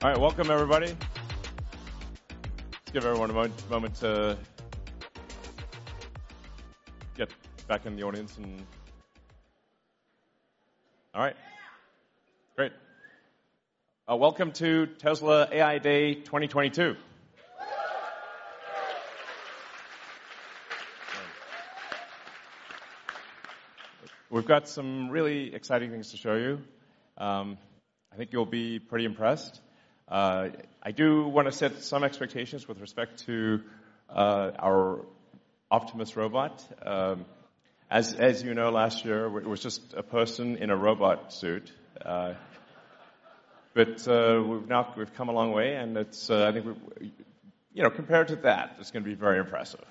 All right, welcome everybody. Let's give everyone a moment to get back in the audience and. All right. Great. Welcome to Tesla AI Day 2022. We've got some really exciting things to show you. I think you'll be pretty impressed. I do wanna set some expectations with respect to our Optimus robot. As you know, last year it was just a person in a robot suit. We've come a long way, and it's, I think we've, you know, compared to that, it's gonna be very impressive.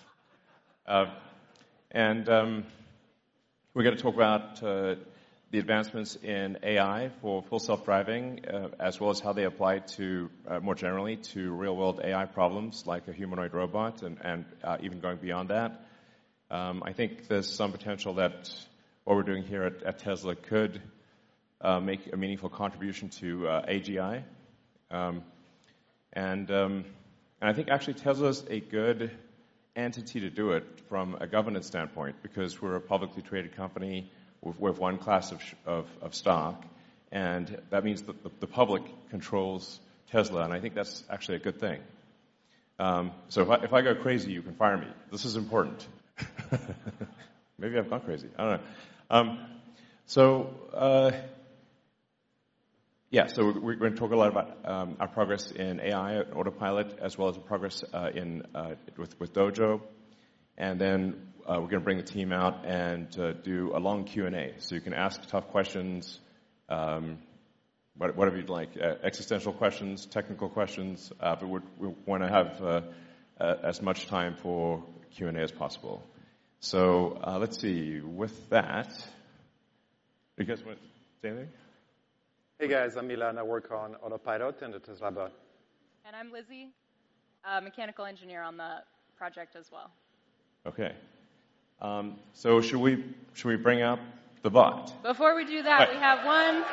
We're gonna talk about the advancements in AI for Full Self-Driving, as well as how they apply to more generally to real-world AI problems like a humanoid robot and even going beyond that. I think there's some potential that what we're doing here at Tesla could make a meaningful contribution to AGI. I think actually Tesla's a good entity to do it from a governance standpoint because we're a publicly traded company with one class of stock, and that means the public controls Tesla, and I think that's actually a good thing. If I go crazy, you can fire me. This is important. Maybe I've gone crazy. I don't know. We're gonna talk a lot about our progress in AI, Autopilot, as well as the progress in with Dojo. We're gonna bring the team out and do a long Q&A. You can ask tough questions, whatever you'd like, existential questions, technical questions, but we wanna have as much time for Q&A as possible. Let's see. With that, you guys wanna say anything? Hey guys, I'm Milan. I work on Autopilot and the Tesla Bot. I'm Lizzie, a mechanical engineer on the project as well. Okay. Should we bring out the bot? Before we do that. All right. We have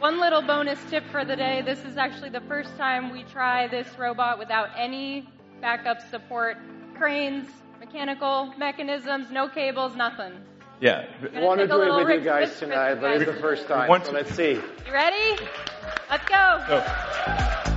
one little bonus tip for the day. This is actually the first time we try this robot without any backup support, cranes, mechanical mechanisms, no cables, nothing. Yeah. We wanna do it with you guys tonight. Kinda take a little risk with you guys. This is the first time. We want to. Let's see. You ready? Let's go. Go.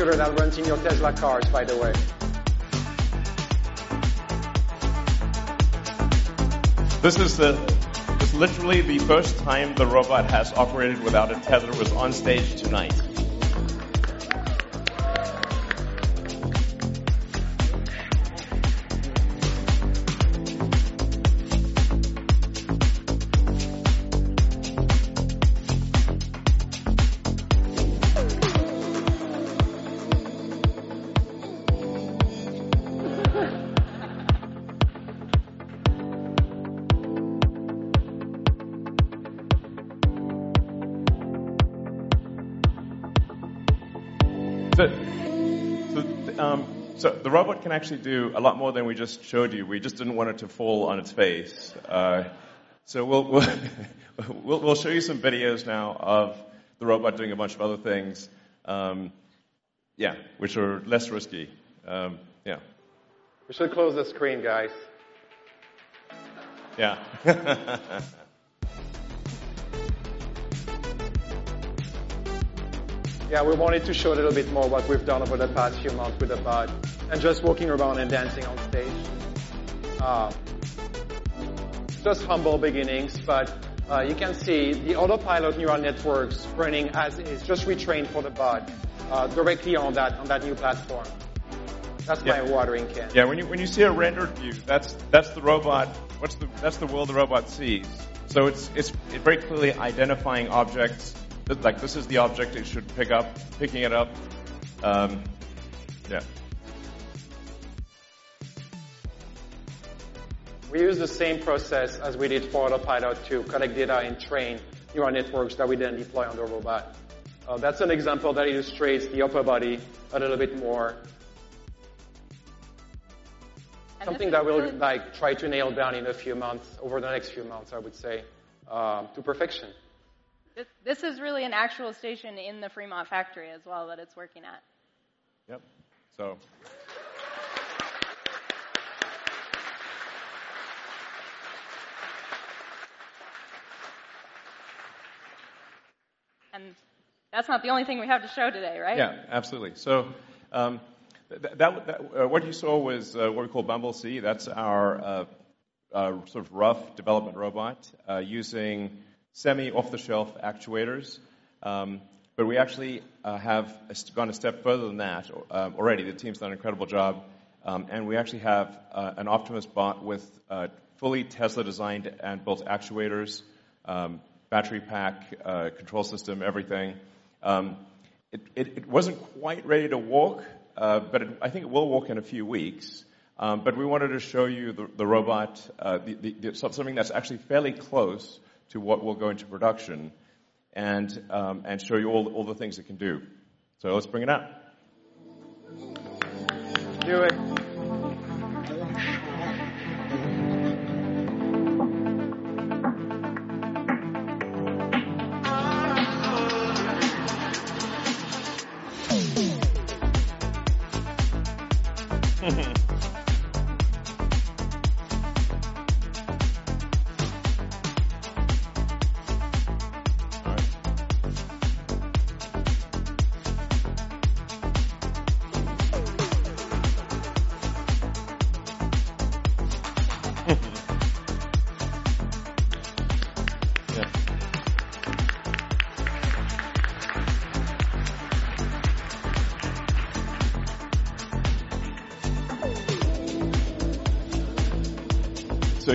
I think the bot got some moves too. This is essentially the same Full Self-Driving computer that runs in your Tesla cars, by the way. This is literally the first time the robot has operated without a tether. It's on stage tonight. The robot can actually do a lot more than we just showed you. We just didn't want it to fall on its face. We'll show you some videos now of the robot doing a bunch of other things, which are less risky. We should close this screen, guys. Yeah. Yeah, we wanted to show a little bit more what we've done over the past few months with the bot and just walking around and dancing on stage. Just humble beginnings, but you can see the Autopilot neural networks running as is, just retrained for the bot, directly on that new platform. Yeah. That's my watering can. Yeah, when you see a rendered view, that's the robot. That's the world the robot sees. It's very clearly identifying objects. Like, this is the object it should pick up, picking it up. Yeah. We use the same process as we did for Autopilot to collect data and train neural networks that we then deploy on the robot. That's an example that illustrates the upper body a little bit more. And then- Something that we'll, like, try to nail down in a few months, over the next few months, I would say, to perfection. This is really an actual station in the Fremont factory as well that it's working at. Yep. That's not the only thing we have to show today, right? Yeah, absolutely. What you saw was what we call Bumble C. That's our sort of rough development robot using semi off-the-shelf actuators. We actually have gone a step further than that already. The team's done an incredible job, and we actually have an Optimus bot with fully Tesla designed and built actuators, battery pack, control system, everything. It wasn't quite ready to walk, but I think it will walk in a few weeks. We wanted to show you the robot, so something that's actually fairly close to what will go into production and show you all the things it can do. Let's bring it out. Do it.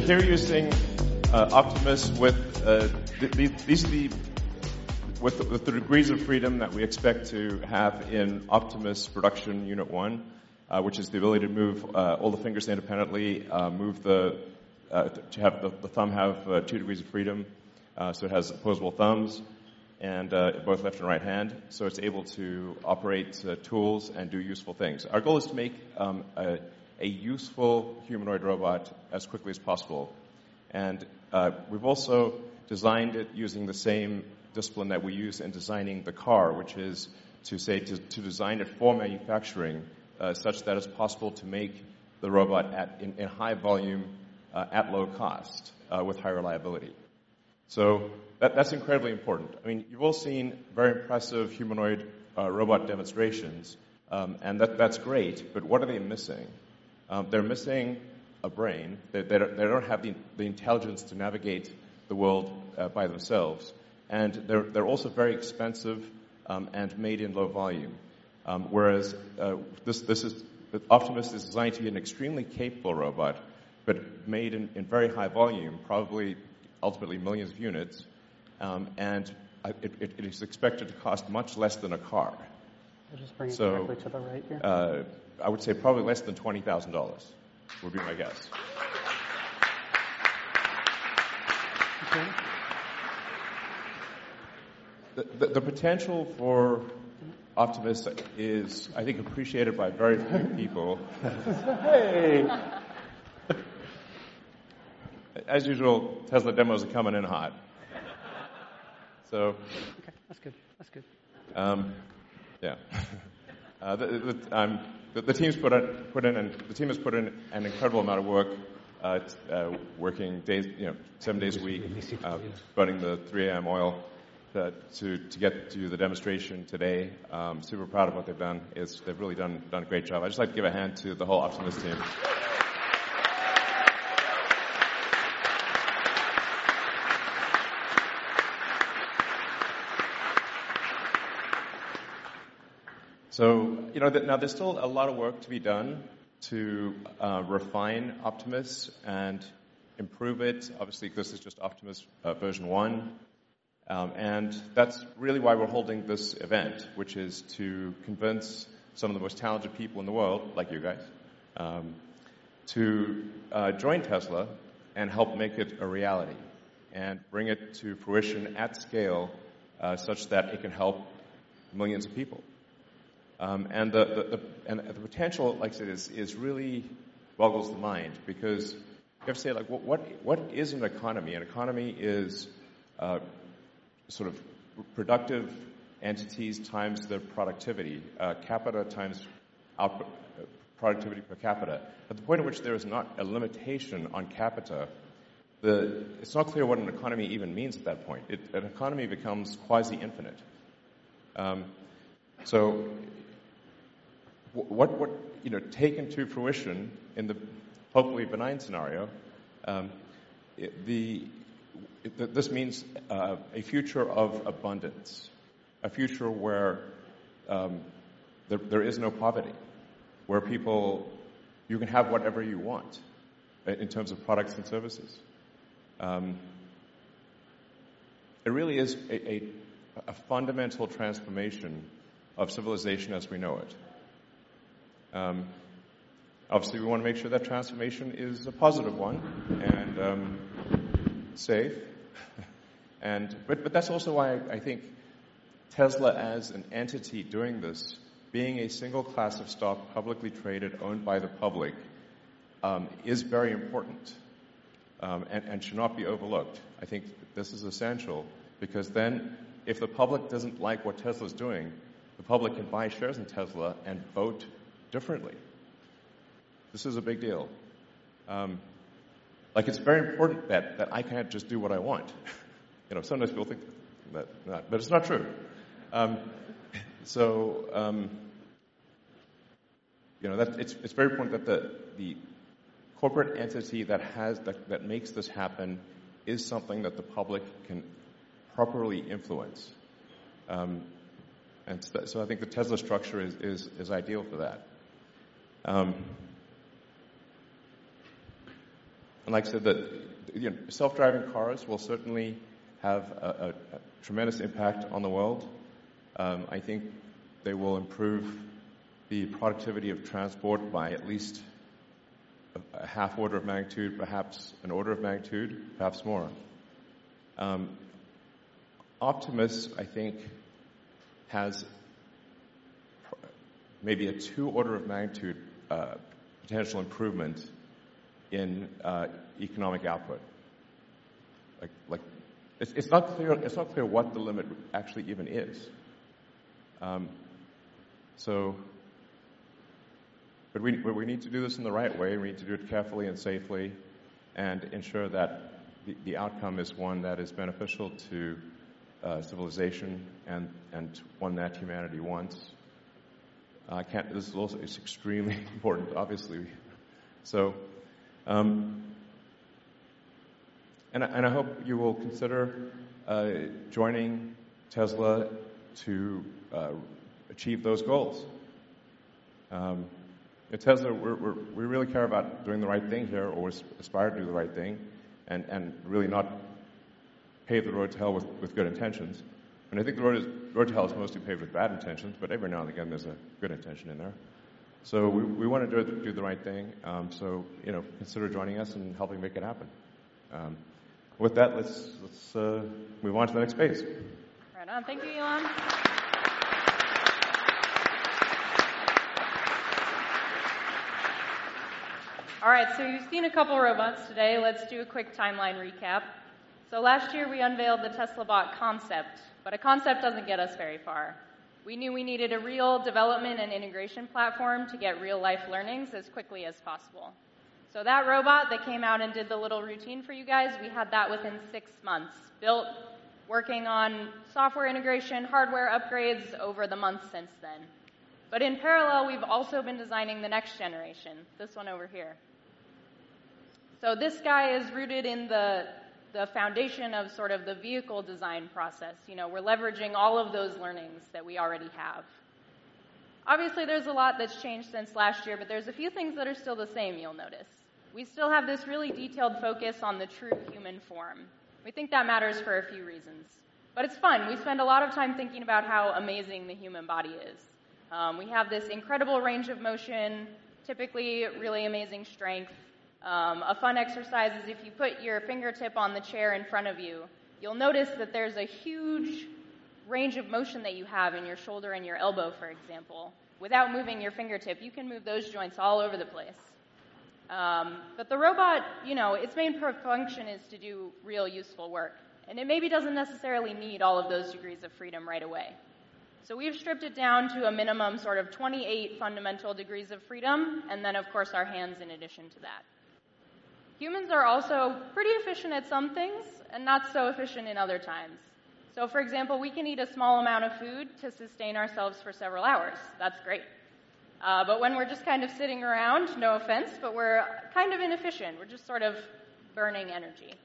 Sorry. Yeah. Here you're seeing Optimus with these degrees of freedom that we expect to have in Optimus production unit one, which is the ability to move all the fingers independently, to have the thumb have two degrees of freedom. It has opposable thumbs and both left and right hand, so it's able to operate tools and do useful things. Our goal is to make a useful humanoid robot as quickly as possible. We've also designed it using the same discipline that we use in designing the car, which is to say, to design it for manufacturing, such that it's possible to make the robot in high volume at low cost with high reliability. That's incredibly important. I mean, you've all seen very impressive humanoid robot demonstrations, and that's great, but what are they missing? They're missing a brain. They don't have the intelligence to navigate the world by themselves. They're also very expensive, and made in low volume. Whereas Optimus is designed to be an extremely capable robot, but made in very high volume, probably ultimately millions of units. It is expected to cost much less than a car. I'll just bring it directly to the right here. I would say probably less than $20,000 would be my guess. The potential for Optimus is, I think, appreciated by very few people. Hey. As usual, Tesla demos are coming in hot. Okay, that's good. That's good. Yeah. The team has put in an incredible amount of work, working days, you know, seven days a week, burning the 3 A.M. oil to get to the demonstration today. Super proud of what they've done. They've really done a great job. I'd just like to give a hand to the whole Optimus team. You know, now there's still a lot of work to be done to refine Optimus and improve it. Obviously, 'cause this is just Optimus version 1. That's really why we're holding this event, which is to convince some of the most talented people in the world, like you guys, to join Tesla and help make it a reality and bring it to fruition at scale, such that it can help millions of people. The potential, like I said, is really boggles the mind because you have to say like, what is an economy? An economy is sort of productive entities times their productivity, capital times output, productivity per capita. At the point at which there is not a limitation on capital, it's not clear what an economy even means at that point. It an economy becomes quasi-infinite. So what you know, taken to fruition in the hopefully benign scenario, this means a future of abundance. A future where there is no poverty. Where you can have whatever you want in terms of products and services. It really is a fundamental transformation of civilization as we know it. Obviously we wanna make sure that transformation is a positive one and safe. But that's also why I think Tesla as an entity doing this, being a single class of stock publicly traded, owned by the public, is very important and should not be overlooked. I think this is essential because then if the public doesn't like what Tesla's doing, the public can buy shares in Tesla and vote differently. This is a big deal. Like, it's very important that I can't just do what I want. You know, sometimes people think that, but it's not true. You know, it's very important that the corporate entity that makes this happen is something that the public can properly influence. I think the Tesla structure is ideal for that. Like I said, you know, self-driving cars will certainly have a tremendous impact on the world. I think they will improve the productivity of transport by at least a half order of magnitude, perhaps an order of magnitude, perhaps more. Optimus, I think, has maybe two orders of magnitude potential improvement in economic output. Like, it's not clear what the limit actually even is. We need to do this in the right way. We need to do it carefully and safely and ensure that the outcome is one that is beneficial to civilization and one that humanity wants. It's extremely important, obviously. I hope you will consider joining Tesla to achieve those goals. At Tesla, we really care about doing the right thing here, or aspire to do the right thing, and really not pave the road to hell with good intentions. I think road to hell is mostly paved with bad intentions, but every now and again, there's a good intention in there. We wanna do the right thing. You know, consider joining us and helping make it happen. With that, let's move on to the next phase. Right on. Thank you, Elon. All right, you've seen a couple robots today. Let's do a quick timeline recap. Last year, we unveiled the Tesla Bot concept, but a concept doesn't get us very far. We knew we needed a real development and integration platform to get real-life learnings as quickly as possible. That robot that came out and did the little routine for you guys, we had that within 6 months, built, working on software integration, hardware upgrades over the months since then. But in parallel, we've also been designing the next generation, this one over here. This guy is rooted in the foundation of sort of the vehicle design process. You know, we're leveraging all of those learnings that we already have. Obviously, there's a lot that's changed since last year, but there's a few things that are still the same. You'll notice. We still have this really detailed focus on the true human form. We think that matters for a few reasons, but it's fun. We spend a lot of time thinking about how amazing the human body is. We have this incredible range of motion, typically really amazing strength. A fun exercise is if you put your fingertip on the chair in front of you'll notice that there's a huge range of motion that you have in your shoulder and your elbow, for example. Without moving your fingertip, you can move those joints all over the place. But the robot, you know, its main function is to do real useful work, and it maybe doesn't necessarily need all of those degrees of freedom right away. We've stripped it down to a minimum sort of 28 fundamental degrees of freedom, and then of course, our hands in addition to that. Humans are also pretty efficient at some things and not so efficient in other times. For example, we can eat a small amount of food to sustain ourselves for several hours. That's great. But when we're just kind of sitting around, no offense, but we're kind of inefficient. We're just sort of burning energy.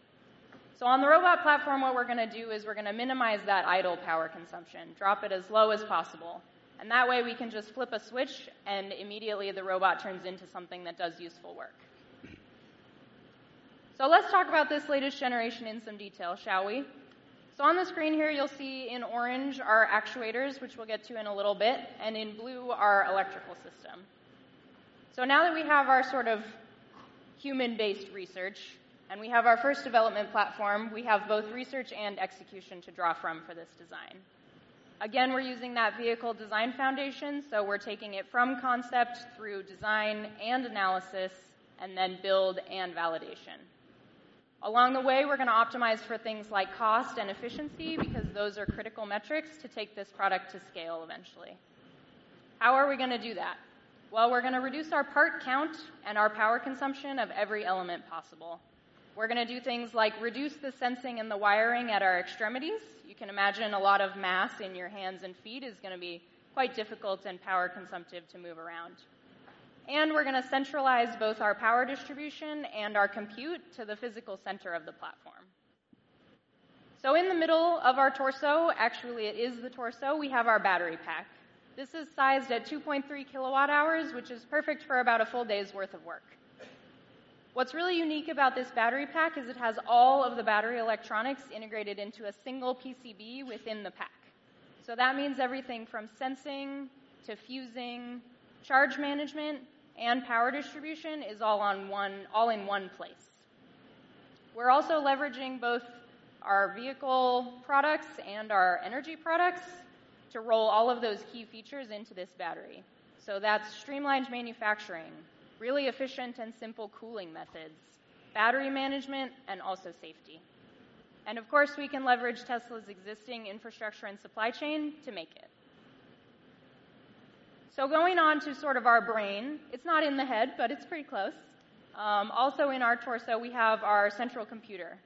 On the robot platform, what we're gonna do is we're gonna minimize that idle power consumption, drop it as low as possible, and that way we can just flip a switch, and immediately the robot turns into something that does useful work. Let's talk about this latest generation in some detail, shall we? On the screen here, you'll see in orange our actuators, which we'll get to in a little bit, and in blue our electrical system. Now that we have our sort of human-based research, and we have our first development platform, we have both research and execution to draw from for this design. Again, we're using that vehicle design foundation, so we're taking it from concept through design and analysis and then build and validation. Along the way, we're gonna optimize for things like cost and efficiency because those are critical metrics to take this product to scale eventually. How are we gonna do that? Well, we're gonna reduce our part count and our power consumption of every element possible. We're gonna do things like reduce the sensing and the wiring at our extremities. You can imagine a lot of mass in your hands and feet is gonna be quite difficult and power consumptive to move around. We're gonna centralize both our power distribution and our compute to the physical center of the platform. In the middle of our torso, actually it is the torso, we have our battery pack. This is sized at 2.3 kWh, which is perfect for about a full day's worth of work. What's really unique about this battery pack is it has all of the battery electronics integrated into a single PCB within the pack. That means everything from sensing to fusing, charge management, and power distribution is all in one place. We're also leveraging both our vehicle products and our energy products to roll all of those key features into this battery. That's streamlined manufacturing, really efficient and simple cooling methods, battery management, and also safety. Of course, we can leverage Tesla's existing infrastructure and supply chain to make it. Going on to sort of our brain, it's not in the head, but it's pretty close. Also in our torso, we have our central computer.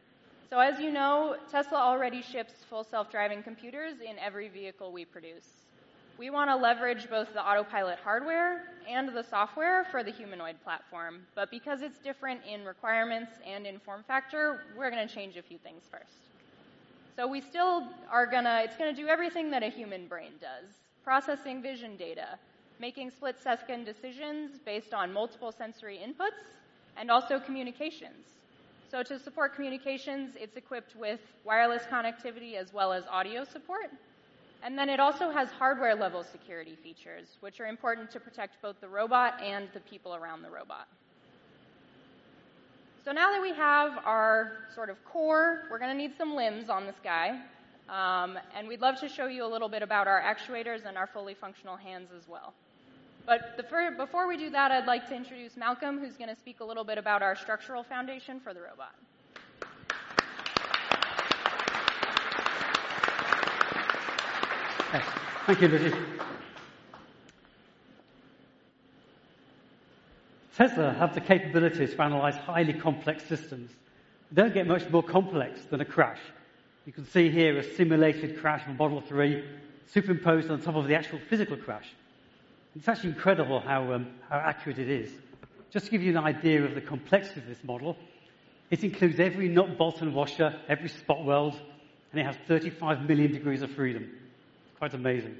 As you know, Tesla already ships Full Self-Driving computers in every vehicle we produce. We wanna leverage both the Autopilot hardware and the software for the humanoid platform, but because it's different in requirements and in form factor, we're gonna change a few things first. It's gonna do everything that a human brain does, processing vision data, making split-second decisions based on multiple sensory inputs, and also communications. To support communications, it's equipped with wireless connectivity as well as audio support. It also has hardware-level security features, which are important to protect both the robot and the people around the robot. Now that we have our sort of core, we're gonna need some limbs on this guy, and we'd love to show you a little bit about our actuators and our fully functional hands as well. Before we do that, I'd like to introduce Malcolm, who's gonna speak a little bit about our structural foundation for the robot. Thanks. Thank you, Lizzie. Tesla has the capabilities to analyze highly complex systems. They don't get much more complex than a crash. You can see here a simulated crash from Model 3 superimposed on top of the actual physical crash. It's actually incredible how accurate it is. Just to give you an idea of the complexity of this model, it includes every nut, bolt, and washer, every spot weld, and it has 35 million degrees of freedom. It's quite amazing.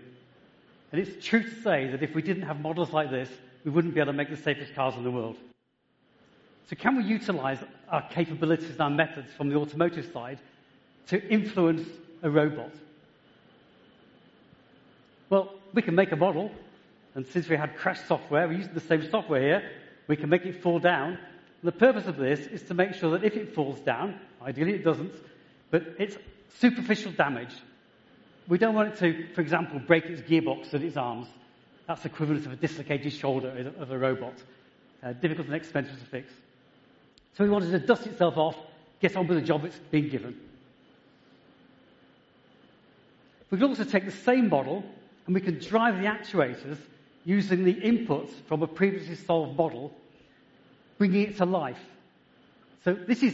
It's true to say that if we didn't have models like this, we wouldn't be able to make the safest cars in the world. Can we utilize our capabilities and our methods from the automotive side to influence a robot? Well, we can make a model, and since we have crash software, we're using the same software here. We can make it fall down. The purpose of this is to make sure that if it falls down, ideally it doesn't, but it's superficial damage. We don't want it to, for example, break its gearbox and its arms. That's the equivalent of a dislocated shoulder of a robot, difficult and expensive to fix. We want it to dust itself off, get on with the job it's been given. We can also take the same model, and we can drive the actuators using the inputs from a previously solved model, bringing it to life. This is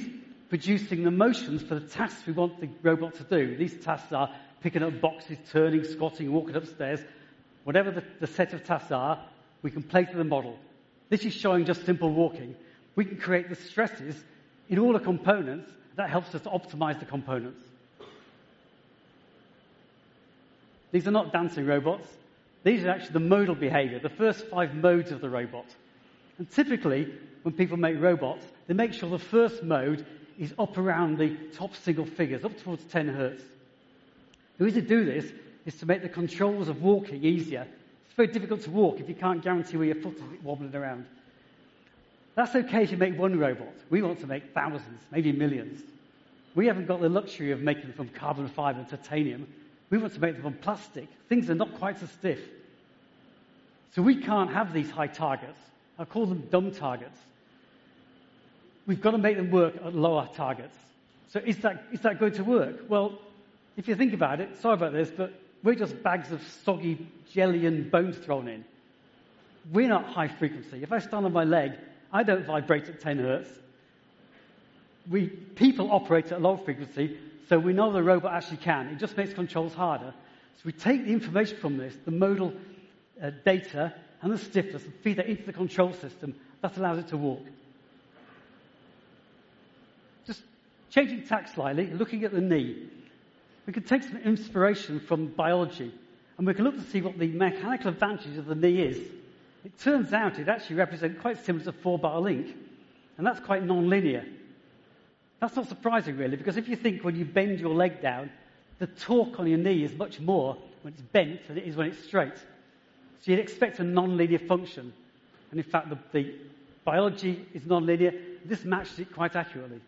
producing the motions for the tasks we want the robot to do. These tasks are picking up boxes, turning, squatting, walking up stairs. Whatever the set of tasks are, we can place in the model. This is showing just simple walking. We can create the stresses in all the components. That helps us optimize the components. These are not dancing robots. These are actually the modal behavior, the first five modes of the robot. Typically, when people make robots, they make sure the first mode is up around the top single figures, up towards 10 hertz. The reason to do this is to make the controls of walking easier. It's very difficult to walk if you can't guarantee where your foot is, it wobbling around. That's okay if you make one robot. We want to make thousands, maybe millions. We haven't got the luxury of making them from carbon fiber and titanium. We want to make them from plastic. Things are not quite so stiff. We can't have these high targets. I call them dumb targets. We've got to make them work at lower targets. Is that going to work? Well, if you think about it, sorry about this, but we're just bags of soggy jelly and bones thrown in. We're not high frequency. If I stand on my leg, I don't vibrate at 10 Hz. People operate at a lower frequency, so we know the robot actually can. It just makes controls harder. We take the information from this, the modal data and the stiffness, and feed that into the control system. That allows it to walk. Just changing tack slightly, looking at the knee. We can take some inspiration from biology, and we can look to see what the mechanical advantage of the knee is. It turns out it actually represents quite similar to four-bar link, and that's quite nonlinear. That's not surprising, really, because if you think when you bend your leg down, the torque on your knee is much more when it's bent than it is when it's straight. You'd expect a nonlinear function, and in fact, the biology is nonlinear. This matches it quite accurately.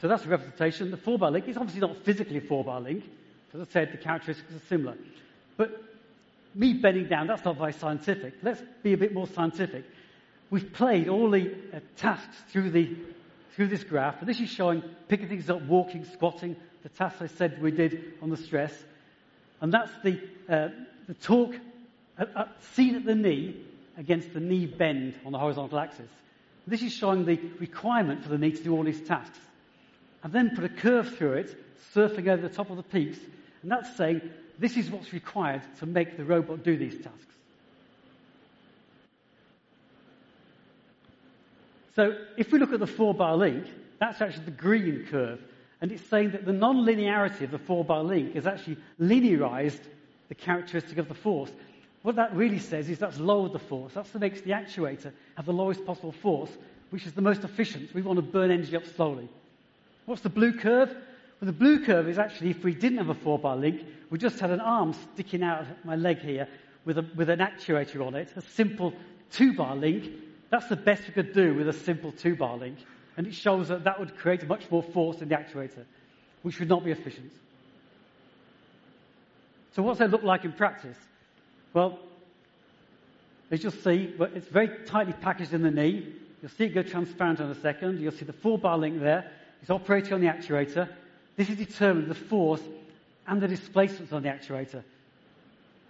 That's the representation. The four-bar link is obviously not physically a four-bar link, but as I said, the characteristics are similar. Me bending down, that's not very scientific. Let's be a bit more scientific. We've played all the tasks through this graph, and this is showing picking things up, walking, squatting, the tasks I said we did on the stress. That's the torque seen at the knee against the knee bend on the horizontal axis. This is showing the requirement for the knee to do all these tasks. I've then put a curve through it, surfing over the top of the peaks, and that's saying this is what's required to make the robot do these tasks. If we look at the four-bar link, that's actually the green curve, and it's saying that the nonlinearity of the four-bar link is actually linearized the characteristic of the force. What that really says is that's lowered the force. That's what makes the actuator have the lowest possible force, which is the most efficient. We wanna burn energy up slowly. What's the blue curve? Well, the blue curve is actually if we didn't have a four-bar link, we just had an arm sticking out of my leg here with an actuator on it, a simple two-bar link. That's the best we could do with a simple two-bar link, and it shows that that would create much more force in the actuator, which would not be efficient. What's that look like in practice? Well, as you'll see, well, it's very tightly packaged in the knee. You'll see it go transparent in a second. You'll see the four-bar link there. It's operating on the actuator. This is determining the force and the displacements on the actuator.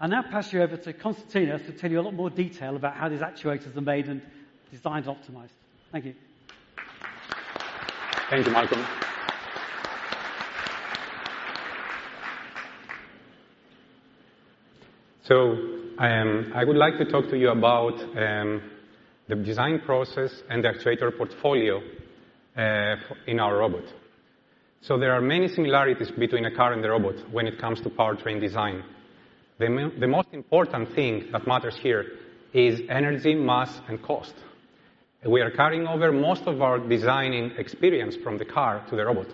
I'll now pass you over to Konstantinos to tell you a lot more detail about how these actuators are made and designs optimized. Thank you. Thank you, Malcolm. I would like to talk to you about the design process and actuator portfolio in our robot. There are many similarities between a car and a robot when it comes to powertrain design. The most important thing that matters here is energy, mass, and cost. We are carrying over most of our designing experience from the car to the robot.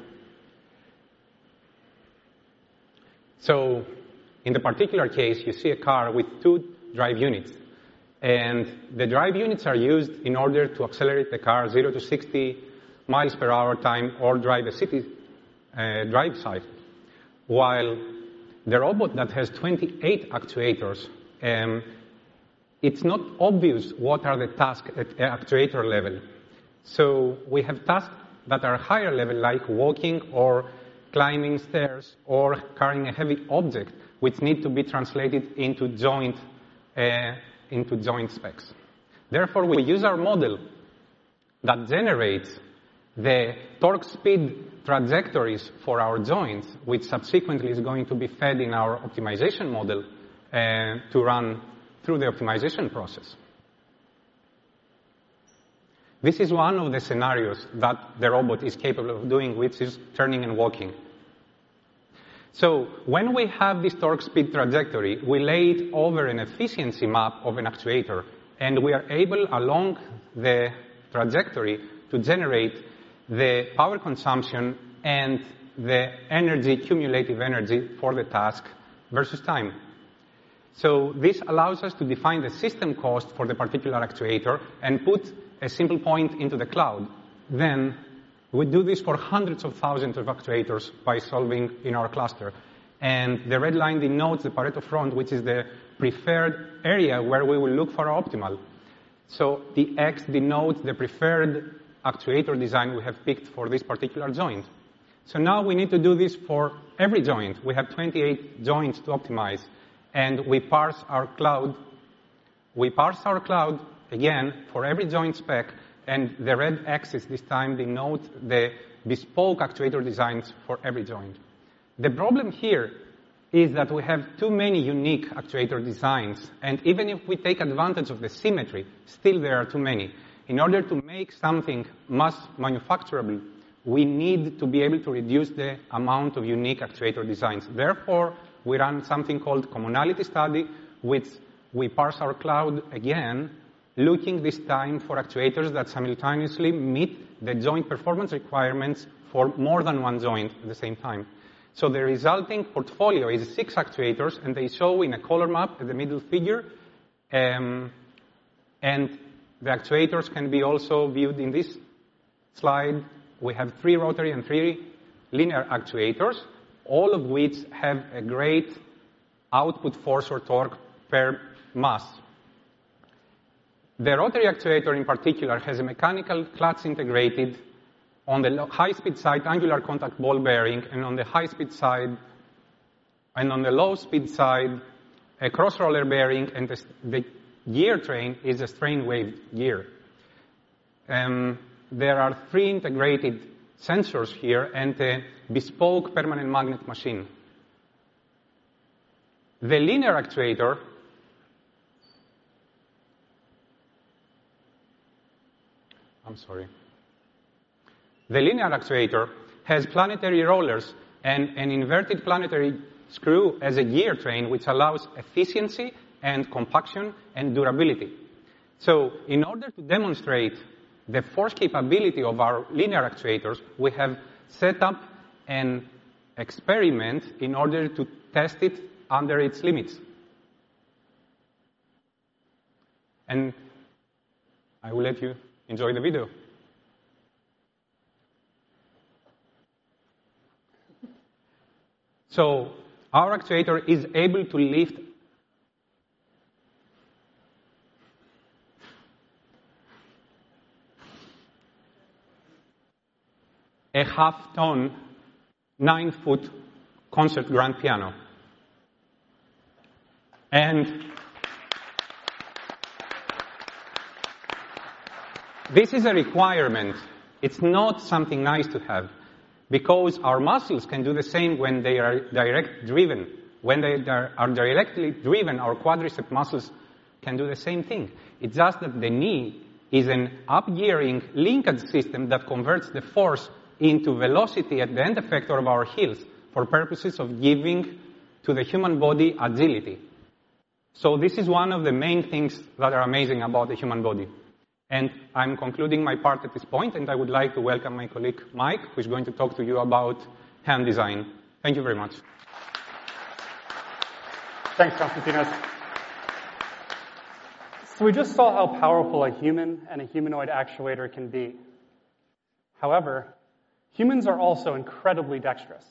In the particular case, you see a car with two drive units, and the drive units are used in order to accelerate the car 0-60 miles per hour time or drive a city drive cycle. While the robot that has 28 actuators, it's not obvious what are the tasks at a actuator level. We have tasks that are higher level, like walking or climbing stairs or carrying a heavy object, which need to be translated into joint specs. Therefore, we use our model that generates the torque speed trajectories for our joints, which subsequently is going to be fed in our optimization model to run through the optimization process. This is one of the scenarios that the robot is capable of doing, which is turning and walking. When we have this torque speed trajectory, we lay it over an efficiency map of an actuator, and we are able, along the trajectory, to generate the power consumption and the energy, cumulative energy for the task versus time. This allows us to define the system cost for the particular actuator and put a single point into the cloud. We do this for hundreds of thousands of actuators by solving in our cluster. The red line denotes the Pareto front, which is the preferred area where we will look for optimal. The X denotes the preferred actuator design we have picked for this particular joint. Now we need to do this for every joint. We have 28 joints to optimize, and we parse our cloud. We parse our cloud again for every joint spec, and the red X's this time denote the bespoke actuator designs for every joint. The problem here is that we have too many unique actuator designs, and even if we take advantage of the symmetry, still there are too many. In order to make something mass manufacturable, we need to be able to reduce the amount of unique actuator designs. Therefore, we run something called commonality study, which we parse our cloud again, looking this time for actuators that simultaneously meet the joint performance requirements for more than one joint at the same time. The resulting portfolio is six actuators, and they show in a color map in the middle figure, and the actuators can be also viewed in this slide. We have three rotary and three linear actuators, all of which have a great output force or torque per mass. The rotary actuator in particular has a mechanical clutch integrated on the high-speed side, angular contact ball bearing, and on the low-speed side, a cross roller bearing and the gear train is a strain wave gear. There are three integrated sensors here and a bespoke permanent magnet machine. The linear actuator. I'm sorry. The linear actuator has planetary rollers and an inverted planetary screw as a gear train, which allows efficiency and compaction and durability. In order to demonstrate the force capability of our linear actuators, we have set up an experiment in order to test it under its limits. I will let you enjoy the video. Our actuator is able to lift a half ton, 9-foot concert grand piano. This is a requirement. It's not something nice to have because our muscles can do the same when they are direct driven. When they are directly driven, our quadriceps muscles can do the same thing. It's just that the knee is an up-gearing linkage system that converts the force into velocity at the end effector of our heels for purposes of giving to the human body agility. This is one of the main things that are amazing about the human body. I'm concluding my part at this point, and I would like to welcome my colleague, Mike, who's going to talk to you about hand design. Thank you very much. Thanks, Konstantinos. We just saw how powerful a human and a humanoid actuator can be. However, humans are also incredibly dexterous.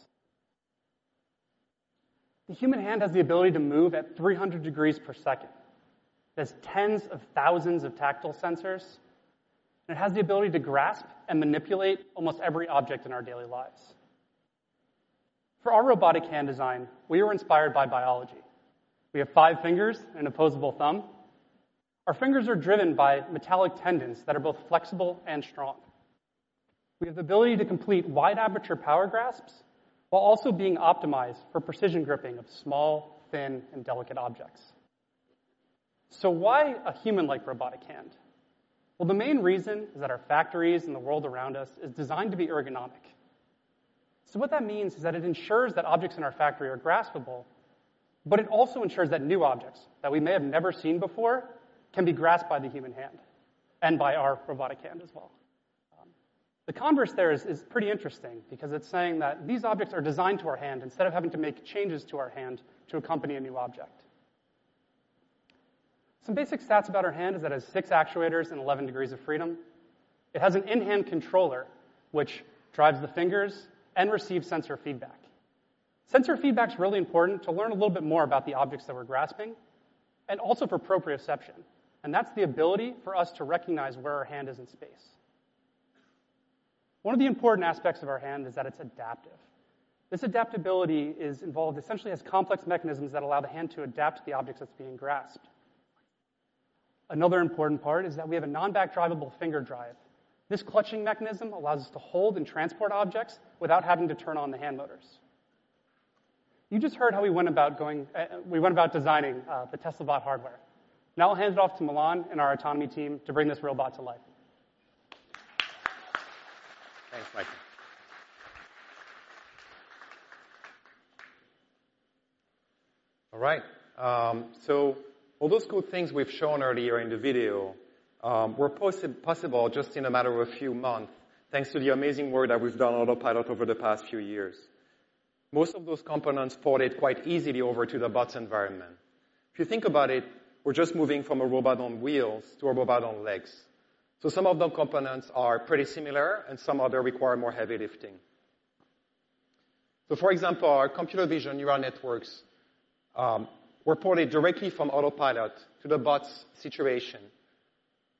The human hand has the ability to move at 300 degrees per second. There's tens of thousands of tactile sensors, and it has the ability to grasp and manipulate almost every object in our daily lives. For our robotic hand design, we were inspired by biology. We have 5 fingers and opposable thumb. Our fingers are driven by metallic tendons that are both flexible and strong. We have the ability to complete wide aperture power grasps while also being optimized for precision gripping of small, thin, and delicate objects. Why a human-like robotic hand? Well, the main reason is that our factories and the world around us is designed to be ergonomic. What that means is that it ensures that objects in our factory are graspable, but it also ensures that new objects that we may have never seen before can be grasped by the human hand and by our robotic hand as well. The converse there is pretty interesting because it's saying that these objects are designed to our hand instead of having to make changes to our hand to accompany a new object. Some basic stats about our hand is that it has six actuators and 11 degrees of freedom. It has an in-hand controller which drives the fingers and receives sensor feedback. Sensor feedback is really important to learn a little bit more about the objects that we're grasping and also for proprioception, and that's the ability for us to recognize where our hand is in space. One of the important aspects of our hand is that it's adaptive. This adaptability is involved, essentially has complex mechanisms that allow the hand to adapt to the objects that's being grasped. Another important part is that we have a non-backdrivable finger drive. This clutching mechanism allows us to hold and transport objects without having to turn on the hand motors. You just heard how we went about designing the Tesla Bot hardware. Now I'll hand it off to Milan and our autonomy team to bring this robot to life. Thanks, Mike. All right. All those cool things we've shown earlier in the video were possible just in a matter of a few months, thanks to the amazing work that we've done on Autopilot over the past few years. Most of those components ported quite easily over to the bot's environment. If you think about it, we're just moving from a robot on wheels to a robot on legs. Some of the components are pretty similar and some other require more heavy lifting. For example, our computer vision neural networks were ported directly from Autopilot to the bot's situation.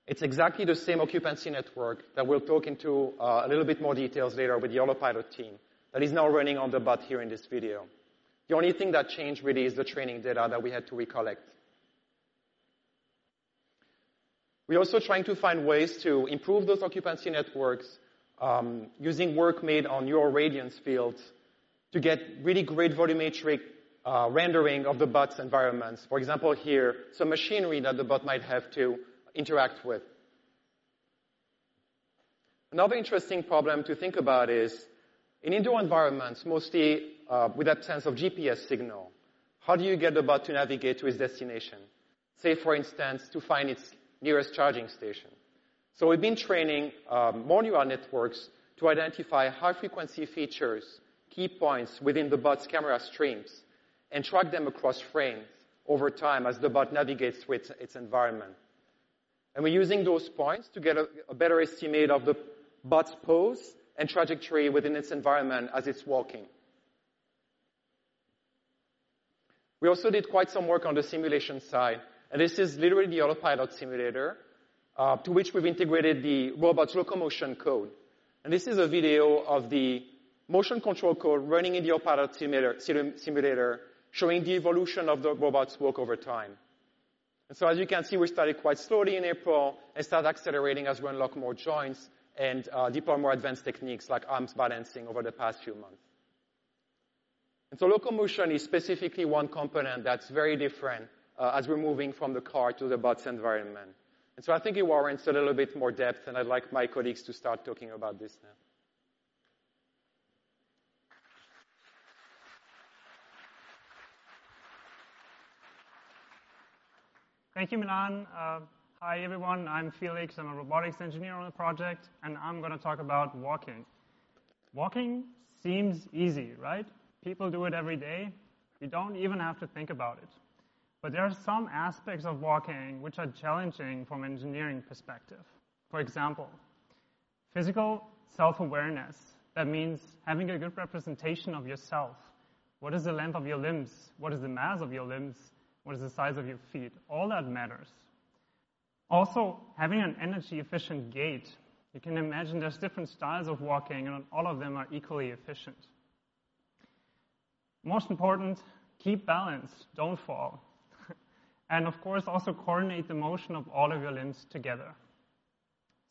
It's exactly the same occupancy network that we'll dive into a little bit more details later with the Autopilot team that is now running on the bot here in this video. The only thing that changed really is the training data that we had to recollect. We're also trying to find ways to improve those occupancy networks, using work made on neural radiance fields to get really great volumetric rendering of the bot's environments. For example, here, some machinery that the bot might have to interact with. Another interesting problem to think about is in indoor environments, mostly, without sense of GPS signal, how do you get the bot to navigate to its destination? Say, for instance, to find its nearest charging station. We've been training more neural networks to identify high-frequency features, key points within the bot's camera streams, and track them across frames over time as the bot navigates with its environment. We're using those points to get a better estimate of the bot's pose and trajectory within its environment as it's walking. We also did quite some work on the simulation side, and this is literally the Autopilot simulator to which we've integrated the robot's locomotion code. This is a video of the motion control code running in the Autopilot simulator, showing the evolution of the robot's work over time. As you can see, we started quite slowly in April and start accelerating as we unlock more joints and deploy more advanced techniques like arms balancing over the past few months. Locomotion is specifically one component that's very different as we're moving from the car to the bot's environment. I think it warrants a little bit more depth, and I'd like my colleagues to start talking about this now. Thank you, Milan. Hi, everyone. I'm Felix. I'm a robotics engineer on the project, and I'm gonna talk about walking. Walking seems easy, right? People do it every day. You don't even have to think about it. But there are some aspects of walking which are challenging from engineering perspective. For example, physical self-awareness. That means having a good representation of yourself. What is the length of your limbs? What is the mass of your limbs? What is the size of your feet? All that matters. Also, having an energy-efficient gait. You can imagine there's different styles of walking, and not all of them are equally efficient. Most important, keep balance, don't fall. Of course, also coordinate the motion of all of your limbs together.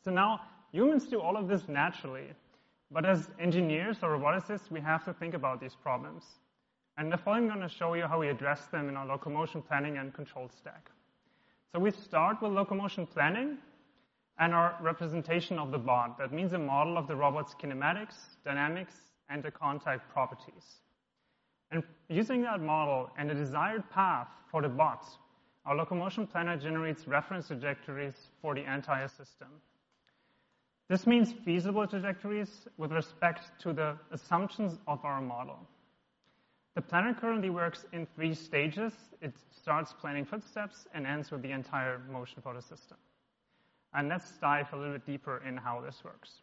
Now, humans do all of this naturally, but as engineers or roboticists, we have to think about these problems. Therefore, I'm gonna show you how we address them in our locomotion planning and control stack. We start with locomotion planning and our representation of the bot. That means a model of the robot's kinematics, dynamics, and the contact properties. Using that model and the desired path for the bot, our locomotion planner generates reference trajectories for the entire system. This means feasible trajectories with respect to the assumptions of our model. The planner currently works in three stages. It starts planning footsteps and ends with the entire motion for the system. Let's dive a little bit deeper in how this works.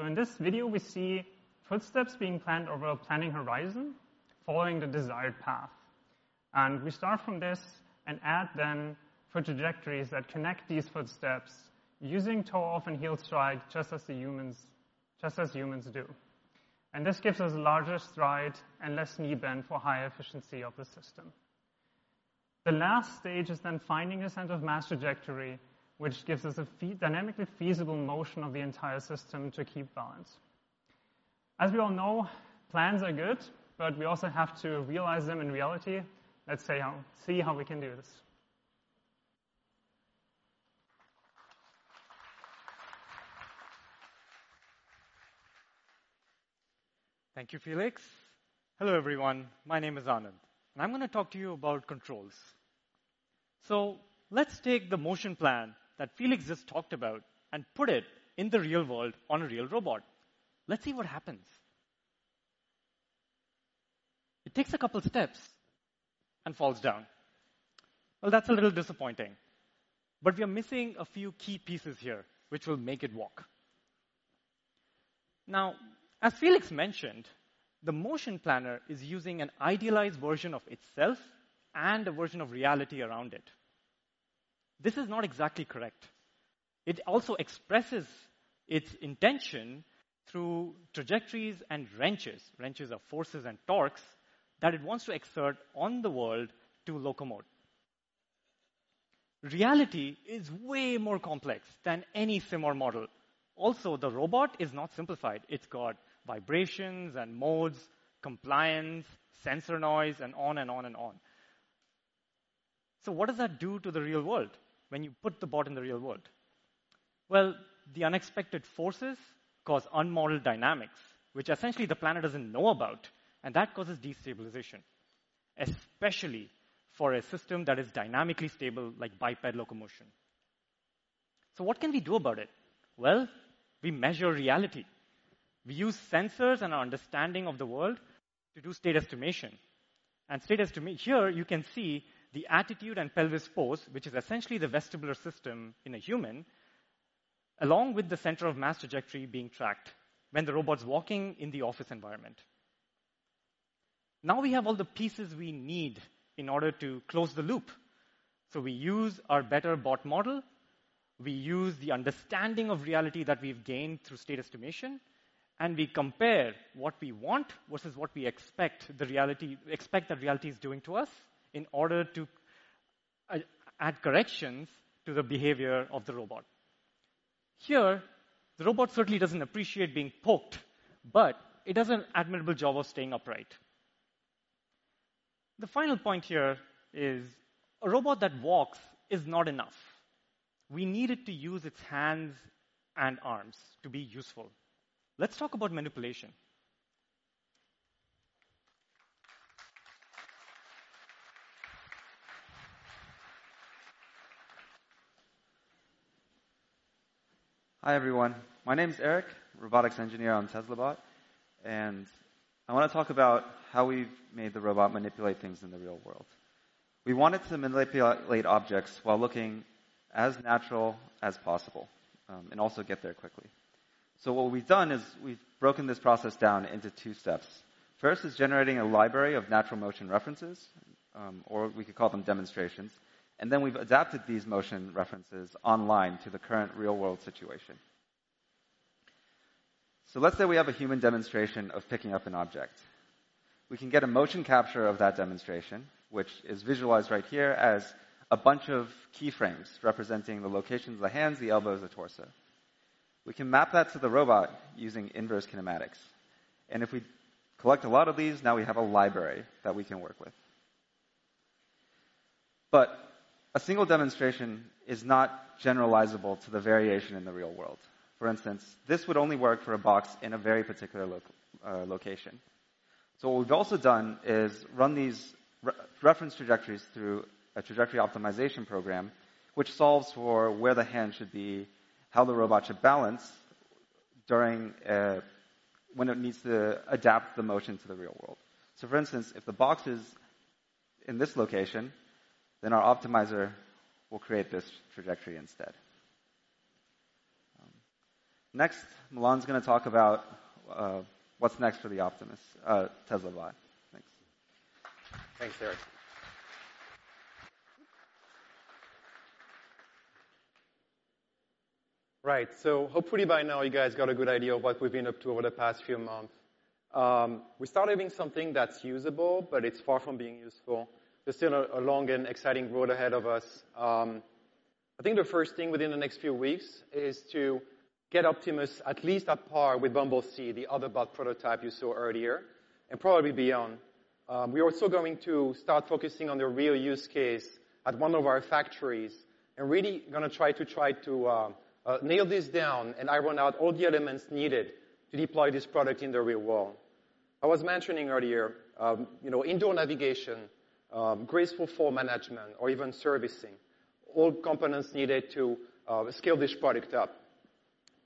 In this video, we see footsteps being planned over a planning horizon following the desired path. We start from this and add, then, foot trajectories that connect these footsteps using toe-off and heel strike just as humans do. This gives us larger stride and less knee bend for higher efficiency of the system. The last stage is then finding a center of mass trajectory, which gives us a dynamically feasible motion of the entire system to keep balance. As we all know, plans are good, but we also have to realize them in reality. Let's see how we can do this. Thank you, Felix. Hello, everyone. My name is Anand, and I'm gonna talk to you about controls. Let's take the motion plan that Felix just talked about and put it in the real world on a real robot. Let's see what happens. It takes a couple steps and falls down. Well, that's a little disappointing, but we are missing a few key pieces here which will make it walk. Now, as Felix mentioned, the motion planner is using an idealized version of itself and a version of reality around it. This is not exactly correct. It also expresses its intention through trajectories and wrenches of forces and torques, that it wants to exert on the world to locomote. Reality is way more complex than any similar model. Also, the robot is not simplified. It's got vibrations and modes, compliance, sensor noise, and on and on and on. What does that do to the real world when you put the bot in the real world? Well, the unexpected forces cause unmodeled dynamics, which essentially the planner doesn't know about, and that causes destabilization, especially for a system that is dynamically stable, like bipedal locomotion. What can we do about it? Well, we measure reality. We use sensors and our understanding of the world to do state estimation. Here you can see the attitude and pelvis pose, which is essentially the vestibular system in a human, along with the center of mass trajectory being tracked when the robot's walking in the office environment. Now we have all the pieces we need in order to close the loop. We use our better bot model, we use the understanding of reality that we've gained through state estimation, and we compare what we want versus what we expect that reality is doing to us in order to add corrections to the behavior of the robot. Here, the robot certainly doesn't appreciate being poked, but it does an admirable job of staying upright. The final point here is a robot that walks is not enough. We need it to use its hands and arms to be useful. Let's talk about manipulation. Hi, everyone. My name's Eric, robotics engineer on Tesla Bot, and I wanna talk about how we've made the robot manipulate things in the real world. We want it to manipulate objects while looking as natural as possible, and also get there quickly. What we've done is we've broken this process down into two steps. First is generating a library of natural motion references, or we could call them demonstrations, and then we've adapted these motion references online to the current real-world situation. Let's say we have a human demonstration of picking up an object. We can get a motion capture of that demonstration, which is visualized right here as a bunch of key frames representing the locations of the hands, the elbows, the torso. We can map that to the robot using inverse kinematics. If we collect a lot of these, now we have a library that we can work with. But a single demonstration is not generalizable to the variation in the real world. For instance, this would only work for a box in a very particular location. What we've also done is run these reference trajectories through a trajectory optimization program, which solves for where the hand should be, how the robot should balance during when it needs to adapt the motion to the real world. For instance, if the box is in this location, then our optimizer will create this trajectory instead. Next, Milan is going to talk about what's next for the Optimus, Tesla Bot. Thanks. Thanks, Eric. Right. Hopefully by now you guys got a good idea of what we've been up to over the past few months. We started with something that's usable, but it's far from being useful. There's still a long and exciting road ahead of us. I think the first thing within the next few weeks is to get Optimus at least at par with Bumble C, the other bot prototype you saw earlier, and probably beyond. We are also going to start focusing on the real use case at one of our factories and really gonna try to nail this down and iron out all the elements needed to deploy this product in the real world. I was mentioning earlier, you know, indoor navigation, graceful fall management or even servicing, all components needed to scale this product up.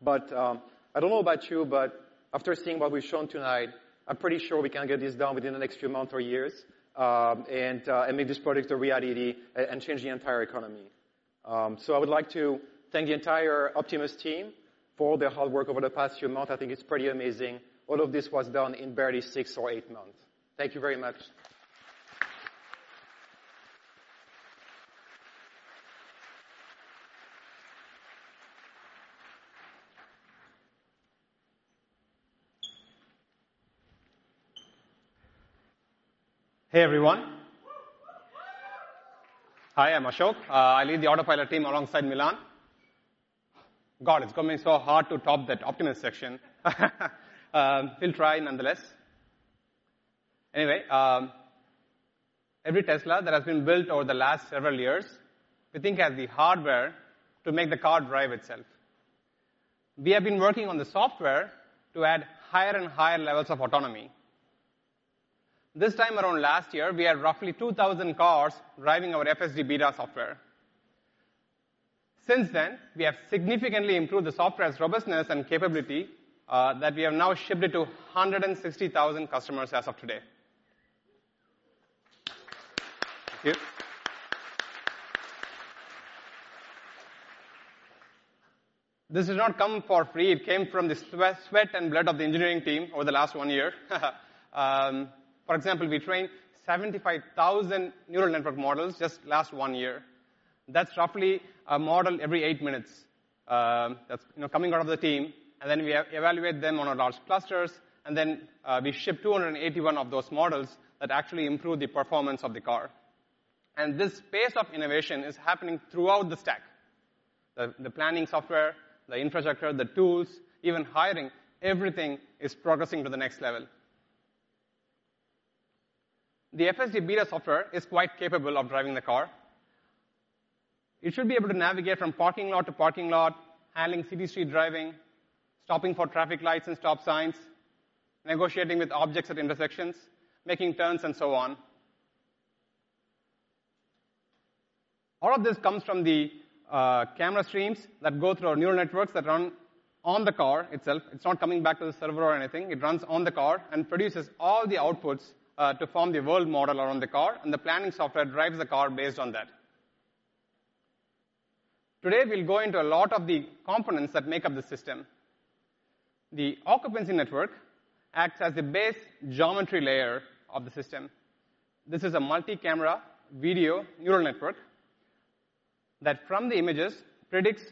I don't know about you, but after seeing what we've shown tonight, I'm pretty sure we can get this done within the next few months or years, and make this product a reality and change the entire economy. I would like to thank the entire Optimus team for all their hard work over the past few months. I think it's pretty amazing. All of this was done in barely six or eight months. Thank you very much. Hey, everyone. Hi, I'm Ashok Elluswamy. I lead the Autopilot team alongside Milan. God, it's gonna be so hard to top that Optimus section. We'll try nonetheless. Anyway, every Tesla that has been built over the last several years, we think has the hardware to make the car drive itself. We have been working on the software to add higher and higher levels of autonomy. This time around last year, we had roughly 2,000 cars driving our FSD Beta software. Since then, we have significantly improved the software's robustness and capability, that we have now shipped it to 160,000 customers as of today. Thank you. This does not come for free. It came from the sweat and blood of the engineering team over the last year. For example, we trained 75,000 neural network models just last year. That's roughly a model every eight minutes, you know, coming out of the team. We evaluate them on our large clusters, and then we ship 281 of those models that actually improve the performance of the car. This pace of innovation is happening throughout the stack. The planning software, the infrastructure, the tools, even hiring, everything is progressing to the next level. The FSD Beta software is quite capable of driving the car. It should be able to navigate from parking lot to parking lot, handling city street driving, stopping for traffic lights and stop signs, negotiating with objects at intersections, making turns, and so on. All of this comes from the camera streams that go through our neural networks that run on the car itself. It's not coming back to the server or anything. It runs on the car and produces all the outputs, to form the world model around the car, and the planning software drives the car based on that. Today, we'll go into a lot of the components that make up the system. The occupancy network acts as the base geometry layer of the system. This is a multi-camera video neural network that, from the images, predicts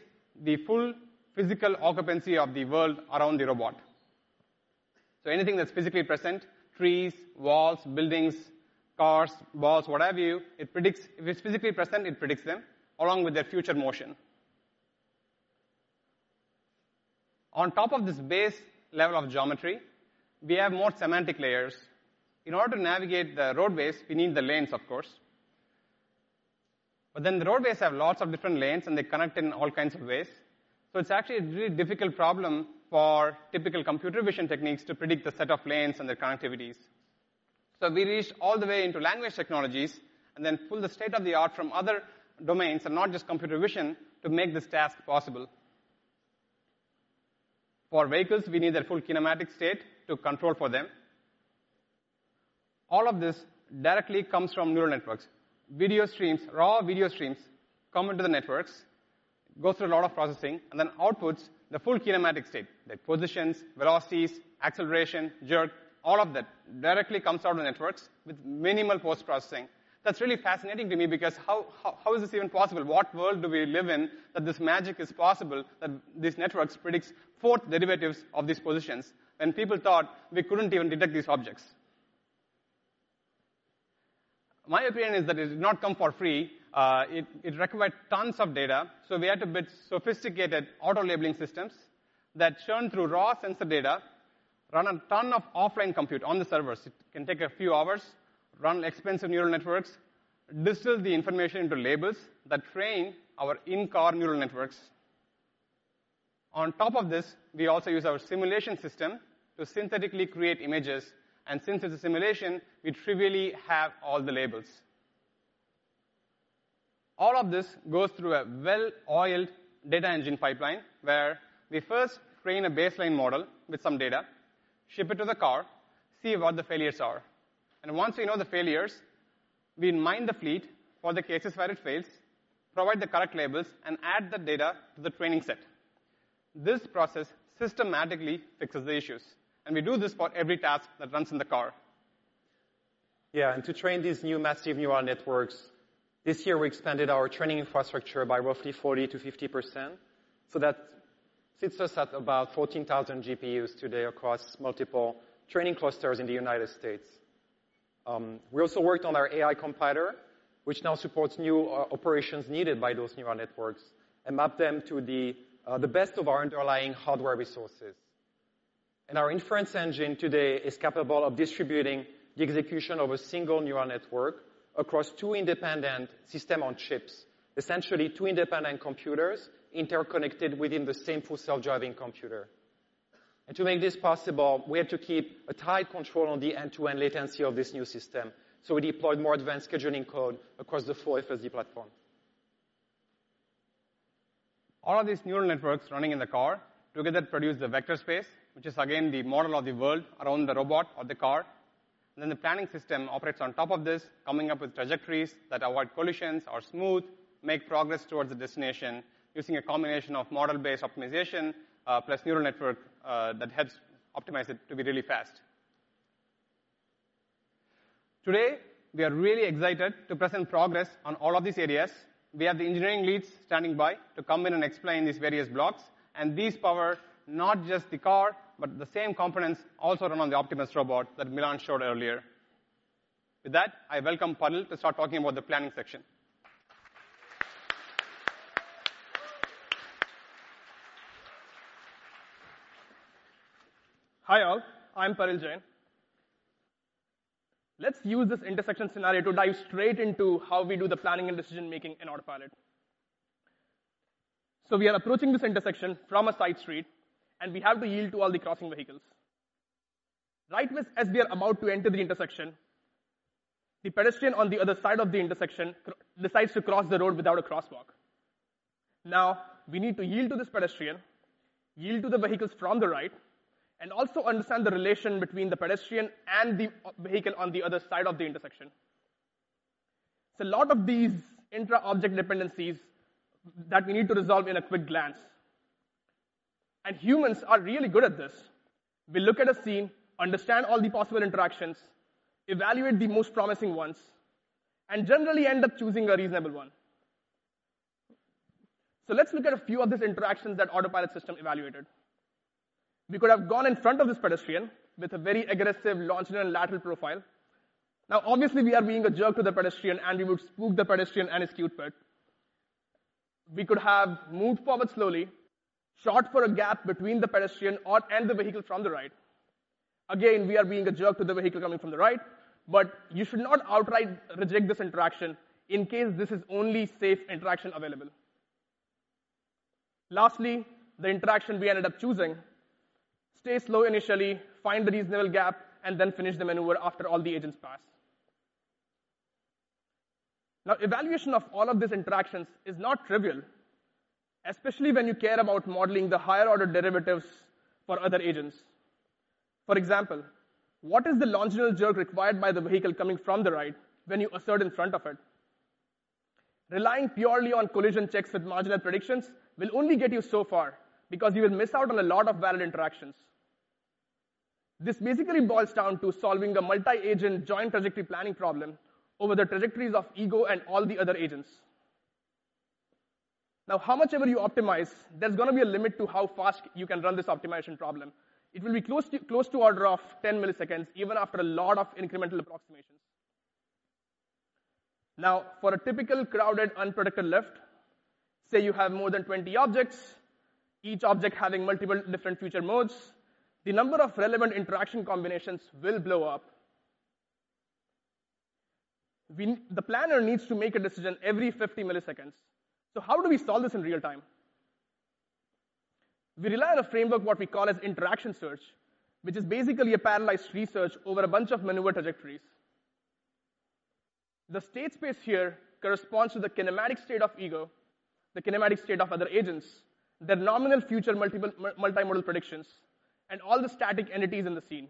the full physical occupancy of the world around the robot. So anything that's physically present, trees, walls, buildings, cars, balls, what have you, if it's physically present, it predicts them along with their future motion. On top of this base level of geometry, we have more semantic layers. In order to navigate the roadways, we need the lanes, of course. The roadways have lots of different lanes, and they connect in all kinds of ways. It's actually a really difficult problem for typical computer vision techniques to predict the set of lanes and their connectivities. We reach all the way into language technologies and then pull the state-of-the-art from other domains, and not just computer vision, to make this task possible. For vehicles, we need their full kinematic state to control for them. All of this directly comes from neural networks. Video streams, raw video streams, come into the networks, go through a lot of processing, and then outputs the full kinematic state, like positions, velocities, acceleration, jerk, all of that directly comes out of the networks with minimal post-processing. That's really fascinating to me because how is this even possible? What world do we live in that this magic is possible, that these networks predicts fourth derivatives of these positions, and people thought we couldn't even detect these objects? My opinion is that it does not come for free. It requires tons of data, so we had to build sophisticated auto-labeling systems that churn through raw sensor data, run a ton of offline compute on the servers. It can take a few hours, run expensive neural networks, distill the information into labels that train our in-car neural networks. On top of this, we also use our simulation system to synthetically create images, and since it's a simulation, we trivially have all the labels. All of this goes through a well-oiled data engine pipeline, where we first train a baseline model with some data, ship it to the car, see what the failures are. Once we know the failures, we mine the fleet for the cases where it fails, provide the correct labels, and add the data to the training set. This process systematically fixes the issues, and we do this for every task that runs in the car. Yeah, to train these new massive neural networks, this year we expanded our training infrastructure by roughly 40%-50%. That sits us at about 14,000 GPUs today across multiple training clusters in the United States. We also worked on our AI compiler, which now supports new operations needed by those neural networks and map them to the best of our underlying hardware resources. Our inference engine today is capable of distributing the execution of a single neural network across two independent system on chips, essentially two independent computers interconnected within the same Full Self-Driving computer. To make this possible, we had to keep a tight control on the end-to-end latency of this new system. We deployed more advanced scheduling code across the full FSD platform. All of these neural networks running in the car together produce the vector space, which is again the model of the world around the robot or the car. The planning system operates on top of this, coming up with trajectories that avoid collisions, are smooth, make progress towards the destination using a combination of model-based optimization, plus neural network that helps optimize it to be really fast. Today, we are really excited to present progress on all of these areas. We have the engineering leads standing by to come in and explain these various blocks. These power not just the car, but the same components also run on the Optimus robot that Milan showed earlier. With that, I welcome Paril to start talking about the planning section. Hi, all. I'm Paril Jain. Let's use this intersection scenario to dive straight into how we do the planning and decision-making in Autopilot. We are approaching this intersection from a side street, and we have to yield to all the crossing vehicles. Right as we are about to enter the intersection, the pedestrian on the other side of the intersection decides to cross the road without a crosswalk. Now, we need to yield to this pedestrian, yield to the vehicles from the right, and also understand the relation between the pedestrian and the vehicle on the other side of the intersection. It's a lot of these intra-object dependencies that we need to resolve in a quick glance. Humans are really good at this. We look at a scene, understand all the possible interactions, evaluate the most promising ones, and generally end up choosing a reasonable one. Let's look at a few of these interactions that Autopilot system evaluated. We could have gone in front of this pedestrian with a very aggressive longitudinal lateral profile. Now, obviously, we are being a jerk to the pedestrian, and we would spook the pedestrian and execute it. We could have moved forward slowly, sought for a gap between the pedestrian and the vehicle from the right. Again, we are being a jerk to the vehicle coming from the right, but you should not outright reject this interaction in case this is only safe interaction available. Lastly, the interaction we ended up choosing, stay slow initially, find the reasonable gap, and then finish the maneuver after all the agents pass. Evaluation of all of these interactions is not trivial, especially when you care about modeling the higher-order derivatives for other agents. For example, what is the longitudinal jerk required by the vehicle coming from the right when you insert in front of it? Relying purely on collision checks with marginal predictions will only get you so far because you will miss out on a lot of valid interactions. This basically boils down to solving a multi-agent joint trajectory planning problem over the trajectories of ego and all the other agents. However much you optimize, there's gonna be a limit to how fast you can run this optimization problem. It will be close to order of 10 milliseconds, even after a lot of incremental approximations. Now, for a typical crowded unprotected left, say you have more than 20 objects, each object having multiple different future modes, the number of relevant interaction combinations will blow up. The planner needs to make a decision every 50 milliseconds. How do we solve this in real-time? We rely on a framework what we call as interaction search, which is basically a parallelized search over a bunch of maneuver trajectories. The state space here corresponds to the kinematic state of ego, the kinematic state of other agents, the nominal future multi-modal predictions, and all the static entities in the scene.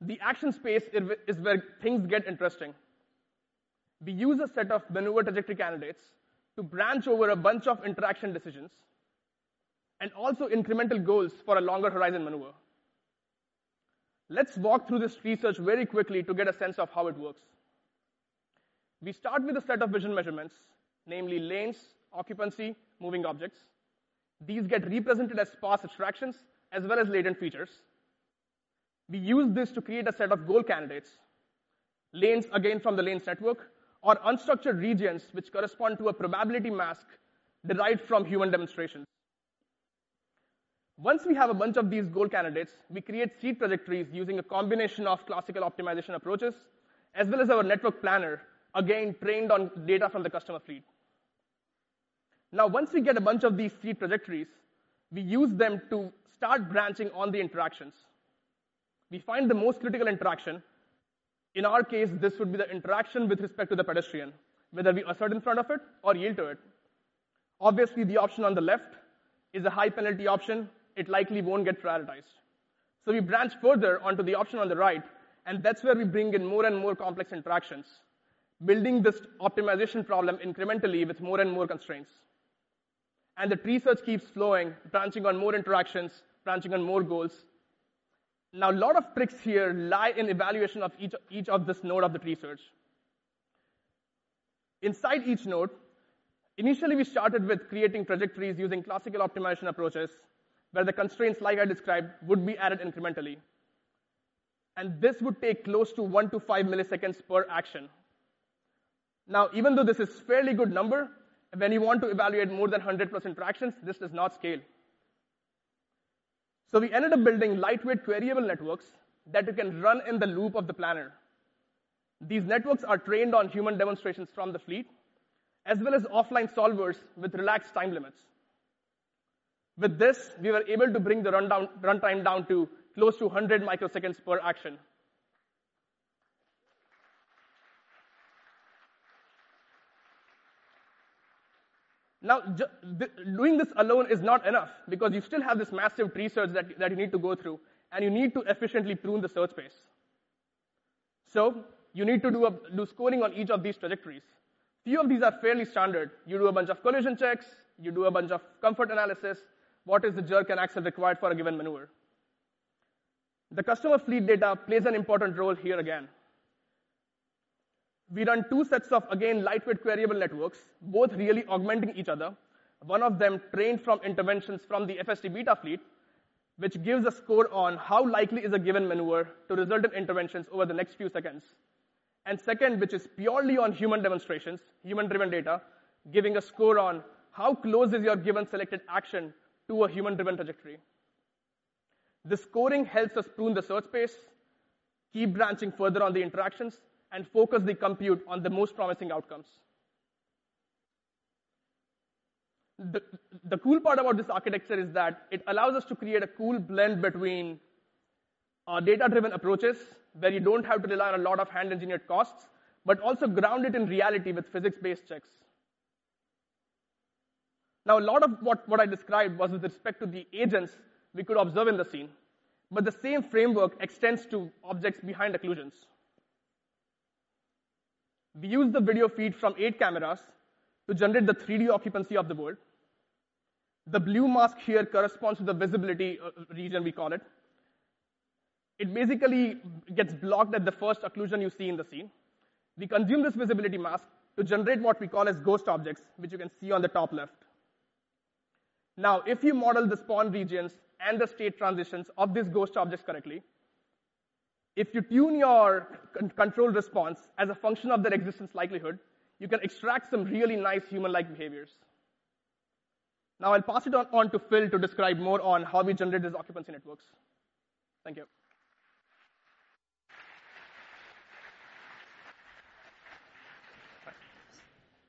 The action space is where things get interesting. We use a set of maneuver trajectory candidates to branch over a bunch of interaction decisions and also incremental goals for a longer horizon maneuver. Let's walk through this research very quickly to get a sense of how it works. We start with a set of vision measurements, namely lanes, occupancy, moving objects. These get represented as sparse abstractions as well as latent features. We use this to create a set of goal candidates, lanes, again, from the lanes network, or unstructured regions which correspond to a probability mask derived from human demonstrations. Once we have a bunch of these goal candidates, we create seed trajectories using a combination of classical optimization approaches as well as our network planner, again, trained on data from the customer fleet. Now, once we get a bunch of these seed trajectories, we use them to start branching on the interactions. We find the most critical interaction. In our case, this would be the interaction with respect to the pedestrian, whether we assert in front of it or yield to it. Obviously, the option on the left is a high-penalty option. It likely won't get prioritized. So we branch further onto the option on the right, and that's where we bring in more and more complex interactions, building this optimization problem incrementally with more and more constraints. The tree search keeps flowing, branching on more interactions, branching on more goals. Now, a lot of tricks here lie in evaluation of each of this node of the tree search. Inside each node, initially we started with creating trajectories using classical optimization approaches, where the constraints like I described would be added incrementally. This would take close to 1-5 milliseconds per action. Now, even though this is fairly good number, when you want to evaluate more than 100+ interactions, this does not scale. We ended up building lightweight queryable networks that we can run in the loop of the planner. These networks are trained on human demonstrations from the fleet, as well as offline solvers with relaxed time limits. With this, we were able to bring the runtime down to close to 100 microseconds per action. Now, doing this alone is not enough because you still have this massive search that you need to go through, and you need to efficiently prune the search space. You need to do scoring on each of these trajectories. Few of these are fairly standard. You do a bunch of collision checks, you do a bunch of comfort analysis. What is the jerk and accels required for a given maneuver? The customer fleet data plays an important role here again. We run two sets of, again, lightweight queryable networks, both really augmenting each other. One of them trained from interventions from the FSD Beta fleet, which gives a score on how likely is a given maneuver to result in interventions over the next few seconds. Second, which is purely on human demonstrations, human-driven data, giving a score on how close is your given selected action to a human-driven trajectory. The scoring helps us prune the search space, keep branching further on the interactions, and focus the compute on the most promising outcomes. The cool part about this architecture is that it allows us to create a cool blend between data-driven approaches, where you don't have to rely on a lot of hand-engineered costs, but also grounded in reality with physics-based checks. Now, a lot of what I described was with respect to the agents we could observe in the scene, but the same framework extends to objects behind occlusions. We use the video feed from eight cameras to generate the 3D occupancy of the world. The blue mask here corresponds to the visibility region we call it. It basically gets blocked at the first occlusion you see in the scene. We consume this visibility mask to generate what we call as ghost objects, which you can see on the top left. Now, if you model the spawn regions and the state transitions of these ghost objects correctly, if you tune your control response as a function of their existence likelihood, you can extract some really nice human-like behaviors. Now, I'll pass it on to Phil to describe more on how we generate these occupancy networks. Thank you.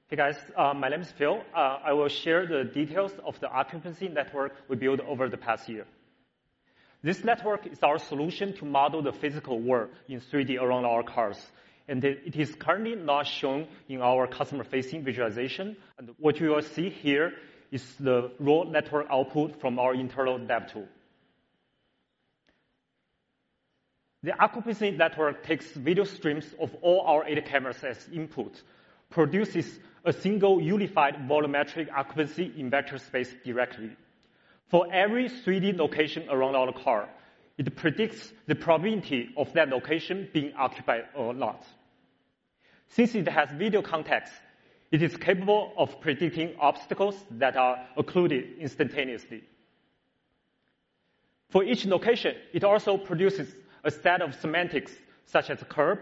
Hey, guys. My name is Phil. I will share the details of the occupancy network we built over the past year. This network is our solution to model the physical world in 3D around our cars, and it is currently not shown in our customer-facing visualization. What you will see here is the raw network output from our internal dev tool. The occupancy network takes video streams of all our eight cameras as input, produces a single unified volumetric occupancy in vector space directly. For every 3D location around our car, it predicts the probability of that location being occupied or not. Since it has video context, it is capable of predicting obstacles that are occluded instantaneously. For each location, it also produces a set of semantics such as curb,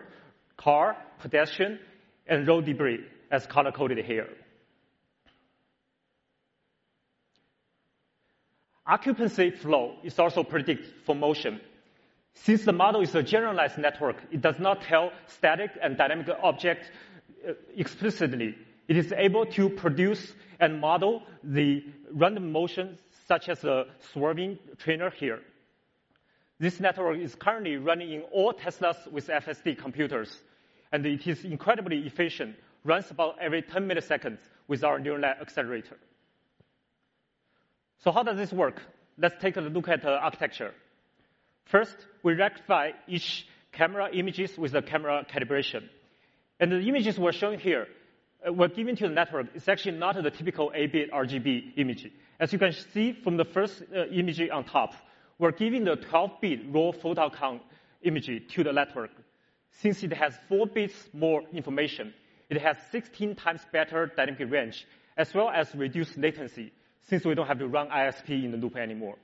car, pedestrian, and road debris, as color-coded here. Occupancy flow is also predicted for motion. Since the model is a generalized network, it does not tell static and dynamic object, explicitly. It is able to produce and model the random motions such as a swerving trailer here. This network is currently running in all Teslas with FSD computers, and it is incredibly efficient, runs about every 10 milliseconds with our neural net accelerator. How does this work? Let's take a look at the architecture. First, we rectify each camera images with a camera calibration. The images we're showing here, we're giving to the network, it's actually not the typical 8-bit RGB image. As you can see from the first, image on top, we're giving the 12-bit raw photon count imagery to the network. Since it has four bits more information, it has 16x better dynamic range, as well as reduced latency, since we don't have to run ISP in the loop anymore.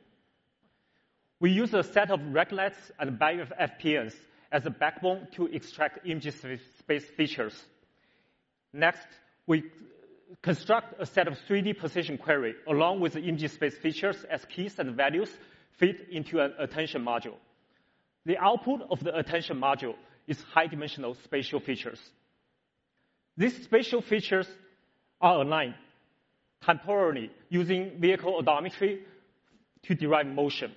We use a set of RegNet and BiFPNs as a backbone to extract image space features. Next, we construct a set of 3D position query along with the image space features as keys and values fit into an attention module. The output of the attention module is high-dimensional spatial features. These spatial features are aligned temporally using vehicle odometry to derive motion.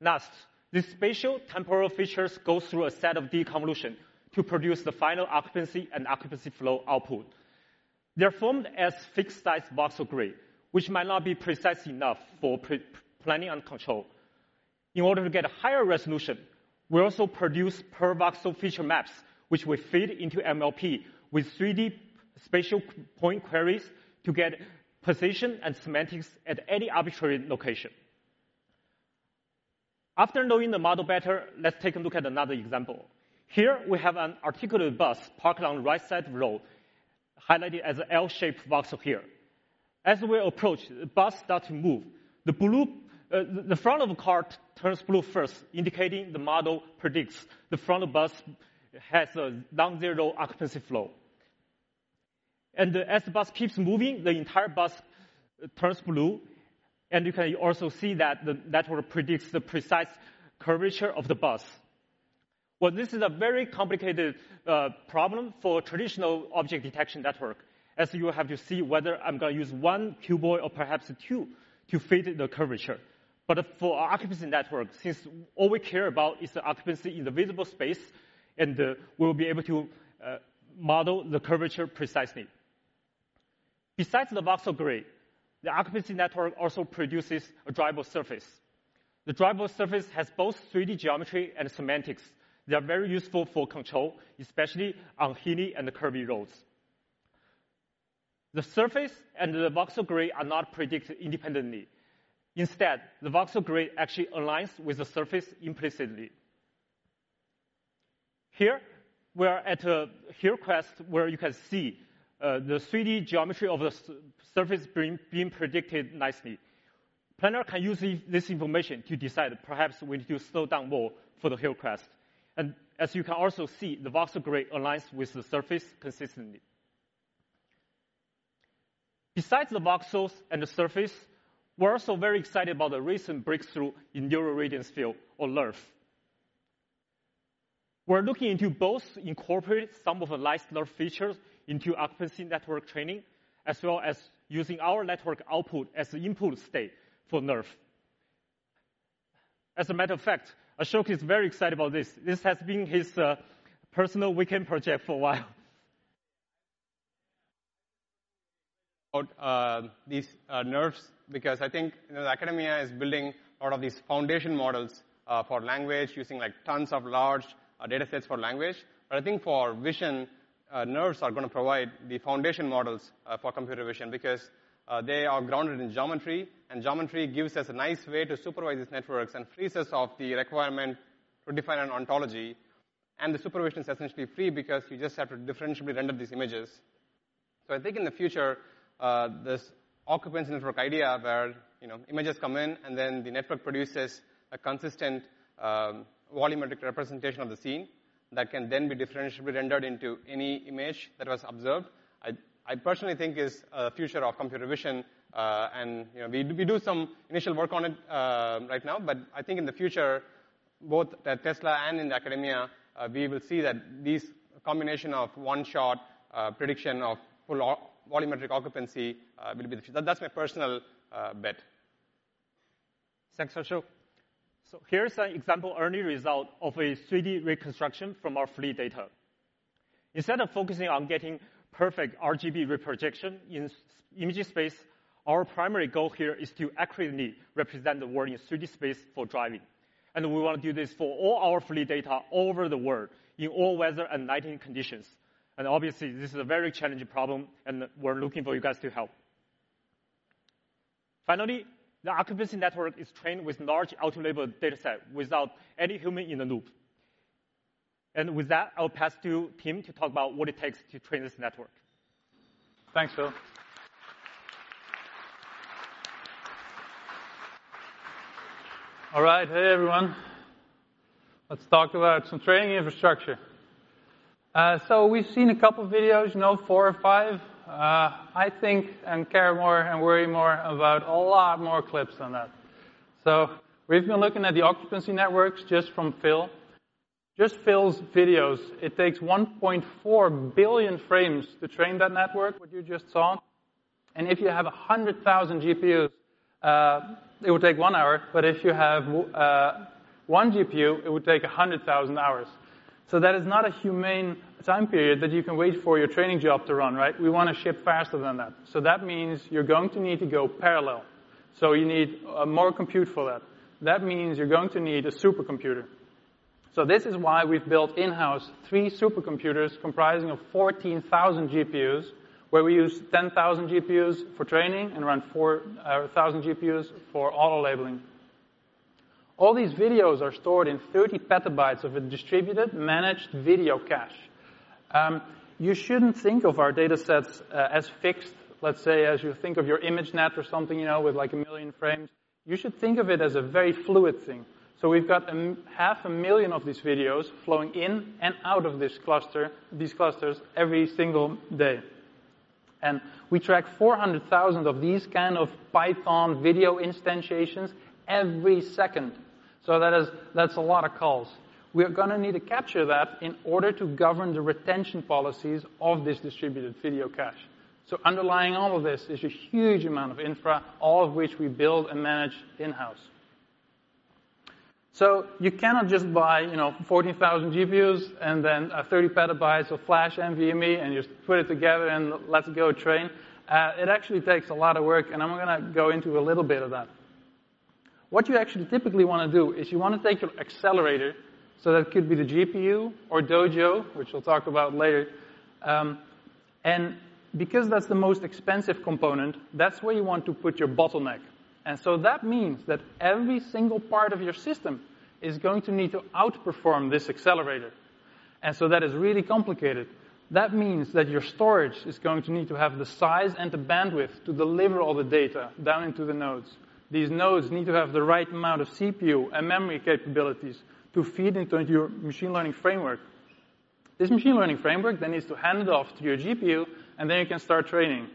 Last, these spatial temporal features go through a set of deconvolution to produce the final occupancy and occupancy flow output. They're formed as fixed-size voxel grid, which might not be precise enough for planning and control. In order to get a higher resolution, we also produce per-voxel feature maps, which we feed into MLP with 3D spatial q-point queries to get position and semantics at any arbitrary location. After knowing the model better, let's take a look at another example. Here, we have an articulated bus parked on the right side of the road, highlighted as an L-shaped voxel here. As we approach, the bus starts to move. The front of the bus turns blue first, indicating the model predicts the front of bus has a non-zero occupancy flow. As the bus keeps moving, the entire bus turns blue, and you can also see that the network predicts the precise curvature of the bus. Well, this is a very complicated problem for traditional object detection network, as you have to see whether I'm gonna use one cuboid or perhaps two to fit in the curvature. For occupancy network, since all we care about is the occupancy in the visible space, and we'll be able to model the curvature precisely. Besides the voxel grid, the occupancy network also produces a drivable surface. The drivable surface has both 3D geometry and semantics that are very useful for control, especially on hilly and curvy roads. The surface and the voxel grid are not predicted independently. Instead, the voxel grid actually aligns with the surface implicitly. Here, we're at a hill crest where you can see the 3D geometry of the surface being predicted nicely. Planner can use this information to decide perhaps we need to slow down more for the hill crest. As you can also see, the voxel grid aligns with the surface consistently. Besides the voxels and the surface, we're also very excited about the recent breakthrough in neural radiance field or NeRF. We're looking to both incorporate some of the latest NeRF features into occupancy network training, as well as using our network output as the input state for NeRF. As a matter of fact, Ashok is very excited about this. This has been his personal weekend project for a while. About these NeRFs, because I think, you know, academia is building a lot of these foundation models for language using like tons of large datasets for language. I think for vision, NeRFs are gonna provide the foundation models for computer vision because they are grounded in geometry, and geometry gives us a nice way to supervise these networks and frees us of the requirement to define an ontology. The supervision is essentially free because we just have to differentially render these images. I think in the future, this occupancy network idea where, you know, images come in, and then the network produces a consistent volumetric representation of the scene that can then be differentially rendered into any image that was observed, I personally think is the future of computer vision. You know, we do some initial work on it right now, but I think in the future, both at Tesla and in academia, we will see that these combination of one-shot prediction of volumetric occupancy will be the future. That's my personal bet. Thanks, Ashok. Here is an example early result of a 3D reconstruction from our fleet data. Instead of focusing on getting perfect RGB reprojection in 2D image space, our primary goal here is to accurately represent the world in 3D space for driving. We wanna do this for all our fleet data all over the world, in all weather and lighting conditions. Obviously, this is a very challenging problem, and we're looking for you guys to help. Finally, the occupancy network is trained with large auto label dataset without any human in the loop. With that, I'll pass to Tim to talk about what it takes to train this network. Thanks, Phil. All right. Hey, everyone. Let's talk about some training infrastructure. We've seen a couple of videos, you know, four or five. I think we care more and worry more about a lot more clips than that. We've been looking at the occupancy networks just from Phil's videos. It takes 1.4 billion frames to train that network, what you just saw. If you have 100,000 GPUs, it would take one hour. If you have 1 GPU, it would take 100,000 hours. That is not a human time period that you can wait for your training job to run, right? We wanna ship faster than that. That means you're going to need to go parallel. You need more compute for that. That means you're going to need a supercomputer. This is why we've built in-house three supercomputers comprising of 14,000 GPUs, where we use 10,000 GPUs for training and run 4,000 GPUs for auto labeling. All these videos are stored in 30 PB of a distributed managed video cache. You shouldn't think of our datasets as fixed, let's say, as you think of your ImageNet or something, you know, with like 1 million frames. You should think of it as a very fluid thing. We've got 500,000 of these videos flowing in and out of these clusters every single day. We track 400,000 of these kind of Python video instantiations every second. That's a lot of calls. We're gonna need to capture that in order to govern the retention policies of this distributed video cache. Underlying all of this is a huge amount of infra, all of which we build and manage in-house. You cannot just buy, you know, 14,000 GPUs and then 30 PB of flash NVMe, and just put it together and let's go train. It actually takes a lot of work, and I'm gonna go into a little bit of that. What you actually typically wanna do is you wanna take an accelerator, so that could be the GPU or Dojo, which we'll talk about later. Because that's the most expensive component, that's where you want to put your bottleneck. That is really complicated. That means that your storage is going to need to have the size and the bandwidth to deliver all the data down into the nodes. These nodes need to have the right amount of CPU and memory capabilities to feed into your machine learning framework. This machine learning framework then needs to hand it off to your GPU, and then you can start training.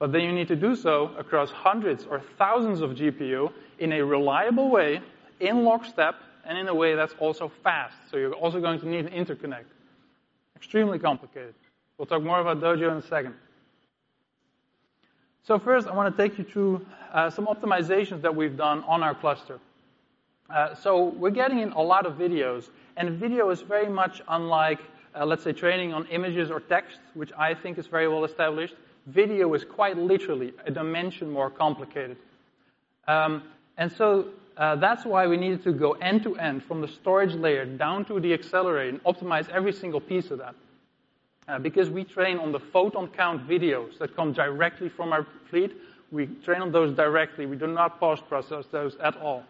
You need to do so across hundreds or thousands of GPU in a reliable way, in lockstep, and in a way that's also fast. You're also going to need an interconnect. Extremely complicated. We'll talk more about Dojo in a second. First, I wanna take you through some optimizations that we've done on our cluster. We're getting in a lot of videos, and video is very much unlike, let's say, training on images or text, which I think is very well-established. Video is quite literally a dimension more complicated. That's why we needed to go end-to-end from the storage layer down to the accelerator and optimize every single piece of that. Because we train on the photon count videos that come directly from our fleet, we train on those directly. We do not post-process those at all.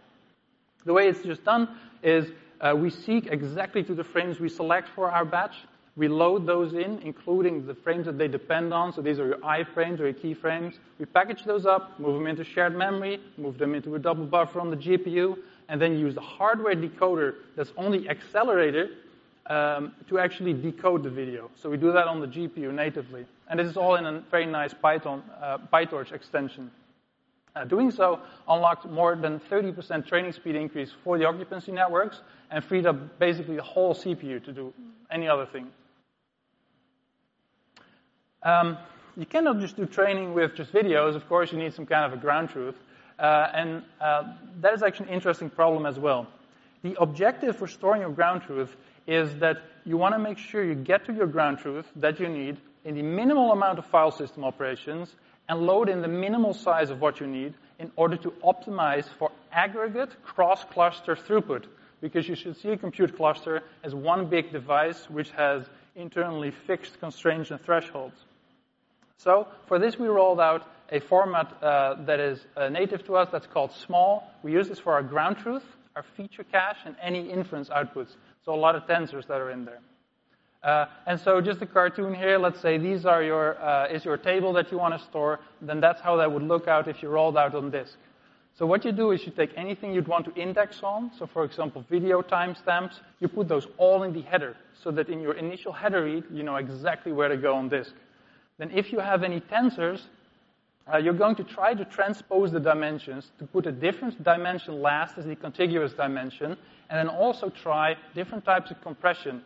The way it's just done is, we seek exactly to the frames we select for our batch. We load those in, including the frames that they depend on, so these are your I-frames or your key frames. We package those up, move them into shared memory, move them into a double buffer on the GPU, and then use a hardware decoder that's only accelerated to actually decode the video. We do that on the GPU natively, and this is all in a very nice Python PyTorch extension. Doing so unlocked more than 30% training speed increase for the occupancy networks and freed up basically a whole CPU to do any other thing. You cannot just do training with just videos. Of course, you need some kind of a ground truth, and that is actually an interesting problem as well. The objective for storing your ground truth is that you wanna make sure you get to your ground truth that you need in the minimal amount of file system operations and load in the minimal size of what you need in order to optimize for aggregate cross-cluster throughput because you should see a compute cluster as one big device which has internally fixed constraints and thresholds. For this, we rolled out a format that is native to us that's called Smol. We use this for our ground truth, our feature cache, and any inference outputs, so a lot of tensors that are in there. Just a cartoon here. Let's say these are your table that you wanna store, then that's how that would look out if you rolled out on disk. What you do is you take anything you'd want to index on, so for example, video timestamps, you put those all in the header so that in your initial header read, you know exactly where to go on disk. Then if you have any tensors, you're going to try to transpose the dimensions to put a different dimension last as the contiguous dimension and then also try different types of compression.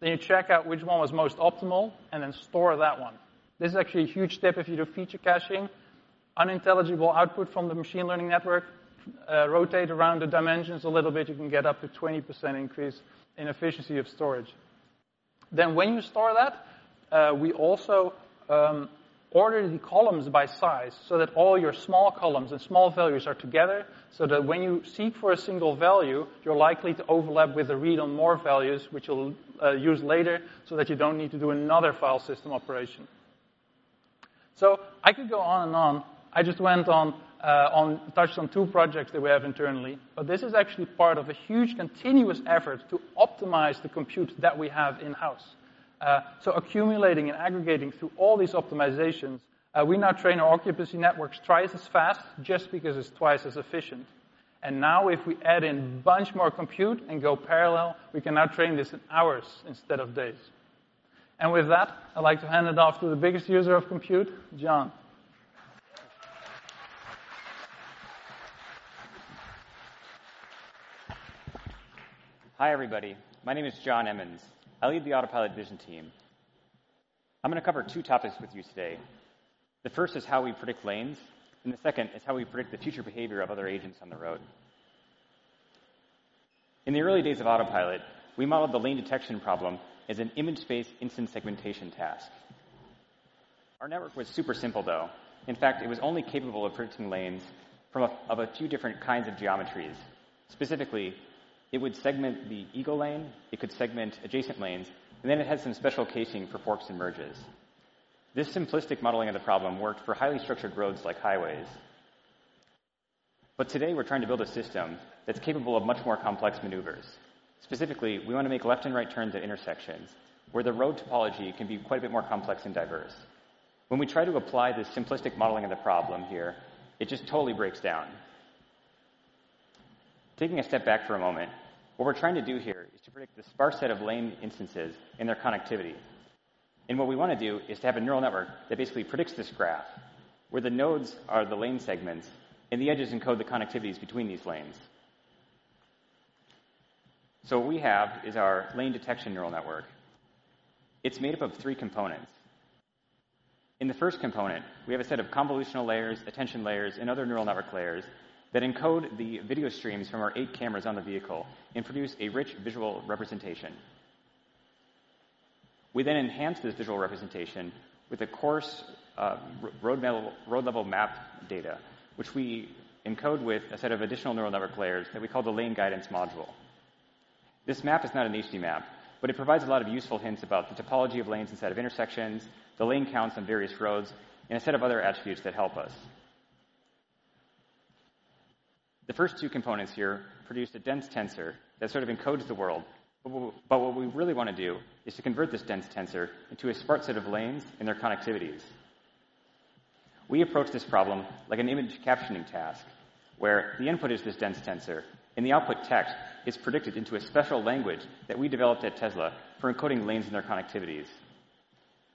Then you check out which one was most optimal and then store that one. This is actually a huge tip if you do feature caching. Output from the machine learning network, rotate around the dimensions a little bit, you can get up to 20% increase in efficiency of storage. When you store that, we also order the columns by size so that all your small columns and small values are together, so that when you seek for a single value, you're likely to overlap with a read on more values which you'll use later so that you don't need to do another file system operation. I could go on and on. I just went on, touched on two projects that we have internally. This is actually part of a huge continuous effort to optimize the compute that we have in-house. Accumulating and aggregating through all these optimizations, we now train our occupancy networks twice as fast just because it's twice as efficient. Now if we add in bunch more compute and go parallel, we can now train this in hours instead of days. With that, I'd like to hand it off to the biggest user of compute, John Emmons. Hi, everybody. My name is John Emmons. I lead the Autopilot vision team. I'm gonna cover two topics with you today. The first is how we predict lanes, and the second is how we predict the future behavior of other agents on the road. In the early days of Autopilot, we modeled the lane detection problem as an image-based instance segmentation task. Our network was super simple, though. In fact, it was only capable of predicting lanes from a few different kinds of geometries. Specifically, it would segment the ego lane, it could segment adjacent lanes, and then it had some special casing for forks and merges. This simplistic modeling of the problem worked for highly structured roads like highways. Today we're trying to build a system that's capable of much more complex maneuvers. Specifically, we wanna make left and right turns at intersections where the road topology can be quite a bit more complex and diverse. When we try to apply this simplistic modeling of the problem here, it just totally breaks down. Taking a step back for a moment, what we're trying to do here is to predict the sparse set of lane instances and their connectivity. What we wanna do is to have a neural network that basically predicts this graph, where the nodes are the lane segments and the edges encode the connectivities between these lanes. What we have is our lane detection neural network. It's made up of three components. In the first component, we have a set of convolutional layers, attention layers, and other neural network layers that encode the video streams from our 8 cameras on the vehicle and produce a rich visual representation. We enhance this visual representation with a coarse, road-level map data, which we encode with a set of additional neural network layers that we call the lane guidance module. This map is not an HD map, but it provides a lot of useful hints about the topology of lanes inside of intersections, the lane counts on various roads, and a set of other attributes that help us. The first two components here produce a dense tensor that sort of encodes the world, but what we really wanna do is to convert this dense tensor into a smart set of lanes and their connectivities. We approach this problem like an image captioning task, where the input is this dense tensor, and the output text is predicted into a special language that we developed at Tesla for encoding lanes and their connectivities.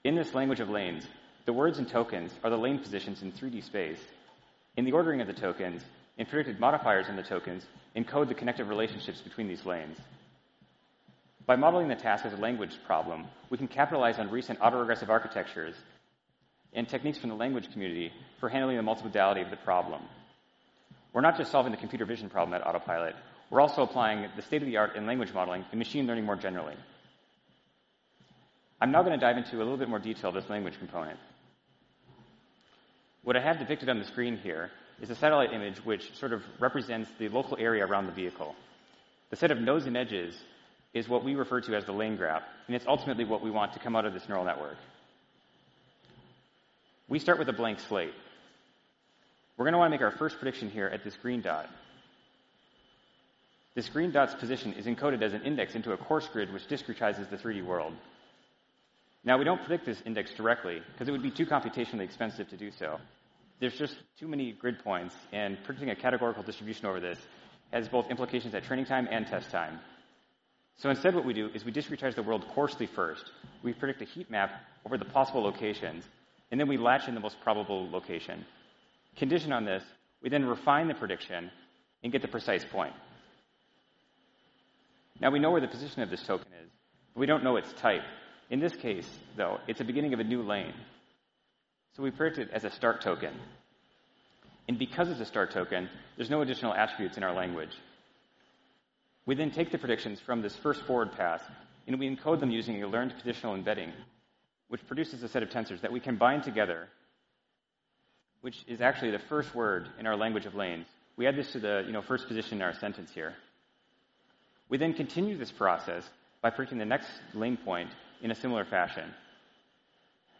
In this language of lanes, the words and tokens are the lane positions in 3D space, and the ordering of the tokens, inferred modifiers in the tokens, encode the connective relationships between these lanes. By modeling the task as a language problem, we can capitalize on recent autoregressive architectures and techniques from the language community for handling the multimodality of the problem. We're not just solving the computer vision problem at Autopilot, we're also applying the state-of-the-art in language modeling and machine learning more generally. I'm now gonna dive into a little bit more detail of this language component. What I have depicted on the screen here is a satellite image which sort of represents the local area around the vehicle. The set of nodes and edges is what we refer to as the lane graph, and it's ultimately what we want to come out of this neural network. We start with a blank slate. We're gonna wanna make our first prediction here at this green dot. This green dot's position is encoded as an index into a coarse grid which discretizes the 3D world. Now, we don't predict this index directly 'cause it would be too computationally expensive to do so. There's just too many grid points, and predicting a categorical distribution over this has both implications at training time and test time. Instead what we do is we discretize the world coarsely first. We predict a heat map over the possible locations, and then we latch in the most probable location. Condition on this, we then refine the prediction and get the precise point. Now we know where the position of this token is, but we don't know its type. In this case, though, it's a beginning of a new lane, so we predict it as a start token. Because it's a start token, there's no additional attributes in our language. We then take the predictions from this first forward pass, and we encode them using a learned conditional embedding, which produces a set of tensors that we combine together, which is actually the first word in our language of lanes. We add this to the, you know, first position in our sentence here. We then continue this process by predicting the next lane point in a similar fashion.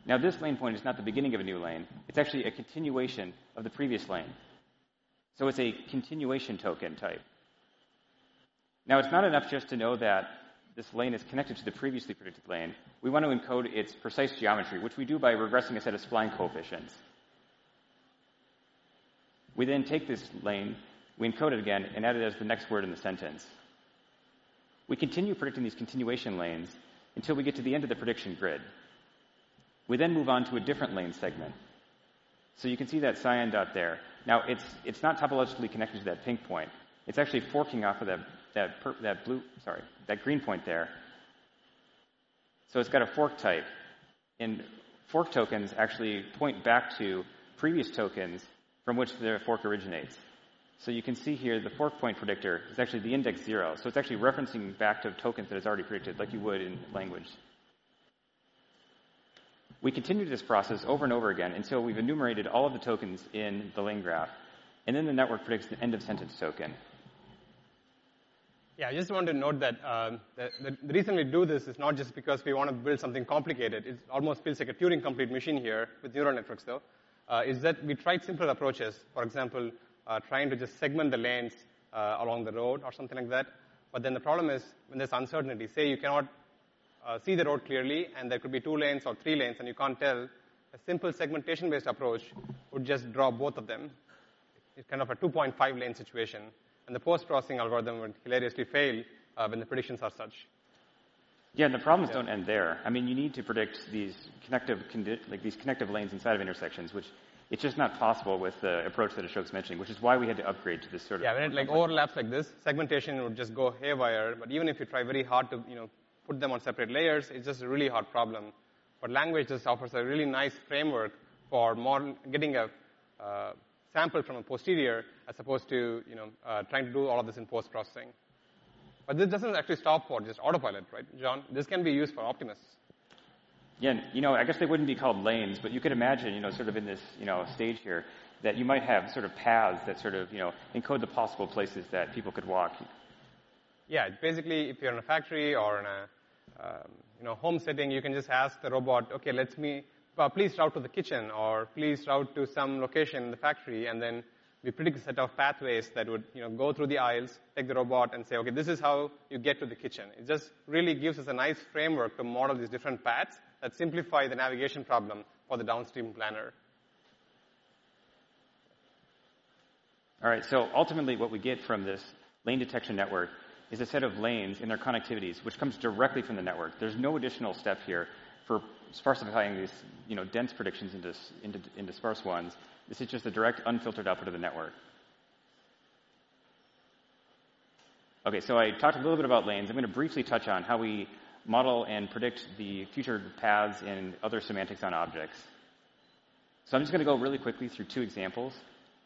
Now, this lane point is not the beginning of a new lane, it's actually a continuation of the previous lane, so it's a continuation token type. Now, it's not enough just to know that this lane is connected to the previously predicted lane. We want to encode its precise geometry, which we do by regressing a set of spline coefficients. We then take this lane, we encode it again, and add it as the next word in the sentence. We continue predicting these continuation lanes until we get to the end of the prediction grid. We then move on to a different lane segment. You can see that cyan dot there. Now, it's not topologically connected to that pink point. It's actually forking off of that green point there. It's got a fork type. Fork tokens actually point back to previous tokens from which their fork originates. You can see here the fork point predictor is actually the index zero, so it's actually referencing back to tokens that it's already predicted, like you would in language. We continue this process over and over again until we've enumerated all of the tokens in the lane graph, and then the network predicts the end of sentence token. Yeah, I just want to note that that the reason we do this is not just because we wanna build something complicated. It almost feels like a Turing-complete machine here with neural networks, though. It's that we tried simpler approaches, for example, trying to just segment the lanes along the road or something like that. But then the problem is, when there's uncertainty, say you cannot see the road clearly, and there could be two lanes or three lanes, and you can't tell, a simple segmentation-based approach would just draw both of them. It's kind of a 2.5-lane situation. The post-processing algorithm would hilariously fail when the predictions are such. Yeah, the problems don't end there. I mean, you need to predict these connective lanes inside of intersections, which it's just not possible with the approach that Ashok's mentioning, which is why we had to upgrade to this sort of. Yeah, I mean, like, overlaps like this, segmentation would just go haywire. Even if you try very hard to, you know, put them on separate layers, it's just a really hard problem. Languages offers a really nice framework for getting a sample from a posterior as opposed to, you know, trying to do all of this in post-processing. This doesn't actually stop for just Autopilot, right, John? This can be used for Optimus. Yeah. You know, I guess they wouldn't be called lanes, but you could imagine, you know, sort of in this, you know, stage here, that you might have sort of paths that sort of, you know, encode the possible places that people could walk. Yeah. Basically, if you're in a factory or in a, you know, home setting, you can just ask the robot, "Okay, please route to the kitchen," or, "Please route to some location in the factory." Then we predict a set of pathways that would, you know, go through the aisles, take the robot, and say, "Okay, this is how you get to the kitchen." It just really gives us a nice framework to model these different paths that simplify the navigation problem for the downstream planner. All right. Ultimately, what we get from this lane detection network is a set of lanes and their connectivities, which comes directly from the network. There's no additional step here for sparsifying these, you know, dense predictions into sparse ones. This is just a direct, unfiltered output of the network. Okay. I talked a little bit about lanes. I'm gonna briefly touch on how we model and predict the future paths and other semantics on objects. I'm just gonna go really quickly through two examples.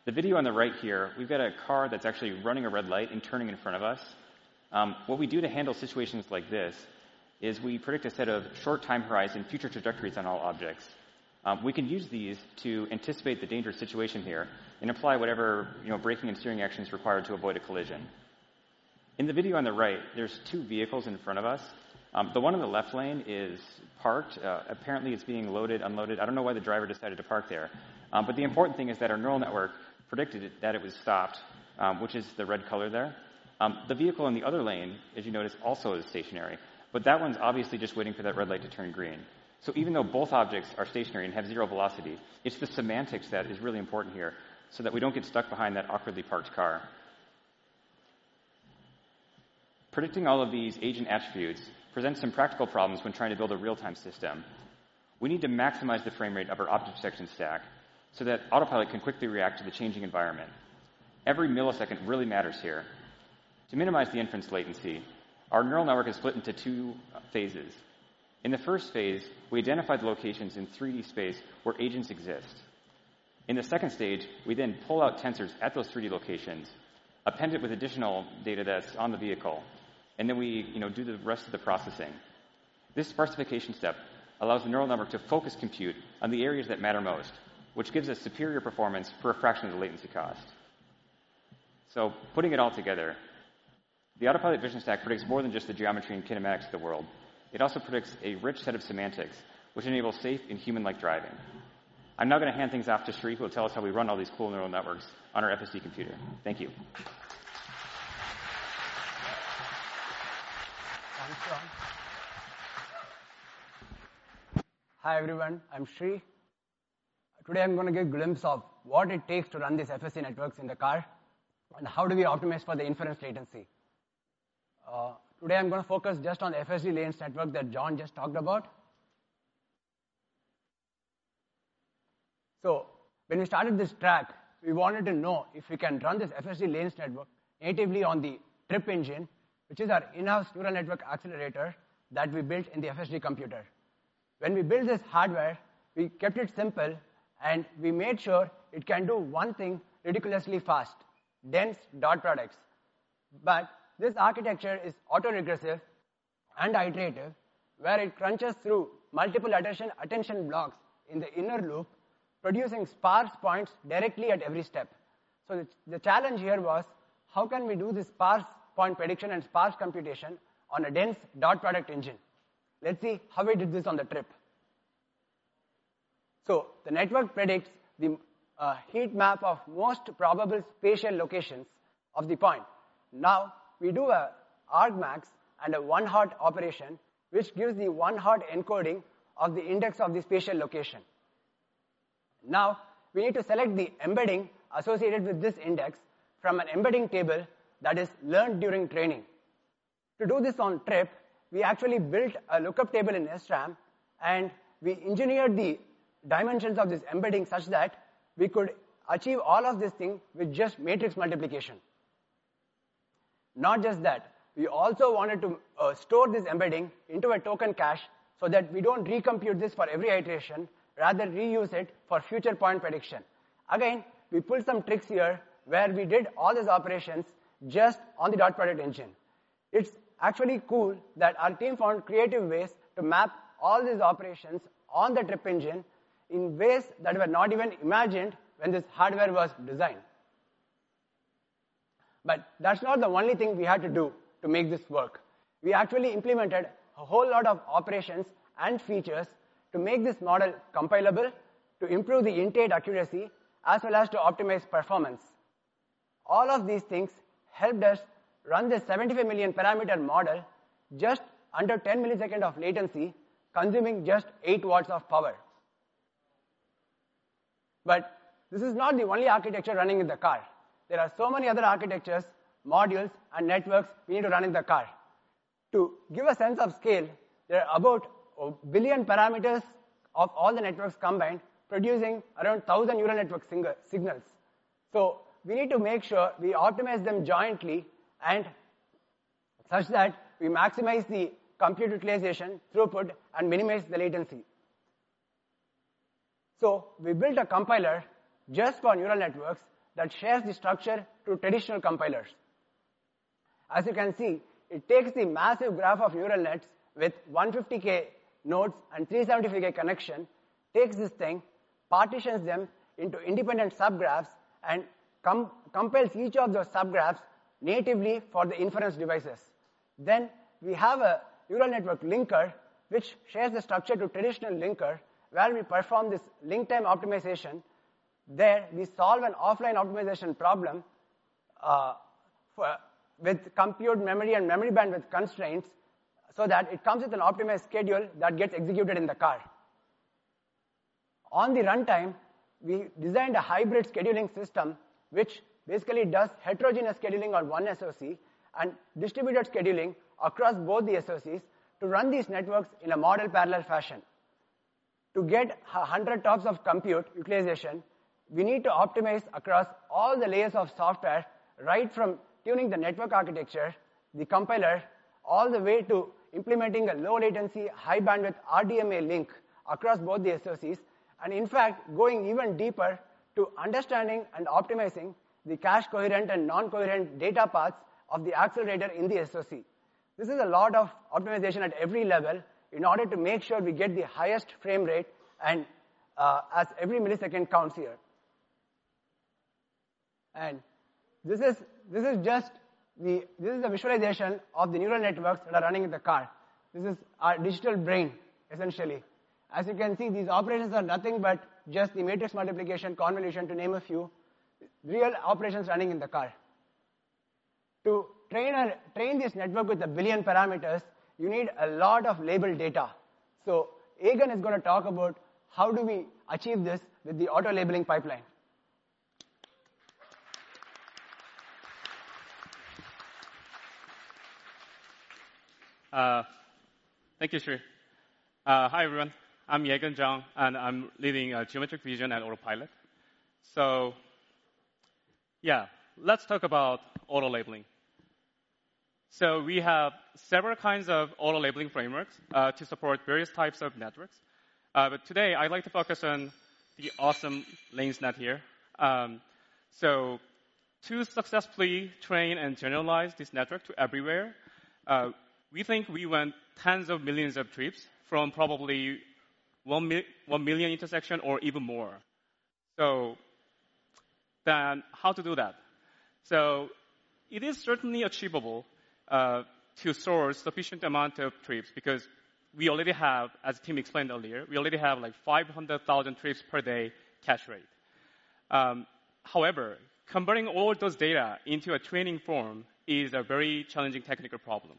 The video on the right here, we've got a car that's actually running a red light and turning in front of us. What we do to handle situations like this is we predict a set of short time horizon future trajectories on all objects. We can use these to anticipate the dangerous situation here and apply whatever, you know, braking and steering action is required to avoid a collision. In the video on the right, there's two vehicles in front of us. The one in the left lane is parked. Apparently it's being loaded, unloaded. I don't know why the driver decided to park there. The important thing is that our neural network predicted it, that it was stopped, which is the red color there. The vehicle in the other lane, as you notice, also is stationary, but that one's obviously just waiting for that red light to turn green. Even though both objects are stationary and have zero velocity, it's the semantics that is really important here so that we don't get stuck behind that awkwardly parked car. Predicting all of these agent attributes presents some practical problems when trying to build a real-time system. We need to maximize the frame rate of our object detection stack so that Autopilot can quickly react to the changing environment. Every millisecond really matters here. To minimize the inference latency, our neural network is split into two phases. In the first phase, we identify the locations in 3D space where agents exist. In the second stage, we then pull out tensors at those 3D locations, append it with additional data that's on the vehicle, and then we, you know, do the rest of the processing. This sparsification step allows the neural network to focus compute on the areas that matter most, which gives us superior performance for a fraction of the latency cost. Putting it all together, the Autopilot vision stack predicts more than just the geometry and kinematics of the world. It also predicts a rich set of semantics which enable safe and human-like driving. I'm now gonna hand things off to Sri, who will tell us how we run all these cool neural networks on our FSD computer. Thank you. Hi, everyone. I'm Sri. Today I'm gonna give glimpse of what it takes to run these FSD networks in the car and how do we optimize for the inference latency. Today I'm gonna focus just on FSD lanes network that John just talked about. When we started this track, we wanted to know if we can run this FSD lanes network natively on the Trip engine, which is our in-house neural network accelerator that we built in the FSD computer. When we built this hardware, we kept it simple, and we made sure it can do one thing ridiculously fast, dense dot products. This architecture is autoregressive and iterative, where it crunches through multiple attention blocks in the inner loop, producing sparse points directly at every step. The challenge here was how can we do this sparse point prediction and sparse computation on a dense dot product engine? Let's see how we did this on the Trip. The network predicts the heat map of most probable spatial locations of the point. Now, we do an argmax and a one-hot operation, which gives the one-hot encoding of the index of the spatial location. Now, we need to select the embedding associated with this index from an embedding table that is learned during training. To do this on Trip, we actually built a lookup table in SRAM, and we engineered the dimensions of this embedding such that we could achieve all of this thing with just matrix multiplication. Not just that, we also wanted to store this embedding into a token cache so that we don't recompute this for every iteration, rather reuse it for future point prediction. Again, we pulled some tricks here where we did all these operations just on the dot product engine. It's actually cool that our team found creative ways to map all these operations on the Trip engine in ways that were not even imagined when this hardware was designed. That's not the only thing we had to do to make this work. We actually implemented a whole lot of operations and features to make this model compilable to improve the in-state accuracy as well as to optimize performance. All of these things helped us run this 75 million parameter model just under 10 milliseconds of latency, consuming just 8 watts of power. This is not the only architecture running in the car. There are so many other architectures, modules, and networks we need to run in the car. To give a sense of scale, there are about 1 billion parameters of all the networks combined producing around 1,000 neural network single signals. We need to make sure we optimize them jointly and such that we maximize the compute utilization throughput and minimize the latency. We built a compiler just for neural networks that shares the structure to traditional compilers. As you can see, it takes the massive graph of neural nets with 150K nodes and 370K connections, takes this thing, partitions them into independent subgraphs and compiles each of those subgraphs natively for the inference devices. We have a neural network linker which shares the structure to traditional linker where we perform this link time optimization. There we solve an offline optimization problem for with compute memory and memory bandwidth constraints so that it comes with an optimized schedule that gets executed in the car. On the runtime, we designed a hybrid scheduling system which basically does heterogeneous scheduling on one SoC and distributed scheduling across both the SoCs to run these networks in a model parallel fashion. To get 100 TOPS of compute utilization, we need to optimize across all the layers of software right from tuning the network architecture, the compiler, all the way to implementing a low latency, high bandwidth RDMA link across both the SoCs, and in fact, going even deeper to understanding and optimizing the cache coherent and non-coherent data paths of the accelerator in the SoC. This is a lot of optimization at every level in order to make sure we get the highest frame rate and as every millisecond counts here. This is just the visualization of the neural networks that are running in the car. This is our digital brain, essentially. As you can see, these operations are nothing but just the matrix multiplication, convolution, to name a few, real operations running in the car. To train this network with 1 billion parameters, you need a lot of labeled data. Yagen is gonna talk about how do we achieve this with the auto labeling pipeline. Thank you, Sri. Hi, everyone. I'm Yagen Zhang, and I'm leading Geometric Vision at Autopilot. Yeah, let's talk about auto labeling. We have several kinds of auto labeling frameworks to support various types of networks. Today, I'd like to focus on the awesome lanes net here. To successfully train and generalize this network to everywhere, we think we need tens of millions of trips from probably 1 million intersections or even more. How to do that? It is certainly achievable to source sufficient amount of trips because we already have, as Tim explained earlier, like 500,000 trips per day catch rate. However, converting all those data into a training form is a very challenging technical problem.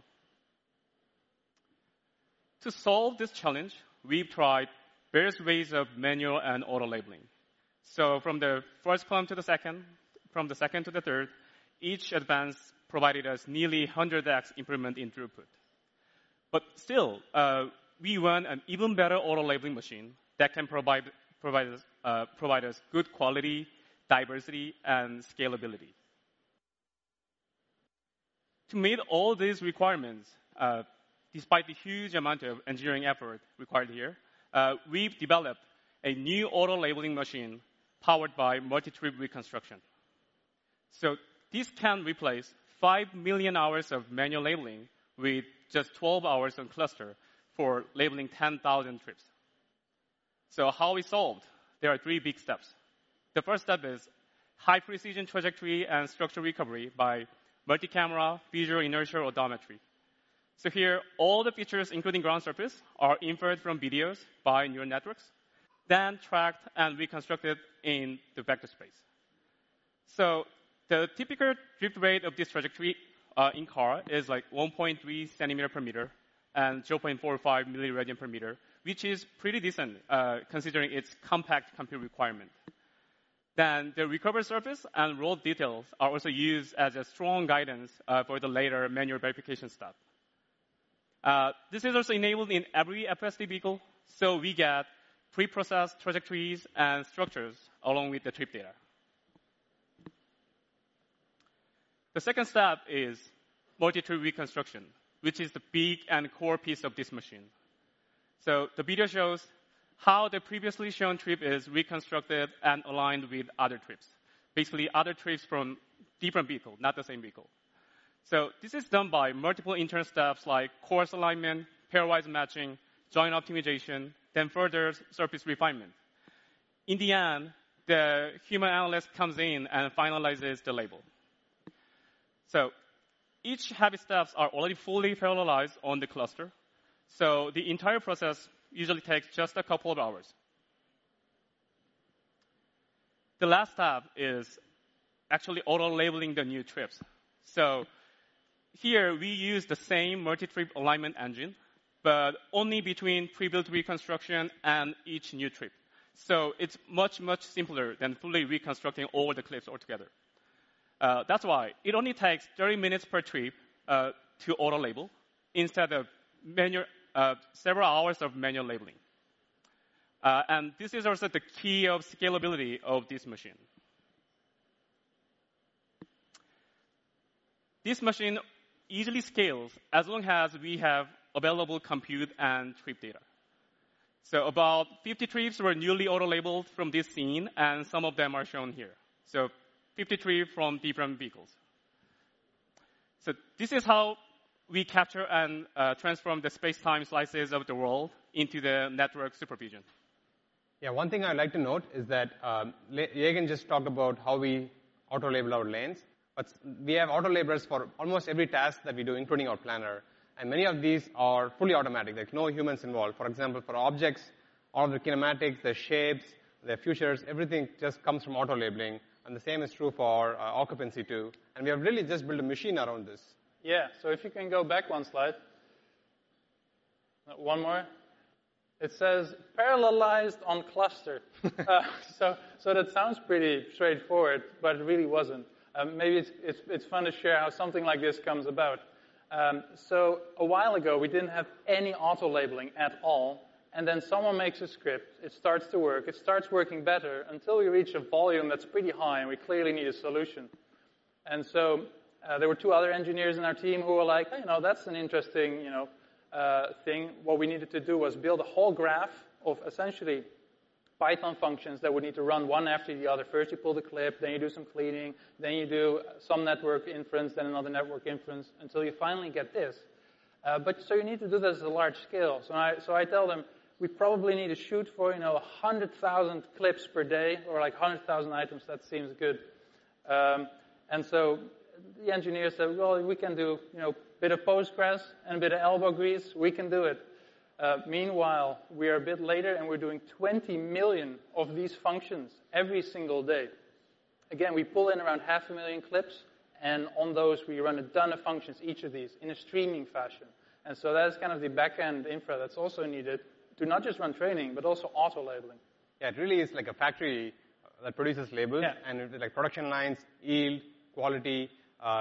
To solve this challenge, we've tried various ways of manual and auto labeling. From the first column to the second, from the second to the third, each advance provided us nearly 100x improvement in throughput. Still, we want an even better auto labeling machine that can provide us good quality, diversity, and scalability. To meet all these requirements, despite the huge amount of engineering effort required here, we've developed a new auto labeling machine powered by multi-trip reconstruction. This can replace 5 million hours of manual labeling with just 12 hours on cluster for labeling 10,000 trips. How we solved? There are three big steps. The first step is high-precision trajectory and structure recovery by multi-camera visual-inertial odometry. Here, all the features, including ground surface, are inferred from videos by neural networks, then tracked and reconstructed in the vector space. The typical drift rate of this trajectory, in car is like 1.3 centimeter per meter and 0.45 milliradian per meter, which is pretty decent, considering its compact compute requirement. The recovery surface and road details are also used as a strong guidance, for the later manual verification step. This is also enabled in every FSD vehicle, so we get preprocessed trajectories and structures along with the trip data. The second step is multi-trip reconstruction, which is the big and core piece of this machine. The video shows how the previously shown trip is reconstructed and aligned with other trips. Basically, other trips from different vehicle, not the same vehicle. This is done by multiple interim steps like coarse alignment, pairwise matching, joint optimization, then further surface refinement. In the end, the human analyst comes in and finalizes the label. These heavy steps are already fully parallelized on the cluster, so the entire process usually takes just a couple of hours. The last step is actually auto labeling the new trips. Here we use the same multi-trip alignment engine, but only between pre-built reconstruction and each new trip. It's much, much simpler than fully reconstructing all the clips altogether. That's why it only takes 30 minutes per trip to auto label instead of manual labeling, several hours of manual labeling. This is also the key of scalability of this machine. This machine easily scales as long as we have available compute and trip data. About 50 trips were newly auto labeled from this scene, and some of them are shown here. 50 trips from different vehicles. This is how we capture and transform the space-time slices of the world into the network supervision. Yeah, one thing I'd like to note is that, Yagen just talked about how we auto label our lanes, but we have auto labels for almost every task that we do, including our planner, and many of these are fully automatic. There's no humans involved. For example, for objects, all the kinematics, their shapes, their features, everything just comes from auto labeling, and the same is true for our occupancy too. We have really just built a machine around this. Yeah. If you can go back one slide. One more. It says, "Parallelized on cluster." That sounds pretty straightforward, but it really wasn't. Maybe it's fun to share how something like this comes about. A while ago, we didn't have any auto labeling at all, and then someone makes a script, it starts to work. It starts working better until you reach a volume that's pretty high, and we clearly need a solution. There were two other engineers in our team who were like, "You know, that's an interesting, you know, thing." What we needed to do was build a whole graph of essentially Python functions that would need to run one after the other. First you pull the clip, then you do some cleaning, then you do some network inference, then another network inference until you finally get this. You need to do this at a large scale. I tell them, "We probably need to shoot for, you know, 100,000 clips per day or like 100,000 items. That seems good." The engineer says, "Well, we can do, you know, a bit of Postgres and a bit of elbow grease. We can do it." Meanwhile, we are a bit later, and we're doing 20 million of these functions every single day. Again, we pull in around 500,000 clips, and on those, we run a ton of functions, each of these in a streaming fashion. That is kind of the back-end infra that's also needed to not just run training but also auto-labeling. Yeah. It really is like a factory that produces labels. Yeah. Like production lines, yield, quality,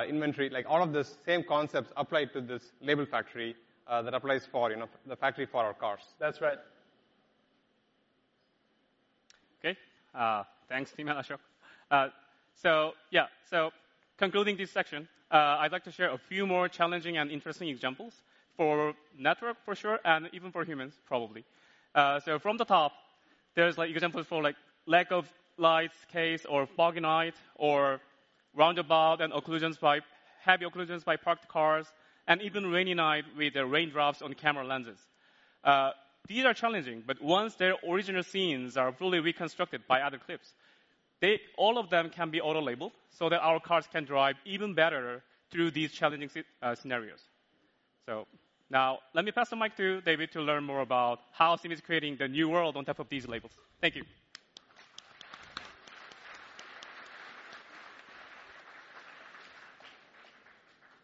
inventory, like all of the same concepts apply to this label factory that applies for, you know, the factory for our cars. That's right. Okay. Thanks, Tim, Ashok. Yeah. Concluding this section, I'd like to share a few more challenging and interesting examples for network for sure, and even for humans probably. From the top, there's like examples for like lack of lights case or foggy night or roundabout and heavy occlusions by parked cars and even rainy night with the raindrops on camera lenses. These are challenging, but once their original scenes are fully reconstructed by other clips, they all of them can be auto-labeled so that our cars can drive even better through these challenging scenarios. Now let me pass the mic to David to learn more about how Sim is creating the new world on top of these labels. Thank you.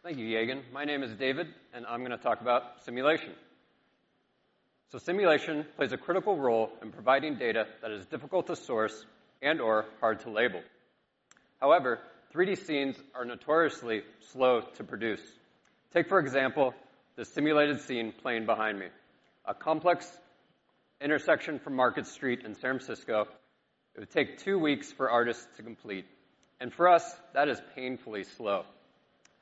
Thank you, Yagen. My name is David, and I'm gonna talk about simulation. Simulation plays a critical role in providing data that is difficult to source and/or hard to label. However, 3D scenes are notoriously slow to produce. Take for example, the simulated scene playing behind me, a complex intersection from Market Street in San Francisco. It would take two weeks for artists to complete, and for us, that is painfully slow.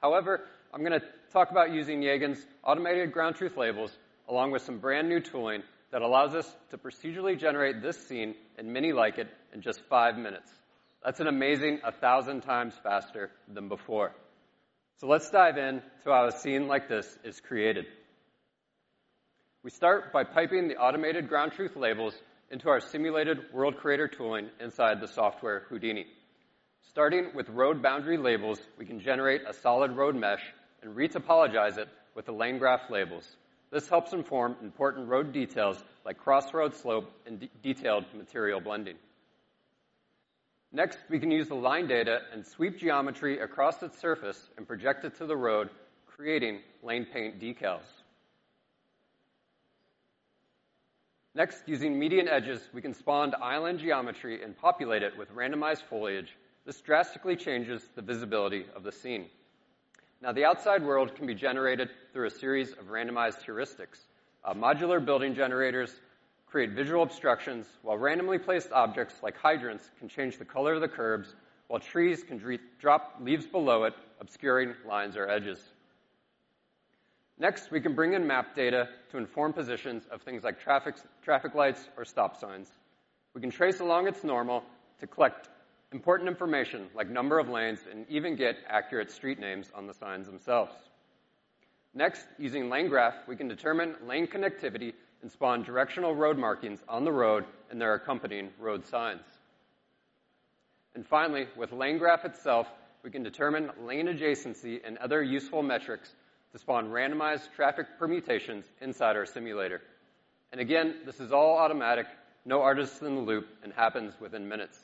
However, I'm gonna talk about using Yagen's automated ground truth labels along with some brand-new tooling that allows us to procedurally generate this scene and many like it in just five minutes. That's an amazing 1,000 times faster than before. Let's dive in to how a scene like this is created. We start by piping the automated ground truth labels into our simulated world creator tooling inside the software Houdini. Starting with road boundary labels, we can generate a solid road mesh and retopologize it with the lane graph labels. This helps inform important road details like crossroad slope and detailed material blending. Next, we can use the line data and sweep geometry across its surface and project it to the road, creating lane paint decals. Next, using median edges, we can spawn island geometry and populate it with randomized foliage. This drastically changes the visibility of the scene. Now, the outside world can be generated through a series of randomized heuristics. Modular building generators create visual obstructions, while randomly placed objects like hydrants can change the color of the curbs, while trees can drop leaves below it, obscuring lines or edges. Next, we can bring in map data to inform positions of things like traffic lights, or stop signs. We can trace along its normal to collect important information like number of lanes and even get accurate street names on the signs themselves. Next, using lane graph, we can determine lane connectivity and spawn directional road markings on the road and their accompanying road signs. Finally, with lane graph itself, we can determine lane adjacency and other useful metrics to spawn randomized traffic permutations inside our simulator. Again, this is all automatic, no artist in the loop, and happens within minutes.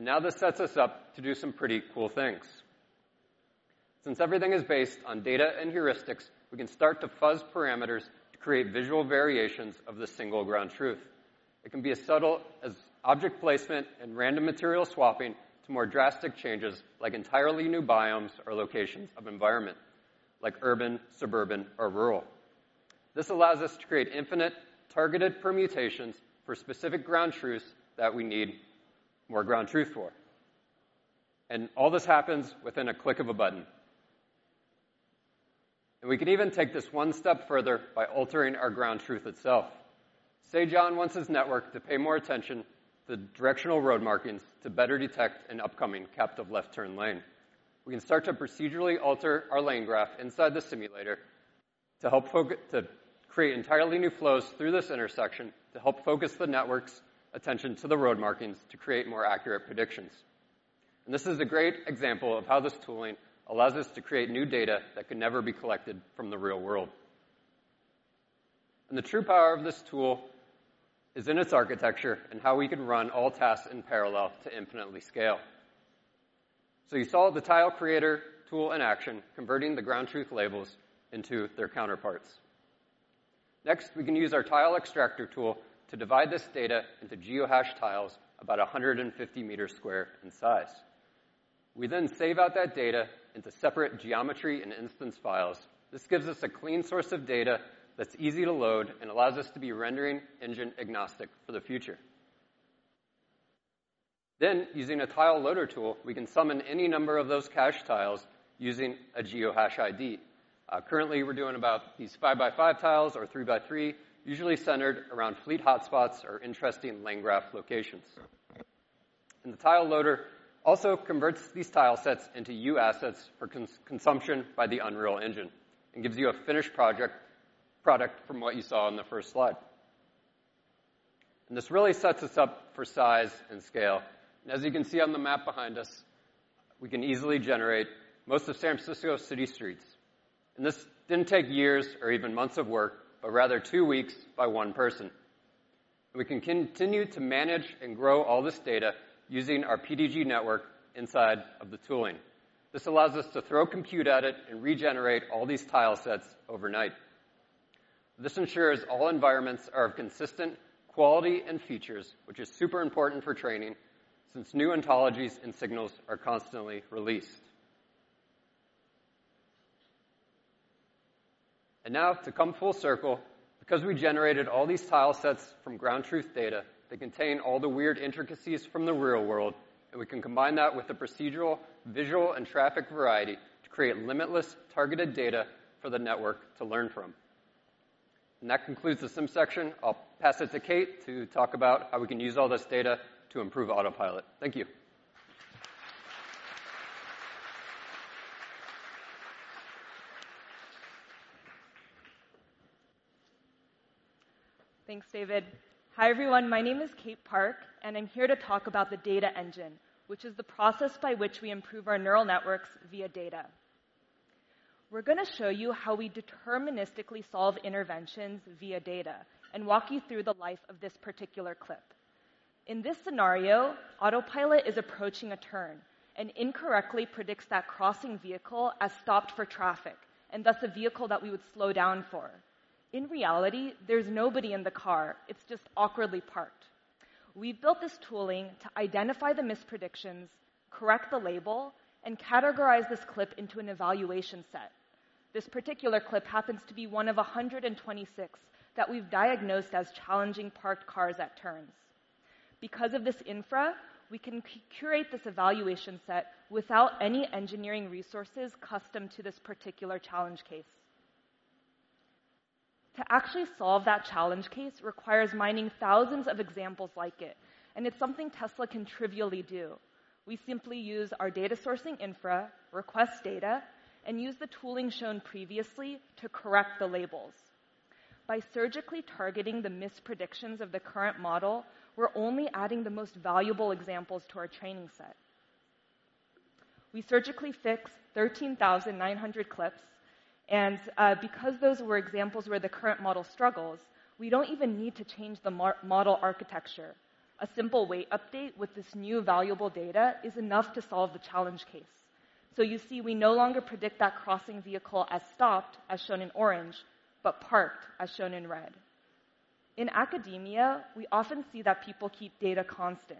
Now this sets us up to do some pretty cool things. Since everything is based on data and heuristics, we can start to fuzz parameters to create visual variations of the single ground truth. It can be as subtle as object placement and random material swapping to more drastic changes like entirely new biomes or locations of environment like urban, suburban, or rural. This allows us to create infinite targeted permutations for specific ground truths that we need more ground truth for. All this happens within a click of a button. We can even take this one step further by altering our ground truth itself. Say John wants his network to pay more attention to the directional road markings to better detect an upcoming captive left turn lane. We can start to procedurally alter our lane graph inside the simulator to help create entirely new flows through this intersection to help focus the network's attention to the road markings to create more accurate predictions. This is a great example of how this tooling allows us to create new data that could never be collected from the real world. The true power of this tool is in its architecture and how we can run all tasks in parallel to infinitely scale. You saw the tile creator tool in action, converting the ground truth labels into their counterparts. Next, we can use our tile extractor tool to divide this data into geohash tiles about 150 meters square in size. We then save out that data into separate geometry and instance files. This gives us a clean source of data that's easy to load and allows us to be rendering engine agnostic for the future. Using a tile loader tool, we can summon any number of those cache tiles using a geohash ID. Currently, we're doing about these 5-by-5 tiles or 3-by-3, usually centered around fleet hotspots or interesting lane graph locations. The tile loader also converts these tile sets into UAssets for consumption by the Unreal Engine and gives you a finished project product from what you saw on the first slide. This really sets us up for size and scale. As you can see on the map behind us, we can easily generate most of San Francisco city streets. This didn't take years or even months of work, but rather two weeks by one person. We can continue to manage and grow all this data using our PDG network inside of the tooling. This allows us to throw compute at it and regenerate all these tile sets overnight. This ensures all environments are of consistent quality and features, which is super important for training since new ontologies and signals are constantly released. Now to come full circle, because we generated all these tile sets from ground truth data that contain all the weird intricacies from the real world, and we can combine that with the procedural, visual, and traffic variety to create limitless targeted data for the network to learn from. That concludes the sim section. I'll pass it to Kate to talk about how we can use all this data to improve Autopilot. Thank you. Thanks, David. Hi, everyone. My name is Kate Park, and I'm here to talk about the data engine, which is the process by which we improve our neural networks via data. We're gonna show you how we deterministically solve interventions via data and walk you through the life of this particular clip. In this scenario, Autopilot is approaching a turn and incorrectly predicts that crossing vehicle is stopped for traffic, and thus a vehicle that we would slow down for. In reality, there's nobody in the car, it's just awkwardly parked. We built this tooling to identify the mispredictions, correct the label, and categorize this clip into an evaluation set. This particular clip happens to be one of 126 that we've diagnosed as challenging parked cars at turns. Because of this infra, we can curate this evaluation set without any engineering resources custom to this particular challenge case. To actually solve that challenge case requires mining thousands of examples like it, and it's something Tesla can trivially do. We simply use our data sourcing infra, request data, and use the tooling shown previously to correct the labels. By surgically targeting the mispredictions of the current model, we're only adding the most valuable examples to our training set. We surgically fixed 13,900 clips, and because those were examples where the current model struggles, we don't even need to change the model architecture. A simple weight update with this new valuable data is enough to solve the challenge case. You see, we no longer predict that crossing vehicle as stopped, as shown in orange, but parked, as shown in red. In academia, we often see that people keep data constant,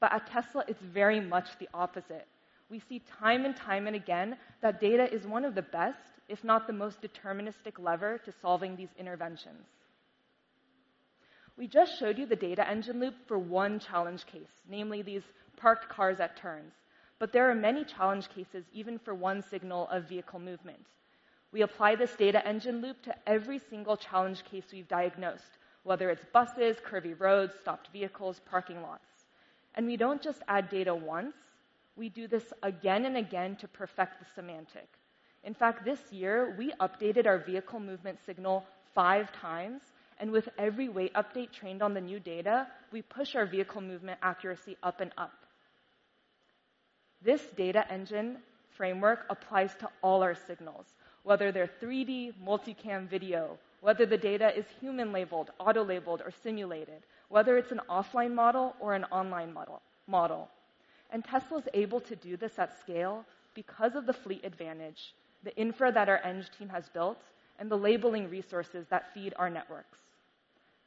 but at Tesla, it's very much the opposite. We see time and time again that data is one of the best, if not the most deterministic lever to solving these interventions. We just showed you the data engine loop for one challenge case, namely these parked cars at turns, but there are many challenge cases even for one signal of vehicle movement. We apply this data engine loop to every single challenge case we've diagnosed, whether it's buses, curvy roads, stopped vehicles, parking lots. We don't just add data once, we do this again and again to perfect the semantic. In fact, this year, we updated our vehicle movement signal 5 times, and with every weight update trained on the new data, we push our vehicle movement accuracy up and up. This data engine framework applies to all our signals, whether they're 3D multicam video, whether the data is human-labeled, auto-labeled, or simulated, whether it's an offline model or an online model. Tesla is able to do this at scale because of the fleet advantage, the infra that our eng team has built, and the labeling resources that feed our networks.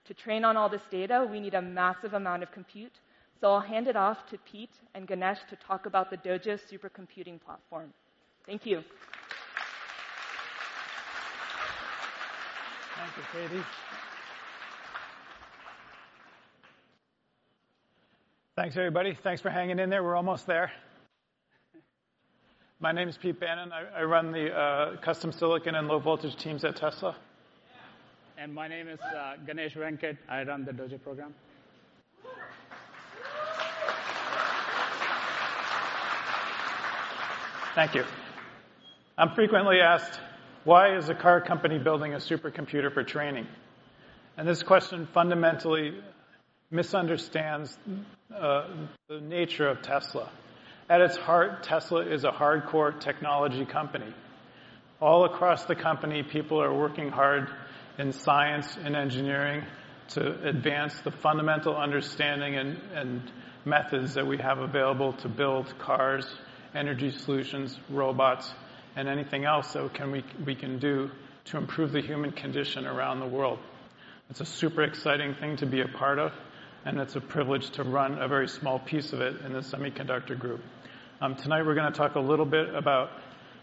To train on all this data, we need a massive amount of compute, so I'll hand it off to Pete and Ganesh to talk about the Dojo supercomputing platform. Thank you. Thank you, Katie. Thanks, everybody. Thanks for hanging in there. We're almost there. My name is Pete Bannon. I run the custom silicon and low voltage teams at Tesla. My name is Ganesh Venkataramanan. I run the Dojo program. Thank you. I'm frequently asked, "Why is a car company building a supercomputer for training?" This question fundamentally misunderstands the nature of Tesla. At its heart, Tesla is a hardcore technology company. All across the company, people are working hard in science and engineering to advance the fundamental understanding and methods that we have available to build cars, energy solutions, robots, and anything else that we can do to improve the human condition around the world. It's a super exciting thing to be a part of, and it's a privilege to run a very small piece of it in the semiconductor group. Tonight, we're gonna talk a little bit about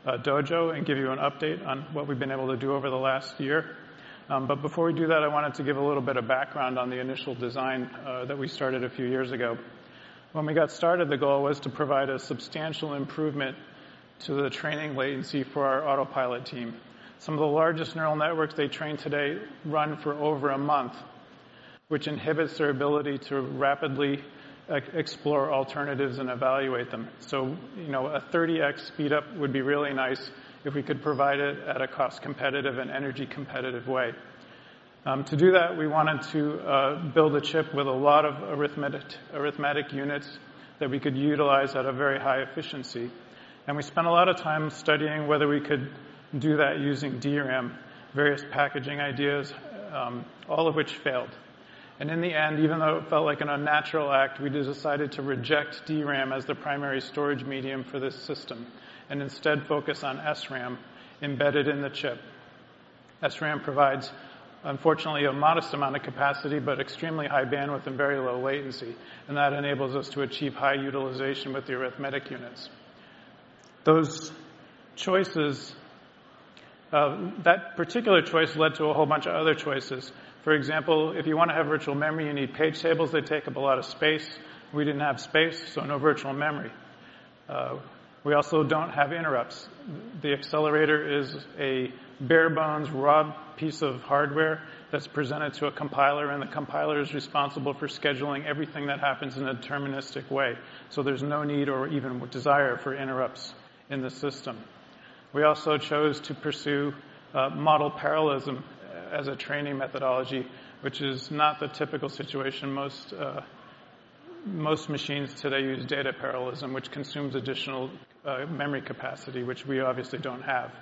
Dojo and give you an update on what we've been able to do over the last year. Before we do that, I wanted to give a little bit of background on the initial design that we started a few years ago. When we got started, the goal was to provide a substantial improvement to the training latency for our Autopilot team. Some of the largest neural networks they train today run for over a month, which inhibits their ability to rapidly explore alternatives and evaluate them. You know, a 30x speed up would be really nice if we could provide it at a cost-competitive and energy-competitive way. To do that, we wanted to build a chip with a lot of arithmetic units that we could utilize at a very high efficiency. We spent a lot of time studying whether we could do that using DRAM, various packaging ideas, all of which failed. In the end, even though it felt like an unnatural act, we decided to reject DRAM as the primary storage medium for this system and instead focus on SRAM embedded in the chip. SRAM provides, unfortunately, a modest amount of capacity, but extremely high bandwidth and very low latency, and that enables us to achieve high utilization with the arithmetic units. Those choices, that particular choice led to a whole bunch of other choices. For example, if you wanna have virtual memory, you need page tables. They take up a lot of space. We didn't have space, so no virtual memory. We also don't have interrupts. The accelerator is a bare bones, raw piece of hardware that's presented to a compiler, and the compiler is responsible for scheduling everything that happens in a deterministic way, so there's no need or even desire for interrupts in the system. We also chose to pursue model parallelism as a training methodology, which is not the typical situation. Most machines today use data parallelism, which consumes additional memory capacity, which we obviously don't have.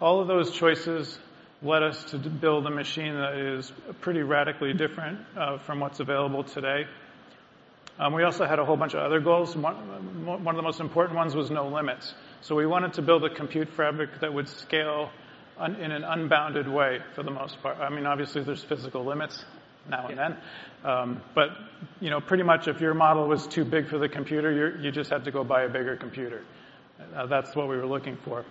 All of those choices led us to build a machine that is pretty radically different from what's available today. We also had a whole bunch of other goals. One of the most important ones was no limits. We wanted to build a compute fabric that would scale in an unbounded way for the most part. I mean, obviously there's physical limits now and then, but, you know, pretty much if your model was too big for the computer, you just had to go buy a bigger computer. That's what we were looking for.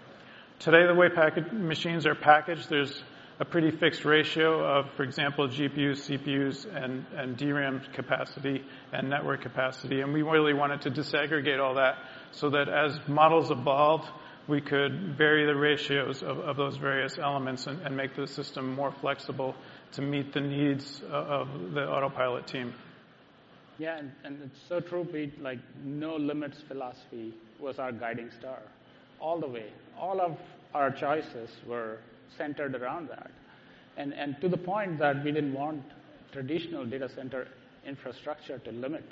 Today, the way packaged machines are packaged, there's a pretty fixed ratio of, for example, GPUs, CPUs and DRAM capacity and network capacity, and we really wanted to disaggregate all that so that as models evolved, we could vary the ratios of those various elements and make the system more flexible to meet the needs of the Autopilot team. Yeah. It's so true, Pete, like, no limits philosophy was our guiding star all the way. All of our choices were centered around that and to the point that we didn't want traditional data center infrastructure to limit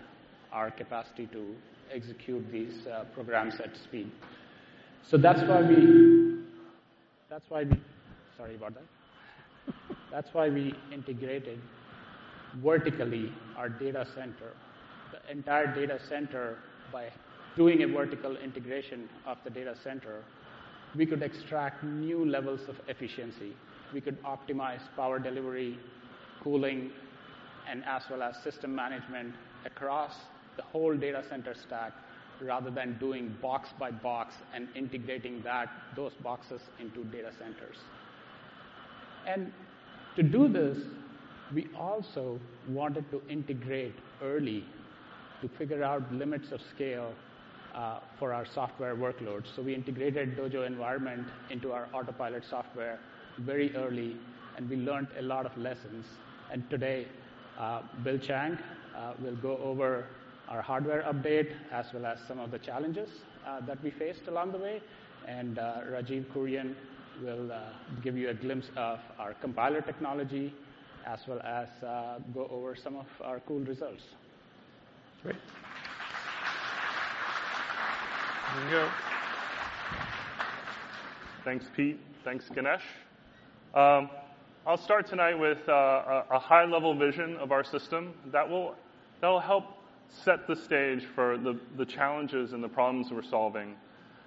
our capacity to execute these programs at speed. That's why we integrated vertically our data center, the entire data center. Sorry about that. By doing a vertical integration of the data center, we could extract new levels of efficiency. We could optimize power delivery, cooling, and as well as system management across the whole data center stack, rather than doing box by box and integrating those boxes into data centers. To do this, we also wanted to integrate early to figure out limits of scale for our software workloads. We integrated Dojo environment into our Autopilot software very early, and we learned a lot of lessons. Today, Bill Chang will go over our hardware update as well as some of the challenges that we faced along the way. Rajiv Kurian will give you a glimpse of our compiler technology as well as go over some of our cool results. Great. Here we go. Thanks, Pete. Thanks, Ganesh. I'll start tonight with a high-level vision of our system that'll help set the stage for the challenges and the problems we're solving,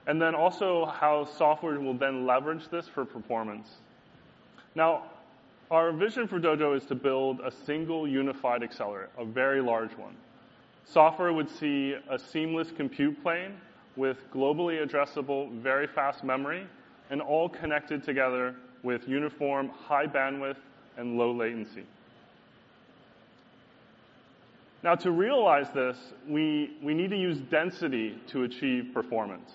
and then also how software will then leverage this for performance. Our vision for Dojo is to build a single unified accelerator, a very large one. Software would see a seamless compute plane with globally addressable, very fast memory, and all connected together with uniform, high bandwidth, and low latency. To realize this, we need to use density to achieve performance.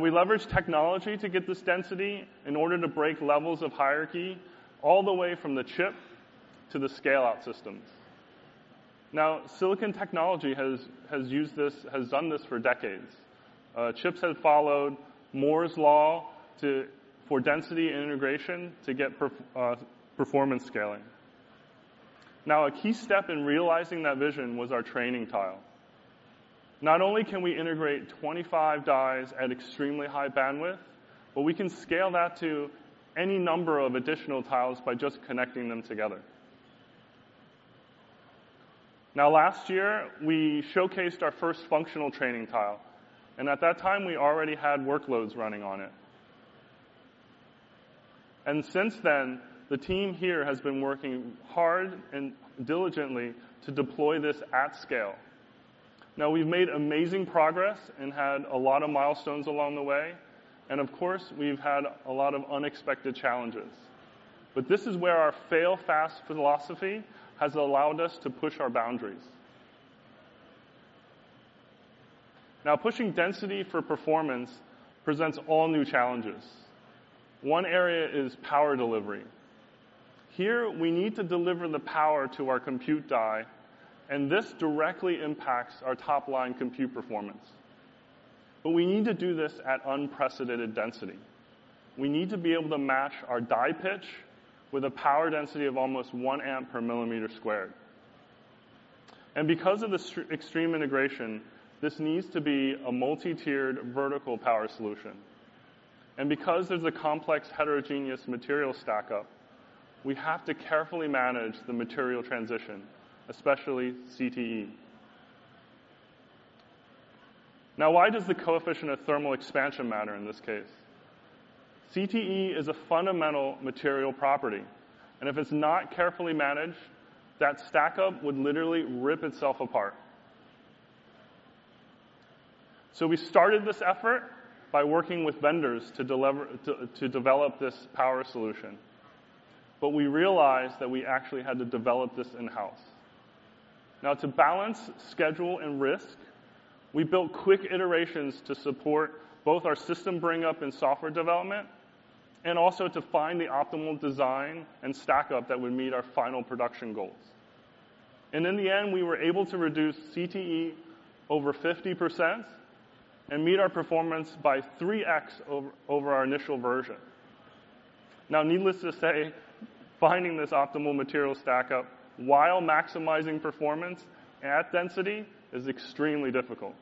We leverage technology to get this density in order to break levels of hierarchy all the way from the chip to the scale-out systems. Silicon technology has used this, has done this for decades. Chips have followed Moore's Law for density and integration to get performance scaling. Now, a key step in realizing that vision was our Training Tile. Not only can we integrate 25 dies at extremely high bandwidth, but we can scale that to any number of additional tiles by just connecting them together. Now, last year, we showcased our first functional Training Tile, and at that time, we already had workloads running on it. Since then, the team here has been working hard and diligently to deploy this at scale. Now, we've made amazing progress and had a lot of milestones along the way, and of course, we've had a lot of unexpected challenges. This is where our fail fast philosophy has allowed us to push our boundaries. Now, pushing density for performance presents all new challenges. One area is power delivery. Here, we need to deliver the power to our compute die, and this directly impacts our top-line compute performance. We need to do this at unprecedented density. We need to be able to match our die pitch with a power density of almost one amp per millimeter squared. Because of the extreme integration, this needs to be a multi-tiered vertical power solution. Because there's a complex heterogeneous material stackup, we have to carefully manage the material transition, especially CTE. Now, why does the coefficient of thermal expansion matter in this case? CTE is a fundamental material property, and if it's not carefully managed, that stackup would literally rip itself apart. We started this effort by working with vendors to develop this power solution. We realized that we actually had to develop this in-house. To balance schedule and risk, we built quick iterations to support both our system bring up and software development and also to find the optimal design and stackup that would meet our final production goals. In the end, we were able to reduce CTE over 50% and meet our performance by 3x over our initial version. Needless to say, finding this optimal material stackup while maximizing performance at density is extremely difficult.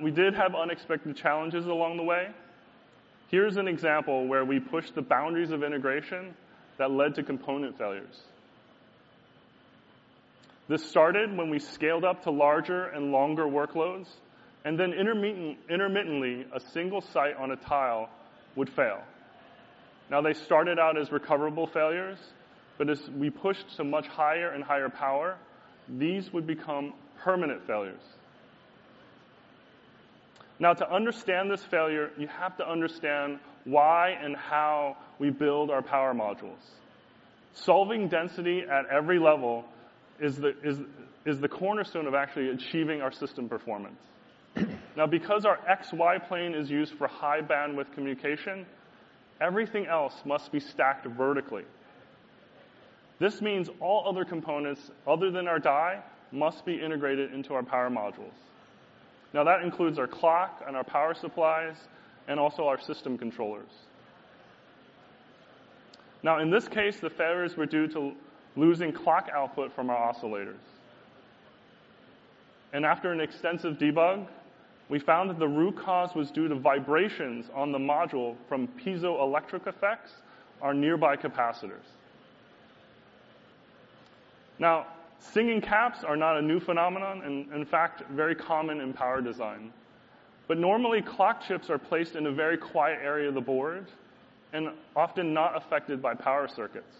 We did have unexpected challenges along the way. Here's an example where we pushed the boundaries of integration that led to component failures. This started when we scaled up to larger and longer workloads, and then intermittently, a single site on a tile would fail. They started out as recoverable failures, but as we pushed to much higher and higher power, these would become permanent failures. Now, to understand this failure, you have to understand why and how we build our power modules. Solving density at every level is the cornerstone of actually achieving our system performance. Now, because our XY plane is used for high bandwidth communication, everything else must be stacked vertically. This means all other components other than our die must be integrated into our power modules. Now, that includes our clock and our power supplies, and also our system controllers. Now, in this case, the failures were due to losing clock output from our oscillators. After an extensive debug, we found that the root cause was due to vibrations on the module from piezoelectric effects on nearby capacitors. Now, singing caps are not a new phenomenon, in fact, very common in power design, but normally, clock chips are placed in a very quiet area of the board and often not affected by power circuits.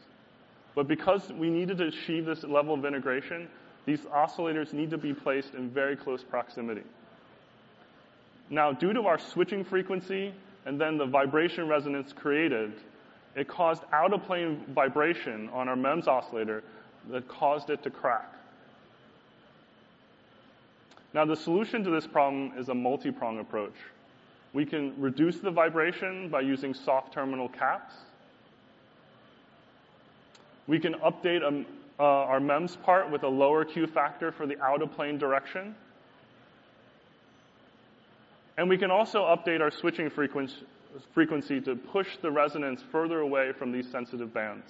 Because we needed to achieve this level of integration, these oscillators need to be placed in very close proximity. Now, due to our switching frequency, and then the vibration resonance created, it caused out-of-plane vibration on our MEMS oscillator that caused it to crack. Now, the solution to this problem is a multiprong approach. We can reduce the vibration by using soft terminal caps. We can update our MEMS part with a lower Q factor for the out-of-plane direction. We can also update our switching frequency to push the resonance further away from these sensitive bands.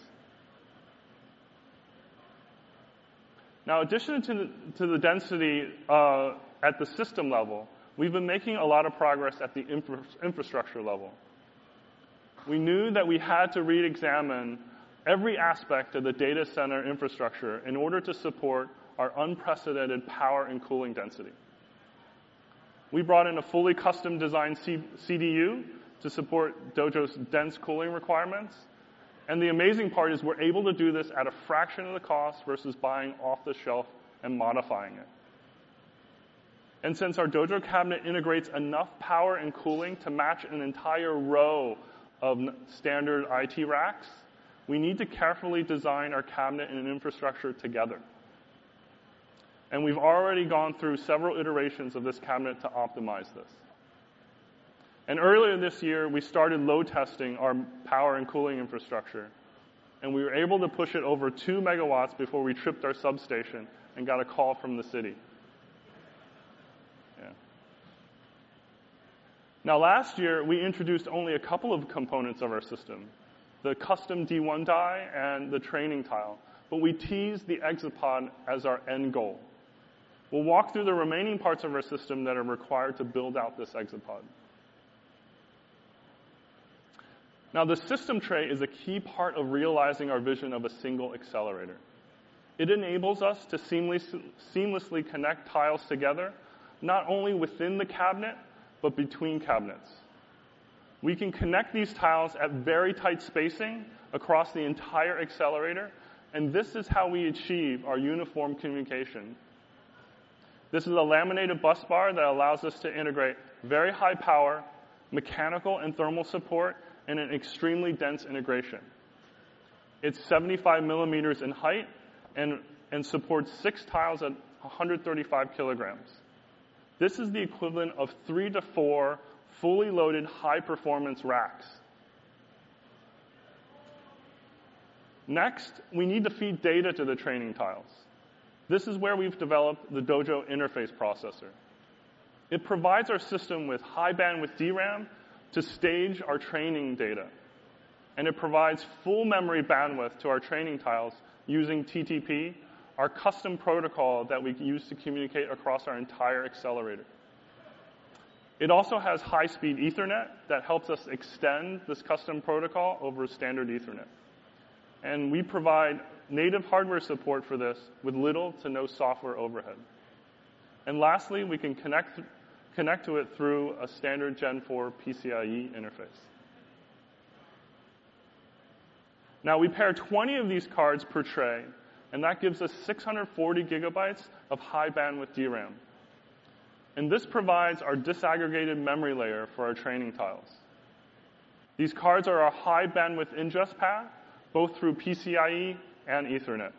In addition to the density at the system level, we've been making a lot of progress at the infrastructure level. We knew that we had to reexamine every aspect of the data center infrastructure in order to support our unprecedented power and cooling density. We brought in a fully custom-designed CDU to support Dojo's dense cooling requirements, and the amazing part is we're able to do this at a fraction of the cost versus buying off the shelf and modifying it. Since our Dojo cabinet integrates enough power and cooling to match an entire row of standard IT racks, we need to carefully design our cabinet and infrastructure together. We've already gone through several iterations of this cabinet to optimize this. Earlier this year, we started load testing our power and cooling infrastructure, and we were able to push it over 2 MW before we tripped our substation and got a call from the city. Yeah. Now, last year, we introduced only a couple of components of our system, the custom D1 die and the training tile, but we teased the ExaPOD as our end goal. We'll walk through the remaining parts of our system that are required to build out this ExaPOD. Now, the system tray is a key part of realizing our vision of a single accelerator. It enables us to seamlessly connect tiles together, not only within the cabinet but between cabinets. We can connect these tiles at very tight spacing across the entire accelerator, and this is how we achieve our uniform communication. This is a laminated busbar that allows us to integrate very high power, mechanical and thermal support in an extremely dense integration. It's 75 mm in height and supports six tiles at 135 kg. This is the equivalent of 3-4 fully loaded high-performance racks. Next, we need to feed data to the training tiles. This is where we've developed the Dojo Interface Processor. It provides our system with high bandwidth DRAM to stage our training data, and it provides full memory bandwidth to our training tiles using TTP, our custom protocol that we use to communicate across our entire accelerator. It also has high-speed Ethernet that helps us extend this custom protocol over standard Ethernet. We provide native hardware support for this with little to no software overhead. Lastly, we can connect to it through a standard Gen 4 PCIe interface. Now, we pair 20 of these cards per tray, and that gives us 640 GB of high-bandwidth DRAM. This provides our disaggregated memory layer for our training tiles. These cards are a high-bandwidth ingest path, both through PCIe and Ethernet.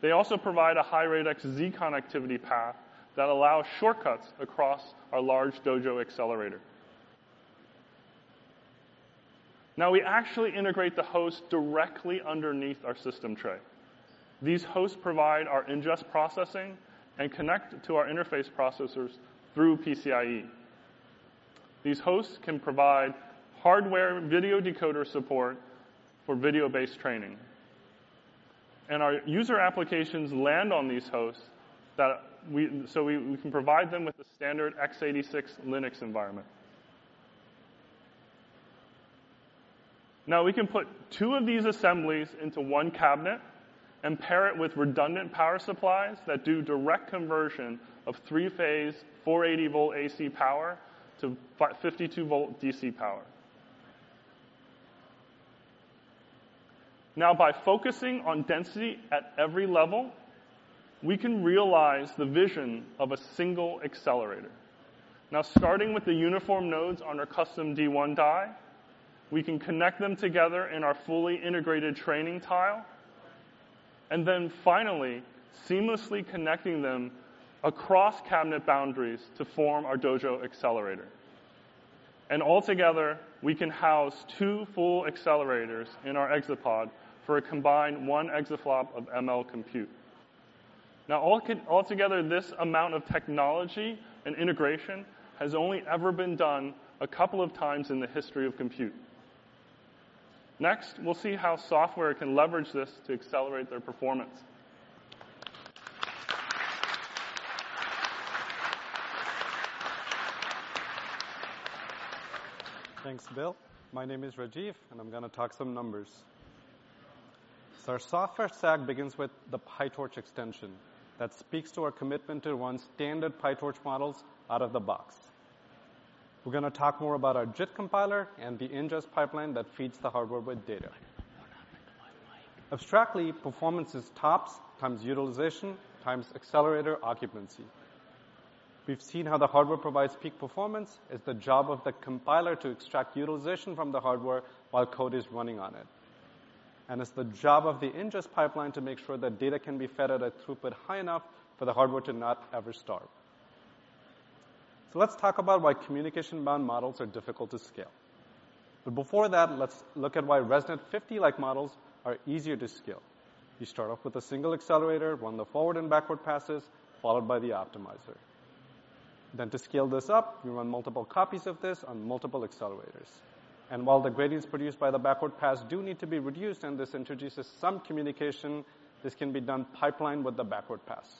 They also provide a high-rate XZ connectivity path that allows shortcuts across our large Dojo accelerator. Now, we actually integrate the host directly underneath our system tray. These hosts provide our ingest processing and connect to our interface processors through PCIe. These hosts can provide hardware video decoder support for video-based training. Our user applications land on these hosts so we can provide them with a standard x86 Linux environment. Now, we can put two of these assemblies into one cabinet and pair it with redundant power supplies that do direct conversion of three-phase 480-volt AC power to 52-volt DC power. Now, by focusing on density at every level, we can realize the vision of a single accelerator. Now, starting with the uniform nodes on our custom D1 die, we can connect them together in our fully integrated Training Tile, and then finally seamlessly connecting them across cabinet boundaries to form our Dojo accelerator. Altogether, we can house two full accelerators in our ExaPOD for a combined 1 exaflop of ML compute. Now, altogether, this amount of technology and integration has only ever been done a couple of times in the history of compute. Next, we'll see how software can leverage this to accelerate their performance. Thanks, Bill. My name is Rajiv, and I'm gonna talk some numbers. Our software stack begins with the PyTorch extension that speaks to our commitment to run standard PyTorch models out of the box. We're gonna talk more about our JIT compiler and the ingest pipeline that feeds the hardware with data. Abstractly, performance is tops times utilization times accelerator occupancy. We've seen how the hardware provides peak performance. It's the job of the compiler to extract utilization from the hardware while code is running on it. It's the job of the ingest pipeline to make sure that data can be fed at a throughput high enough for the hardware to not ever starve. Let's talk about why communication-bound models are difficult to scale. Before that, let's look at why ResNet-50-like models are easier to scale. You start off with a single accelerator, run the forward and backward passes, followed by the optimizer. To scale this up, you run multiple copies of this on multiple accelerators. While the gradients produced by the backward pass do need to be reduced, and this introduces some communication, this can be done pipelined with the backward pass.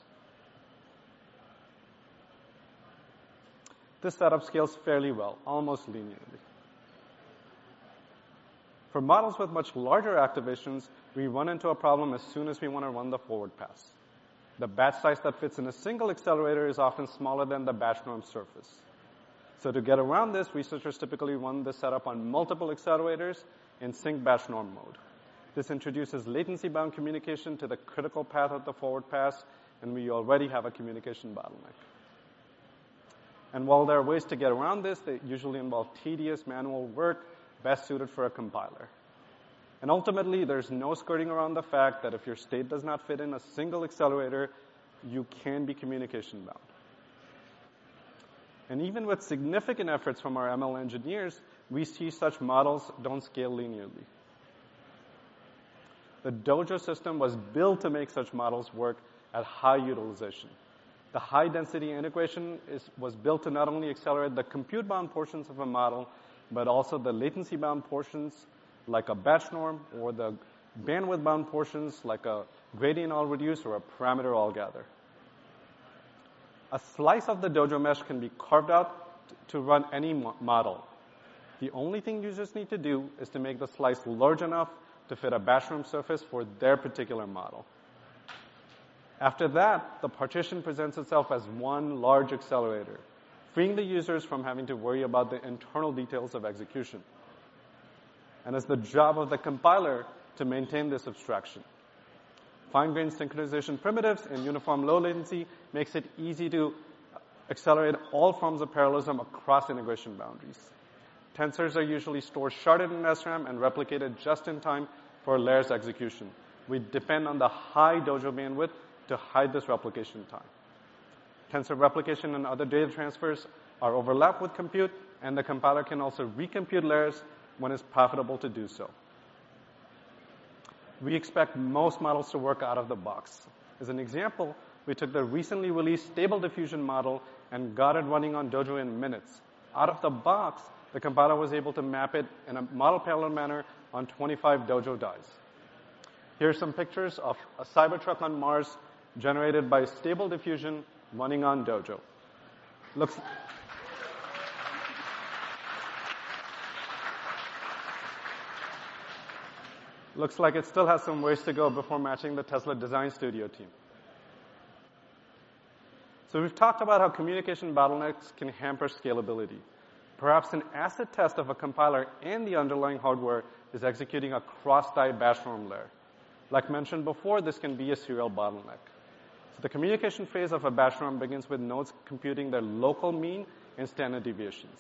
This setup scales fairly well, almost linearly. For models with much larger activations, we run into a problem as soon as we wanna run the forward pass. The batch size that fits in a single accelerator is often smaller than the batch norm surface. To get around this, researchers typically run the setup on multiple accelerators in sync batch norm mode. This introduces latency-bound communication to the critical path of the forward pass, and we already have a communication bottleneck. While there are ways to get around this, they usually involve tedious manual work best suited for a compiler. Ultimately, there's no skirting around the fact that if your state does not fit in a single accelerator, you can be communication-bound. Even with significant efforts from our ML engineers, we see such models don't scale linearly. The Dojo system was built to make such models work at high utilization. The high-density integration was built to not only accelerate the compute-bound portions of a model, but also the latency-bound portions like a batch norm or the bandwidth-bound portions like a gradient all reduce or a parameter all gather. A slice of the Dojo mesh can be carved out to run any model. The only thing users need to do is to make the slice large enough to fit a batch norm surface for their particular model. After that, the partition presents itself as one large accelerator, freeing the users from having to worry about the internal details of execution. It's the job of the compiler to maintain this abstraction. Fine-grained synchronization primitives and uniform low latency makes it easy to accelerate all forms of parallelism across integration boundaries. Tensors are usually stored sharded in SRAM and replicated just in time for a layer's execution. We depend on the high Dojo bandwidth to hide this replication time. Tensor replication and other data transfers are overlapped with compute, and the compiler can also recompute layers when it's profitable to do so. We expect most models to work out of the box. As an example, we took the recently released Stable Diffusion model and got it running on Dojo in minutes. Out of the box, the compiler was able to map it in a model parallel manner on 25 Dojo dies. Here are some pictures of a Cybertruck on Mars generated by Stable Diffusion running on Dojo. Looks like it still has some ways to go before matching the Tesla design studio team. We've talked about how communication bottlenecks can hamper scalability. Perhaps an acid test of a compiler and the underlying hardware is executing a cross-die batch norm layer. As mentioned before, this can be a serial bottleneck. The communication phase of a batch norm begins with nodes computing their local mean and standard deviations,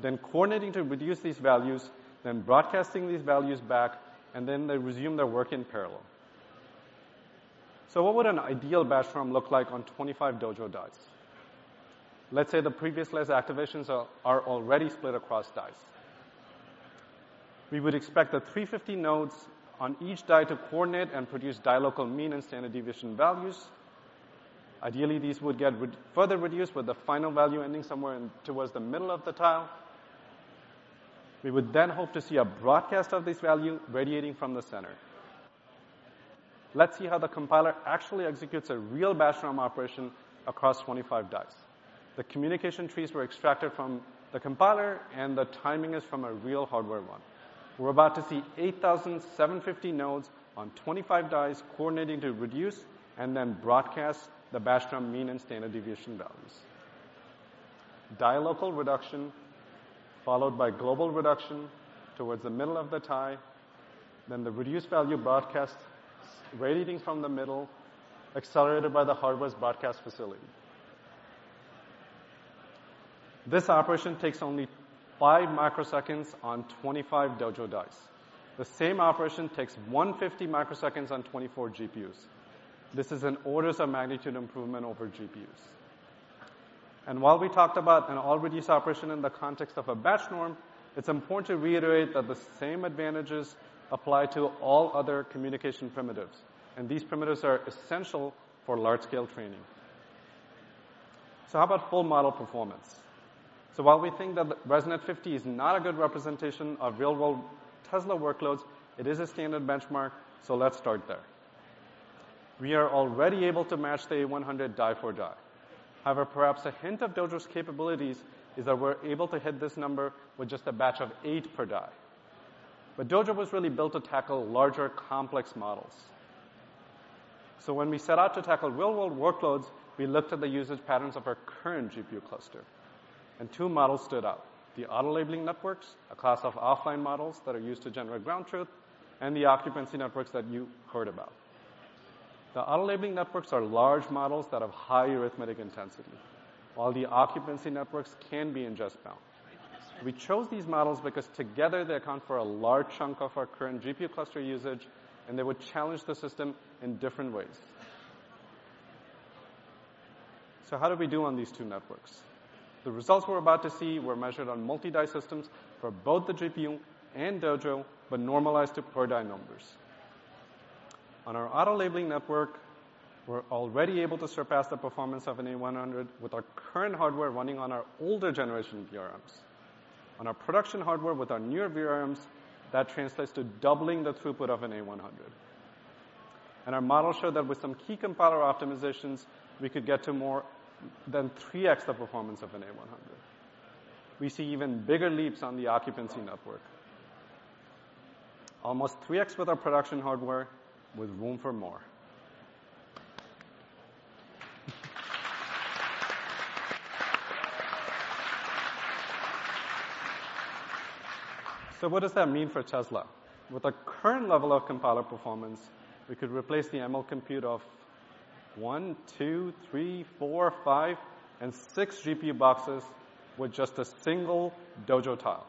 then coordinating to reduce these values, then broadcasting these values back, and then they resume their work in parallel. What would an ideal batch norm look like on 25 Dojo dies? Let's say the previous layer's activations are already split across dies. We would expect the 350 nodes on each die to coordinate and produce die local mean and standard deviation values. Ideally, these would get further reduced with the final value ending somewhere in towards the middle of the tile. We would then hope to see a broadcast of this value radiating from the center. Let's see how the compiler actually executes a real batch norm operation across 25 dies. The communication trees were extracted from the compiler, and the timing is from a real hardware run. We're about to see 8,750 nodes on 25 dies coordinating to reduce and then broadcast the batch norm mean and standard deviation values. The local reduction followed by global reduction towards the middle of the tile. The reduced value broadcast radiating from the middle, accelerated by the hardware's broadcast facility. This operation takes only five microseconds on 25 Dojo dies. The same operation takes 150 microseconds on 24 GPUs. This is an order of magnitude improvement over GPUs. While we talked about an all-reduce operation in the context of a batch norm, it's important to reiterate that the same advantages apply to all other communication primitives, and these primitives are essential for large-scale training. How about full model performance? While we think that ResNet-50 is not a good representation of real-world Tesla workloads, it is a standard benchmark, so let's start there. We are already able to match the A100 die for die. However, perhaps a hint of Dojo's capabilities is that we're able to hit this number with just a batch of eight per die. Dojo was really built to tackle larger, complex models. When we set out to tackle real-world workloads, we looked at the usage patterns of our current GPU cluster, and two models stood out. The auto labeling networks, a class of offline models that are used to generate ground truth, and the occupancy networks that you heard about. The auto labeling networks are large models that have high arithmetic intensity, while the occupancy networks can be ingest-bound. We chose these models because together they account for a large chunk of our current GPU cluster usage, and they would challenge the system in different ways. How did we do on these two networks? The results we're about to see were measured on multi-die systems for both the GPU and Dojo, but normalized to per die numbers. On our auto labeling network, we're already able to surpass the performance of an A100 with our current hardware running on our older generation VRMs. On our production hardware with our newer VRMs, that translates to doubling the throughput of an A100. Our model showed that with some key compiler optimizations, we could get to more than 3x the performance of an A100. We see even bigger leaps on the occupancy network. Almost 3x with our production hardware with room for more. What does that mean for Tesla? With the current level of compiler performance, we could replace the ML compute of one, two, three, four, five, and six GPU boxes with just a single Dojo tile.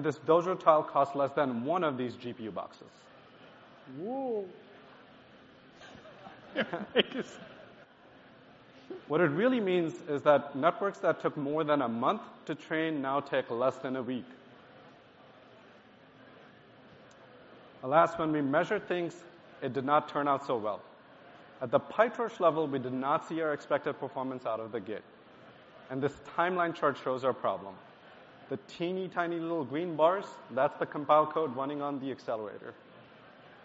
This Dojo tile costs less than one of these GPU boxes. Whoa. What it really means is that networks that took more than a month to train now take less than a week. Alas, when we measured things, it did not turn out so well. At the PyTorch level, we did not see our expected performance out of the gate, and this timeline chart shows our problem. The teeny-tiny little green bars, that's the compiled code running on the accelerator.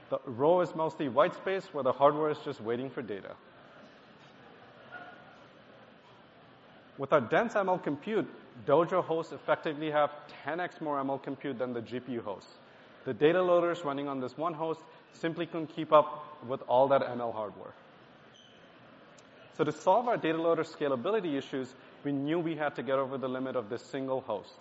The row is mostly white space where the hardware is just waiting for data. With our dense ML compute, Dojo hosts effectively have 10x more ML compute than the GPU hosts. The data loaders running on this one host simply couldn't keep up with all that ML hardware. To solve our data loader scalability issues, we knew we had to get over the limit of this single host.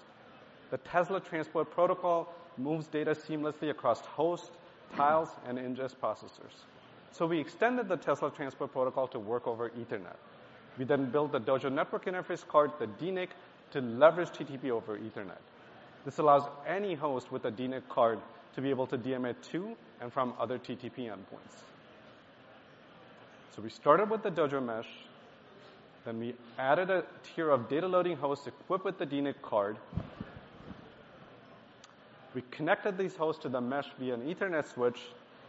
The Tesla Transport Protocol moves data seamlessly across hosts, tiles, and ingest processors. We extended the Tesla Transport Protocol to work over Ethernet. We then built the Dojo Network Interface Card, the DNIC, to leverage TTP over Ethernet. This allows any host with a DNIC card to be able to DMA to and from other TTP endpoints. We started with the Dojo mesh, then we added a tier of data loading hosts equipped with the DNIC card. We connected these hosts to the mesh via an Ethernet switch.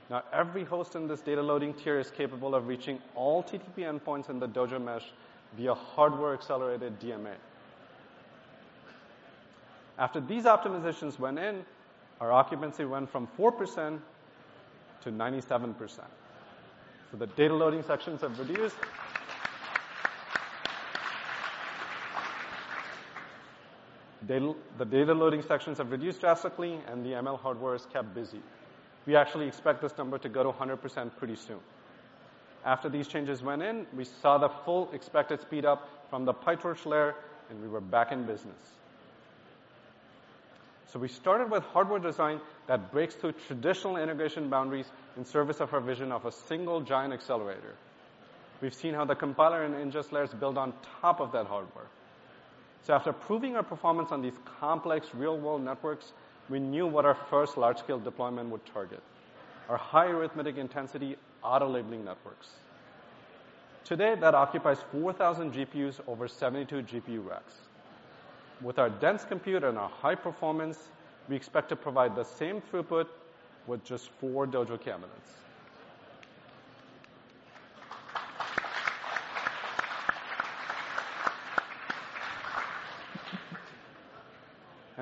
Now, every host in this data loading tier is capable of reaching all TTP endpoints in the Dojo mesh via hardware-accelerated DMA. After these optimizations went in, our occupancy went from 4% to 97%. The data loading sections have reduced drastically, and the ML hardware is kept busy. We actually expect this number to go to 100% pretty soon. After these changes went in, we saw the full expected speed up from the PyTorch layer, and we were back in business. We started with hardware design that breaks through traditional integration boundaries in service of our vision of a single giant accelerator. We've seen how the compiler and ingest layers build on top of that hardware. After proving our performance on these complex real-world networks, we knew what our first large-scale deployment would target, our high arithmetic-intensity auto labeling networks. Today, that occupies 4,000 GPUs over 72 GPU racks. With our dense compute and our high performance, we expect to provide the same throughput with just four Dojo cabinets.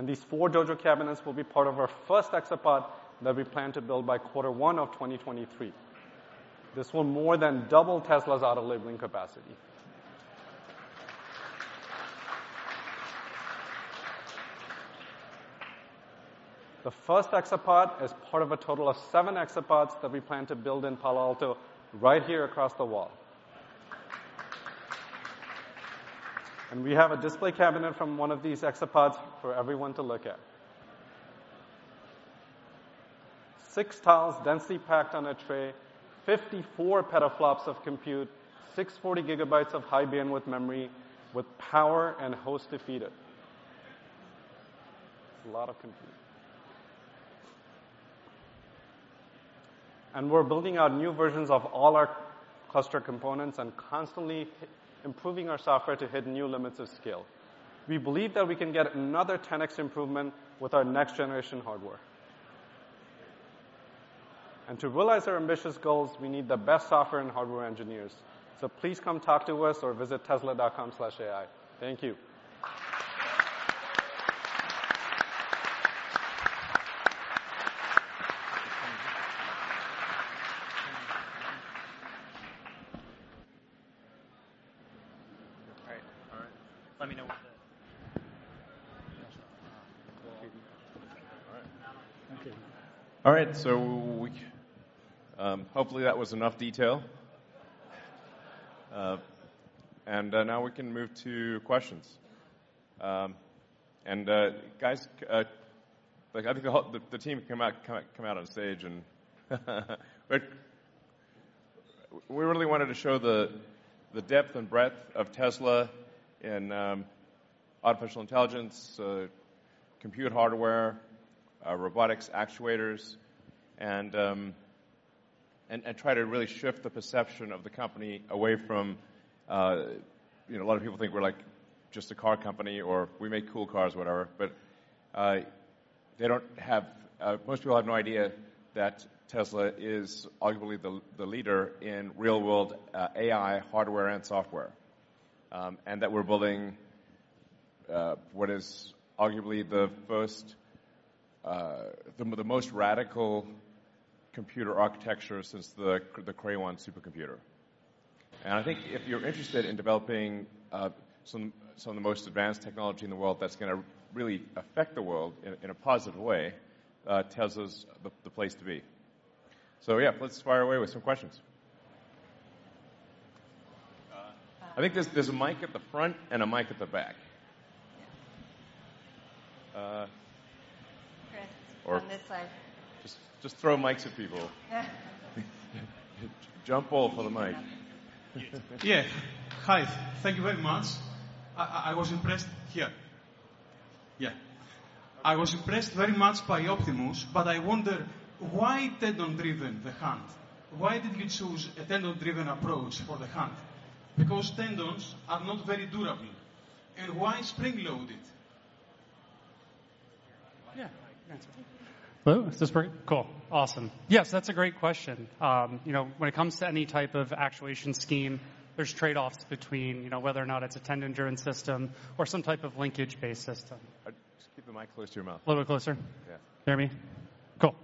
These four Dojo cabinets will be part of our first ExaPOD that we plan to build by quarter one of 2023. This will more than double Tesla's auto labeling capacity. The first ExaPOD is part of a total of seven ExaPODs that we plan to build in Palo Alto right here across the wall. We have a display cabinet from one of these ExaPODs for everyone to look at. six tiles densely packed on a tray, 54 petaflops of compute, 640 GB of high bandwidth memory with power and host interface. It's a lot of compute. We're building out new versions of all our cluster components and constantly improving our software to hit new limits of scale. We believe that we can get another 10x improvement with our next-generation hardware. To realize our ambitious goals, we need the best software and hardware engineers. Please come talk to us or visit tesla.com/ai. Thank you. All right. Let me know when. All right. Okay. All right, hopefully that was enough detail. Now we can move to questions. Guys, like I think all the team come out on stage and we really wanted to show the depth and breadth of Tesla in artificial intelligence, compute hardware, robotics actuators and try to really shift the perception of the company away from you know, a lot of people think we're like just a car company or we make cool cars, whatever. Most people have no idea that Tesla is arguably the leader in real-world AI hardware and software and that we're building what is arguably the first, the most radical computer architecture since the Cray-1 supercomputer. I think if you're interested in developing some of the most advanced technology in the world that's gonna really affect the world in a positive way, Tesla's the place to be. Yeah, let's fire away with some questions. I think there's a mic at the front and a mic at the back. Yes. Uh. Chris, on this side. Just throw mics at people. Yeah. Jump all for the mic. Yeah. Hi. Thank you very much. I was impressed very much by Optimus, but I wonder why tendon-driven, the hand? Why did you choose a tendon-driven approach for the hand? Because tendons are not very durable. Why spring-loaded? Yeah. Hello. Is this working? Cool. Awesome. Yes, that's a great question. You know, when it comes to any type of actuation scheme, there's trade-offs between, you know, whether or not it's a tendon-driven system or some type of linkage-based system. Just keep the mic close to your mouth. A little bit closer? Yeah. Can you hear me? Cool.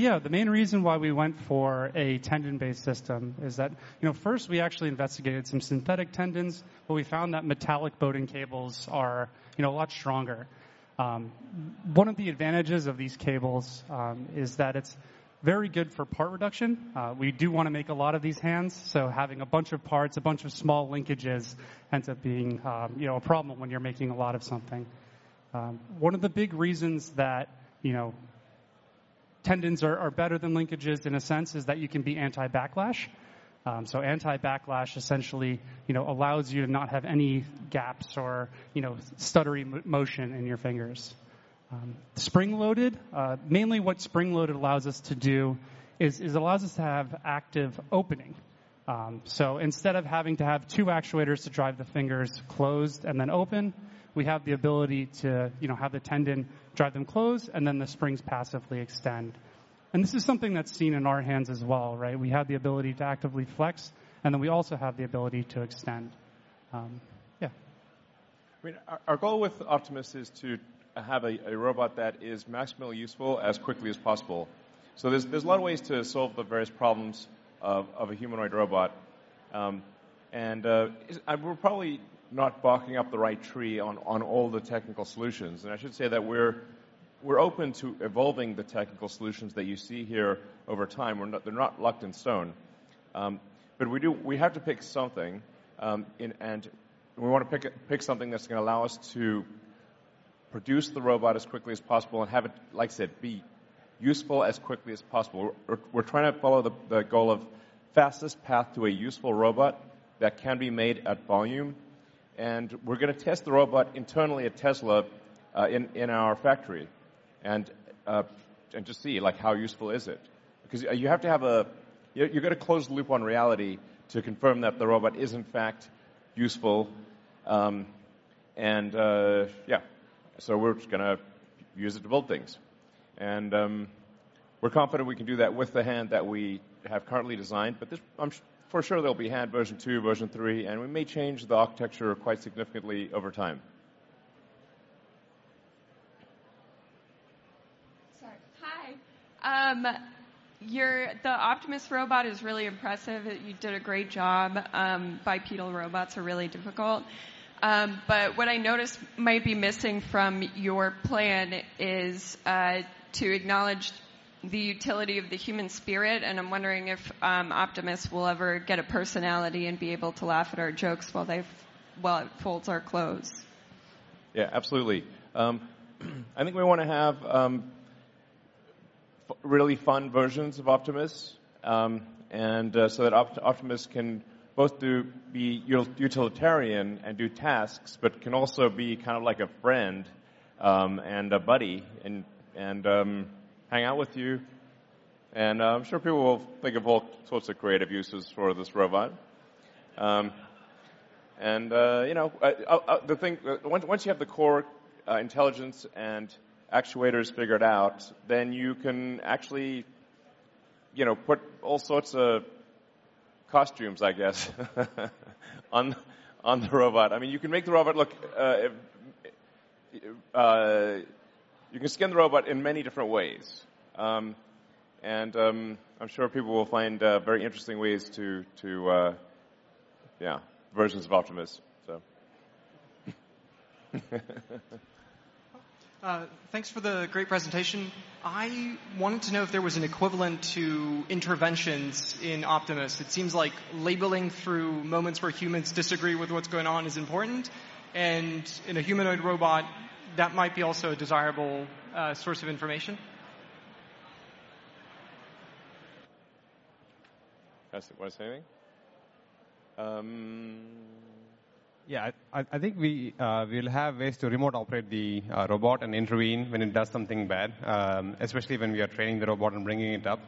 Yeah. The main reason why we went for a tendon-based system is that, you know, first we actually investigated some synthetic tendons, but we found that metallic Bowden cables are, you know, a lot stronger. One of the advantages of these cables is that it's very good for part reduction. We do wanna make a lot of these hands, so having a bunch of parts, a bunch of small linkages ends up being, you know, a problem when you're making a lot of something. One of the big reasons that, you know, tendons are better than linkages in a sense is that you can be anti-backlash. Anti-backlash essentially, you know, allows you to not have any gaps or, you know, stuttering motion in your fingers. Spring-loaded mainly what spring-loaded allows us to do is allows us to have active opening. Instead of having to have two actuators to drive the fingers closed and then open, we have the ability to, you know, have the tendon drive them closed and then the springs passively extend. This is something that's seen in our hands as well, right? We have the ability to actively flex, and then we also have the ability to extend. I mean, our goal with Optimus is to have a robot that is maximally useful as quickly as possible. There's a lot of ways to solve the various problems of a humanoid robot. We're probably not barking up the right tree on all the technical solutions. I should say that we're open to evolving the technical solutions that you see here over time. They're not locked in stone. We have to pick something, and we wanna pick something that's gonna allow us to produce the robot as quickly as possible and have it, like I said, be useful as quickly as possible. We're trying to follow the goal of fastest path to a useful robot that can be made at volume, and we're gonna test the robot internally at Tesla, in our factory and just see, like, how useful is it. Because you're gonna close the loop on reality to confirm that the robot is in fact useful. We're just gonna use it to build things. We're confident we can do that with the hand that we have currently designed, but for sure there'll be hand version two, version three, and we may change the architecture quite significantly over time. Sorry. Hi. The Optimus robot is really impressive. You did a great job. Bipedal robots are really difficult. What I noticed might be missing from your plan is to acknowledge the utility of the human spirit, and I'm wondering if Optimus will ever get a personality and be able to laugh at our jokes while it folds our clothes? Yeah, absolutely. I think we wanna have really fun versions of Optimus, and so that Optimus can both be utilitarian and do tasks, but can also be kind of like a friend, and a buddy and hang out with you. I'm sure people will think of all sorts of creative uses for this robot. You know, once you have the core intelligence and actuators figured out, then you can actually, you know, put all sorts of costumes, I guess, on the robot. I mean, you can make the robot look. You can skin the robot in many different ways. I'm sure people will find very interesting ways to yeah, versions of Optimus. Thanks for the great presentation. I wanted to know if there was an equivalent to interventions in Optimus. It seems like labeling through moments where humans disagree with what's going on is important, and in a humanoid robot, that might be also a desirable source of information. Pass it to Vasudev? Yeah. I think we will have ways to remote operate the robot and intervene when it does something bad, especially when we are training the robot and bringing it up.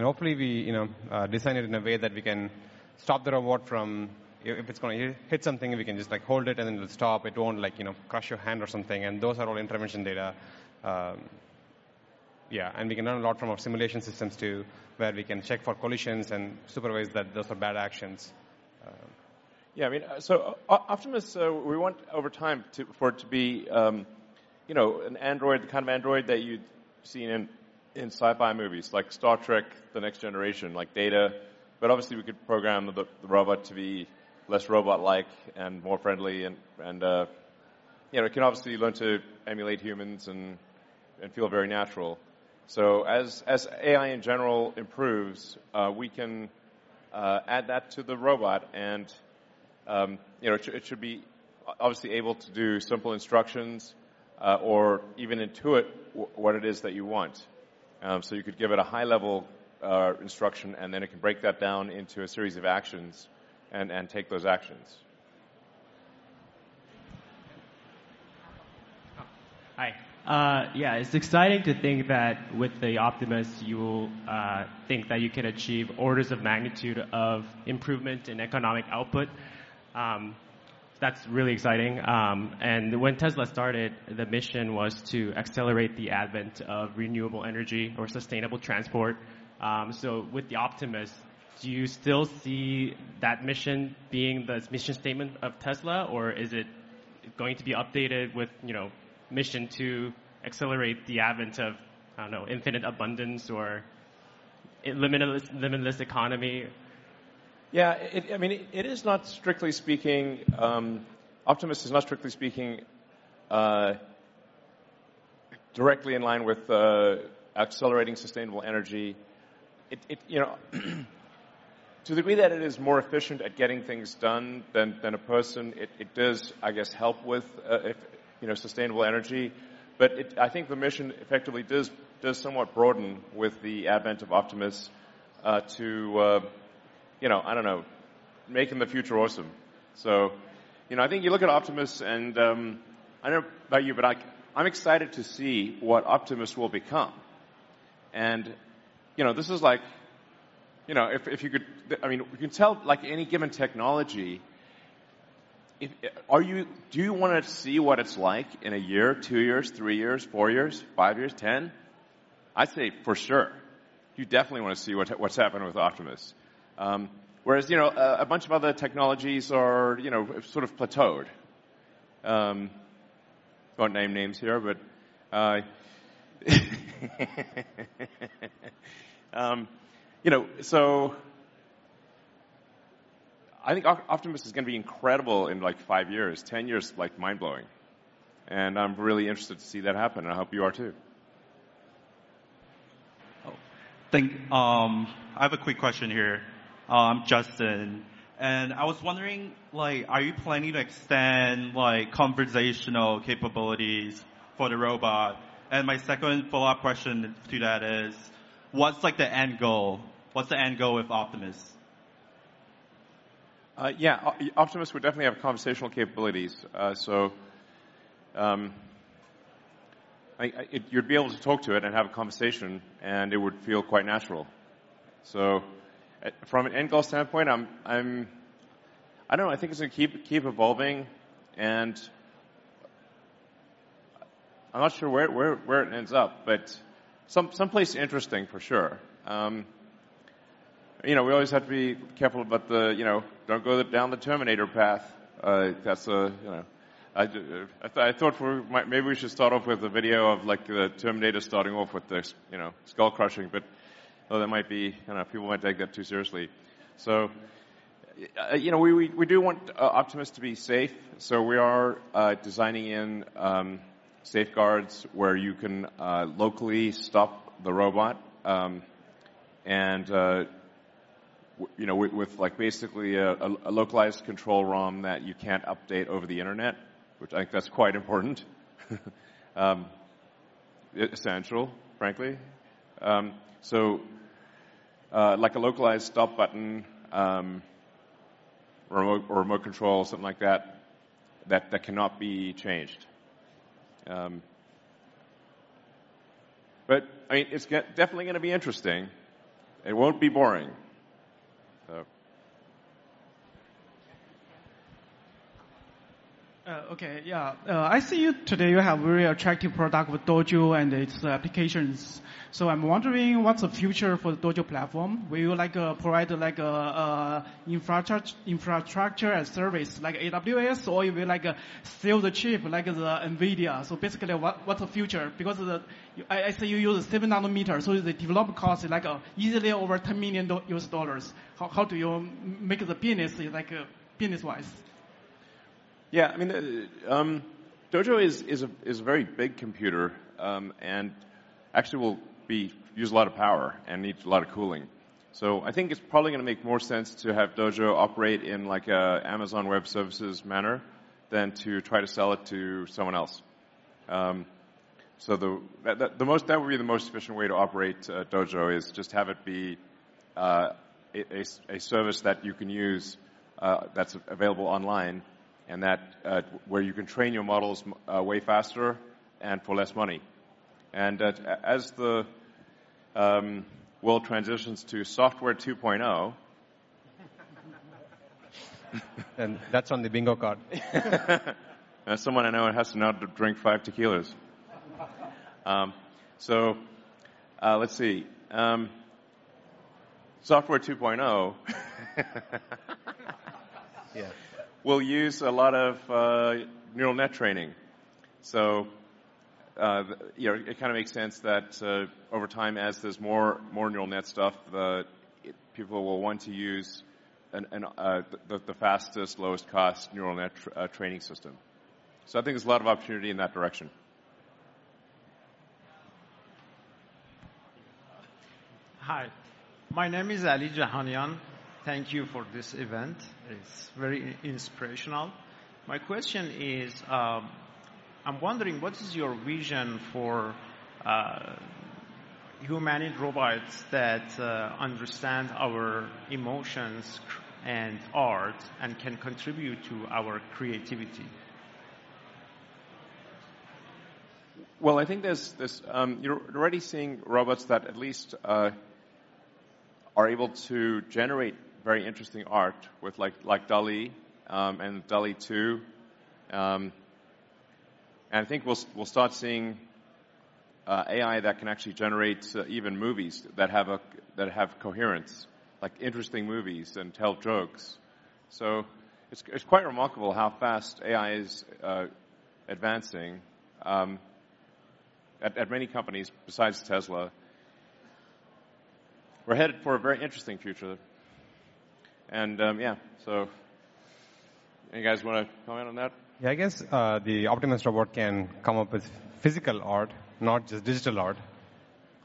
Hopefully, we you know design it in a way that we can stop the robot. If it's gonna hit something, we can just, like, hold it and it'll stop. It won't, like, you know, crush your hand or something, and those are all intervention data. Yeah, we can learn a lot from our simulation systems too, where we can check for collisions and supervise that those are bad actions. I mean, Optimus, we want over time for it to be, you know, an android, the kind of android that you'd seen in sci-fi movies, like Star Trek: The Next Generation, like Data. But obviously, we could program the robot to be less robot-like and more friendly and, you know, it can obviously learn to emulate humans and feel very natural. As AI in general improves, we can add that to the robot and, you know, it should be obviously able to do simple instructions or even intuit what it is that you want. You could give it a high-level instruction, and then it can break that down into a series of actions and take those actions. Hi. Yeah, it's exciting to think that with the Optimus, you will think that you can achieve orders of magnitude of improvement in economic output. That's really exciting. When Tesla started, the mission was to accelerate the advent of renewable energy or sustainable transport. With the Optimus, do you still see that mission being the mission statement of Tesla, or is it going to be updated with, you know, mission to accelerate the advent of, I don't know, infinite abundance or? In limitless economy. Yeah, I mean, it is not strictly speaking, Optimus is not strictly speaking, directly in line with accelerating sustainable energy. It, you know, to the degree that it is more efficient at getting things done than a person, it does, I guess, help with, you know, sustainable energy. It. I think the mission effectively does somewhat broaden with the advent of Optimus, to, you know, I don't know, making the future awesome. You know, I think you look at Optimus and, I don't know about you, but I'm excited to see what Optimus will become. You know, this is like, you know, if you could. I mean, we can tell like any given technology. Do you wanna see what it's like in a year, two years, three years, four years, five years, 10? I'd say for sure. You definitely wanna see what's happening with Optimus. Whereas, you know, a bunch of other technologies are, you know, have sort of plateaued. Won't name names here, but, you know, so I think Optimus is gonna be incredible in like five years. 10 years, like mind-blowing. I'm really interested to see that happen, and I hope you are too. Oh, thank you. I have a quick question here. Justin. I was wondering, like, are you planning to extend like conversational capabilities for the robot? My second follow-up question to that is, what's like the end goal? What's the end goal with Optimus? Yeah. Optimus will definitely have conversational capabilities. You'd be able to talk to it and have a conversation, and it would feel quite natural. From an end goal standpoint, I don't know, I think it's gonna keep evolving, and I'm not sure where it ends up, but someplace interesting for sure. You know, we always have to be careful about, you know, don't go down the Terminator path. That's a, you know. I thought maybe we should start off with a video of like the Terminator starting off with this, you know, skull crushing, but, well, that might be, I don't know, people might take that too seriously. You know, we do want Optimus to be safe, so we are designing in safeguards where you can locally stop the robot. With like basically a localized control ROM that you can't update over the internet, which I think that's quite important. Essential, frankly. Like a localized stop button, remote control, something like that cannot be changed. But I mean, it's definitely gonna be interesting. It won't be boring. Okay, yeah. I see you today you have very attractive product with Dojo and its applications. So I'm wondering what's the future for the Dojo platform. Will you like provide like infrastructure as service like AWS, or you be like a sell the chip like the NVIDIA? So basically what's the future? Because I see you use 7 nanometer, so the development cost is like easily over $10 million. How do you make the business like business-wise? Yeah, I mean, Dojo is a very big computer, and actually will use a lot of power and needs a lot of cooling. I think it's probably gonna make more sense to have Dojo operate in like a Amazon Web Services manner than to try to sell it to someone else. The most efficient way to operate Dojo is just have it be a service that you can use, that's available online and that where you can train your models way faster and for less money. As the world transitions to Software 2.0- That's on the bingo card. That's someone I know and has to now drink five tequilas. Software 2.0 Yeah. Will use a lot of neural net training. You know, it kinda makes sense that over time, as there's more neural net stuff, the people will want to use the fastest, lowest cost neural net training system. I think there's a lot of opportunity in that direction. Hi. My name is Ali Jahanian. Thank you for this event. It's very inspirational. My question is, I'm wondering what is your vision for humanoid robots that understand our emotions and art and can contribute to our creativity? Well, I think there's this, you're already seeing robots that at least are able to generate very interesting art with like DALL·E and DALL·E 2. I think we'll start seeing AI that can actually generate even movies that have coherence, like interesting movies and tell jokes. It's quite remarkable how fast AI is advancing at many companies besides Tesla. We're headed for a very interesting future. Yeah, any of you guys wanna comment on that? Yeah, I guess, the Optimus robot can come up with physical art, not just digital art.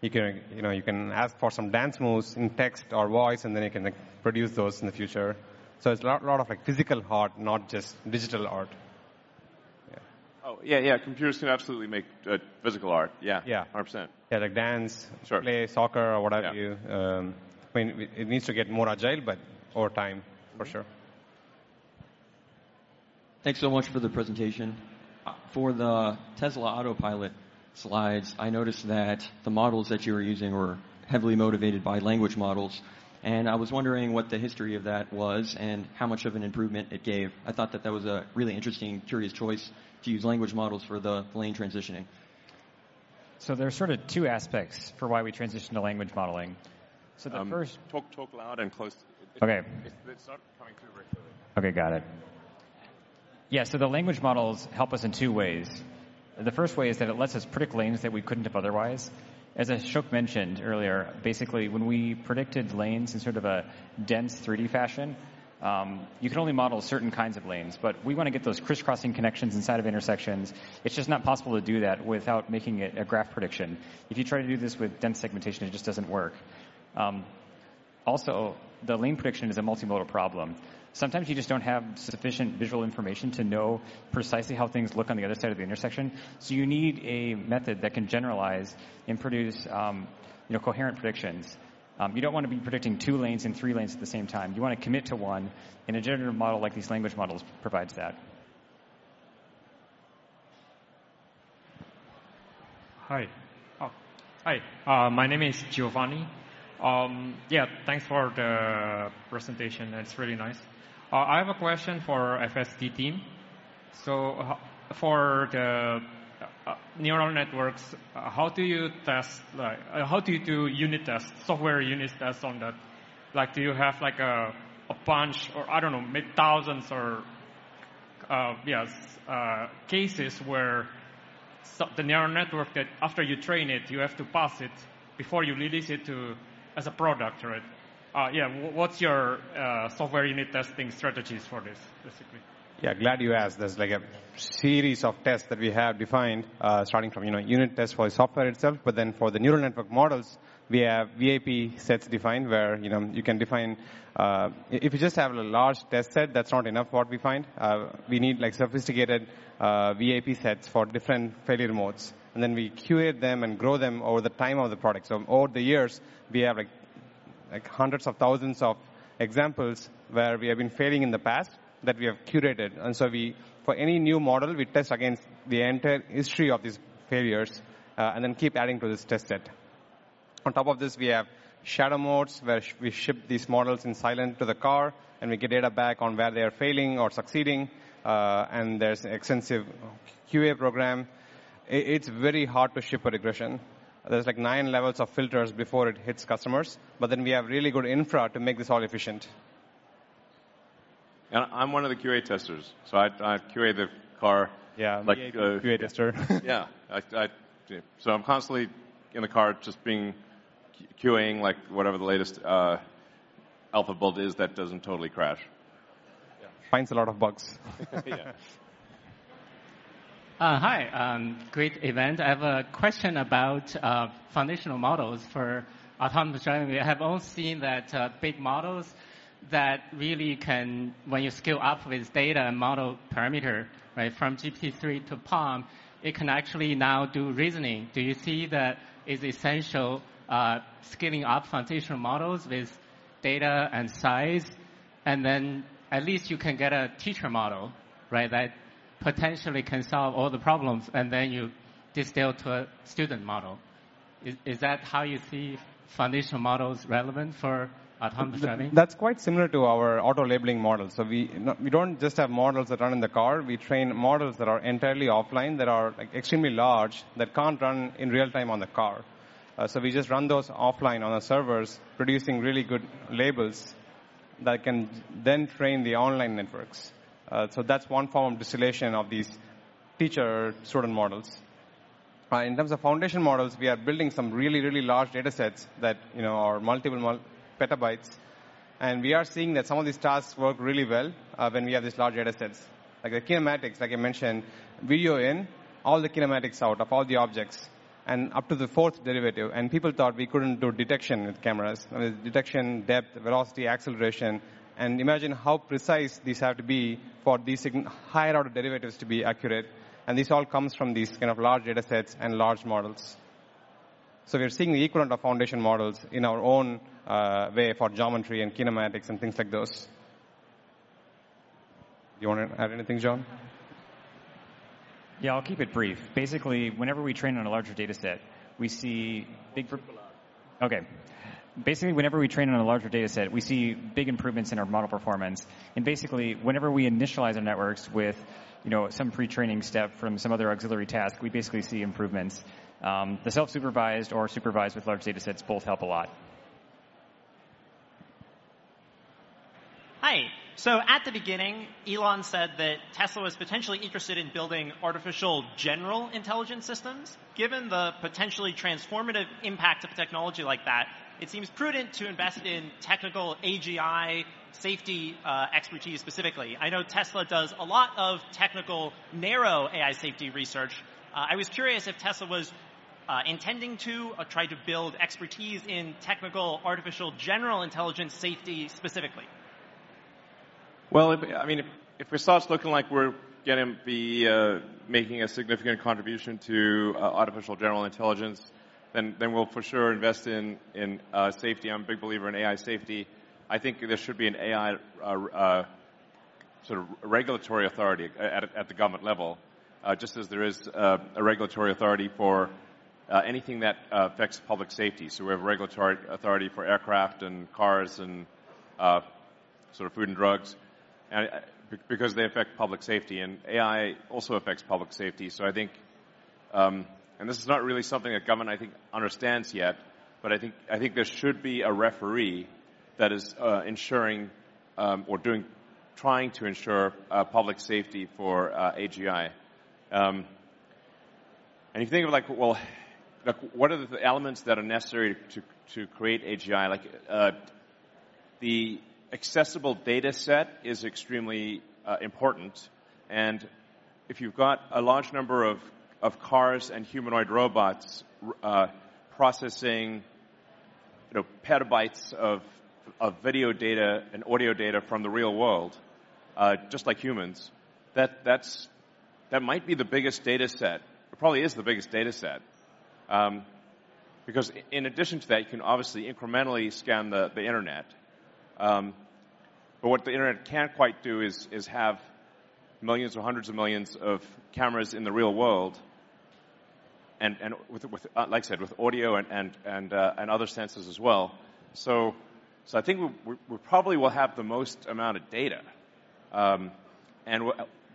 You can, you know, you can ask for some dance moves in text or voice, and then it can, like, produce those in the future. It's a lot of, like, physical art, not just digital art. Yeah. Oh, yeah. Computers can absolutely make physical art. Yeah. Yeah. 100%. Yeah, like. Sure play soccer or whatever you Yeah I mean, it needs to get more agile, but over time, for sure. Mm-hmm. Thanks so much for the presentation. For the Tesla Autopilot slides, I noticed that the models that you were using were heavily motivated by language models, and I was wondering what the history of that was and how much of an improvement it gave. I thought that was a really interesting, curious choice to use language models for the lane transitioning. There are sorta two aspects for why we transitioned to language modeling. Talk loud and close to the- Okay. It's not coming through very clearly. Okay, got it. Yeah, the language models help us in two ways. The first way is that it lets us predict lanes that we couldn't have otherwise. As Ashok mentioned earlier, basically, when we predicted lanes in sort of a dense 3D fashion, you can only model certain kinds of lanes. But if we wanna get those crisscrossing connections inside of intersections, it's just not possible to do that without making it a graph prediction. If you try to do this with dense segmentation, it just doesn't work. Also, the lane prediction is a multimodal problem. Sometimes you just don't have sufficient visual information to know precisely how things look on the other side of the intersection, so you need a method that can generalize and produce, you know, coherent predictions. You don't wanna be predicting two lanes and three lanes at the same time. You wanna commit to one, and a generative model like these language models provides that. Hi. My name is Giovanni. Yeah, thanks for the presentation. It's really nice. I have a question for FSD team. For the neural networks, how do you do unit tests, software unit tests on that? Like, do you have, like, a bunch or, I don't know, mid-thousands or yes, cases where the neural network that after you train it, you have to pass it before you release it to as a product, right? Yeah, what's your software unit testing strategies for this basically? Yeah, glad you asked. There's, like, a series of tests that we have defined, starting from, you know, unit test for the software itself. For the neural network models, we have VAP sets defined where, you know, you can define. If you just have a large test set, that's not enough what we find. We need, like, sophisticated, VAP sets for different failure modes, and then we curate them and grow them over the time of the product. Over the years, we have, like, hundreds of thousands of examples where we have been failing in the past that we have curated. For any new model, we test against the entire history of these failures, and then keep adding to this test set. On top of this, we have shadow modes, where we ship these models silently to the car, and we get data back on where they are failing or succeeding. There's extensive QA program. It's very hard to ship a regression. There's, like, nine levels of filters before it hits customers, but then we have really good infra to make this all efficient. I'm one of the QA testers, so I QA the car. Yeah, me too. QA tester. I'm constantly in the car just being QA-ing, like, whatever the latest alpha build is that doesn't totally crash. Yeah. Finds a lot of bugs. Yeah. Hi. Great event. I have a question about foundational models for autonomous driving. We have all seen that big models that really can, when you scale up with data and model parameter, right, from GPT-3 to PaLM, it can actually now do reasoning. Do you see that it's essential scaling up foundational models with data and size, and then at least you can get a teacher model, right, that potentially can solve all the problems, and then you distill to a student model? Is that how you see foundational models relevant for autonomous driving? That's quite similar to our auto-labeling models. We don't just have models that run in the car. We train models that are entirely offline, that are, like, extremely large, that can't run in real time on the car. We just run those offline on our servers, producing really good labels that can then train the online networks. That's one form of distillation of these teacher student models. In terms of foundation models, we are building some really, really large datasets that, you know, are multiple terabytes, and we are seeing that some of these tasks work really well, when we have these large datasets. Like the kinematics, like I mentioned, video in, all the kinematics out of all the objects and up to the fourth derivative. People thought we couldn't do detection with cameras, depth, velocity, acceleration. Imagine how precise these have to be for these higher order derivatives to be accurate, and this all comes from these kind of large datasets and large models. We are seeing the equivalent of foundation models in our own way for geometry and kinematics and things like those. Do you wanna add anything, John? Yeah, I'll keep it brief. Basically, whenever we train on a larger dataset, we see big. Talk a little loud. Okay. Basically, whenever we train on a larger dataset, we see big improvements in our model performance. Basically, whenever we initialize our networks with, you know, some pre-training step from some other auxiliary task, we basically see improvements. The self-supervised or supervised with large datasets both help a lot. Hi. At the beginning, Elon said that Tesla was potentially interested in building artificial general intelligence systems. Given the potentially transformative impact of technology like that, it seems prudent to invest in technical AGI safety expertise specifically. I know Tesla does a lot of technical narrow AI safety research. I was curious if Tesla was intending to or try to build expertise in technical artificial general intelligence safety specifically. Well, I mean, if it starts looking like we're gonna be making a significant contribution to artificial general intelligence then we'll for sure invest in safety. I'm a big believer in AI safety. I think there should be an AI sort of regulatory authority at the government level, just as there is a regulatory authority for anything that affects public safety. We have a regulatory authority for aircraft and cars and sort of food and drugs and because they affect public safety, and AI also affects public safety. I think, and this is not really something that government I think understands yet, but I think there should be a referee that is ensuring or trying to ensure public safety for AGI. You think of like, well, like what are the elements that are necessary to create AGI? Like, the accessible data set is extremely important, and if you've got a large number of cars and humanoid robots processing, you know, petabytes of video data and audio data from the real world, just like humans, that might be the biggest data set. It probably is the biggest data set. Because in addition to that, you can obviously incrementally scan the internet. But what the internet can't quite do is have millions or hundreds of millions of cameras in the real world and with, like I said, with audio and other sensors as well. I think we probably will have the most amount of data, and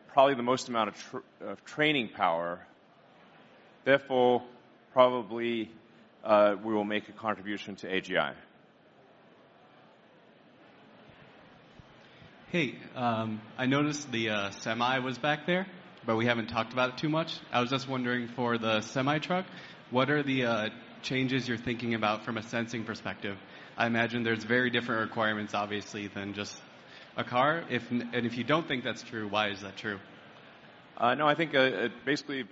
probably the most amount of training power, therefore probably we will make a contribution to AGI. Hey, I noticed the Semi was back there, but we haven't talked about it too much. I was just wondering, for the Semi truck, what are the changes you're thinking about from a sensing perspective? I imagine there's very different requirements obviously than just a car. If you don't think that's true, why is that true? No, I think basically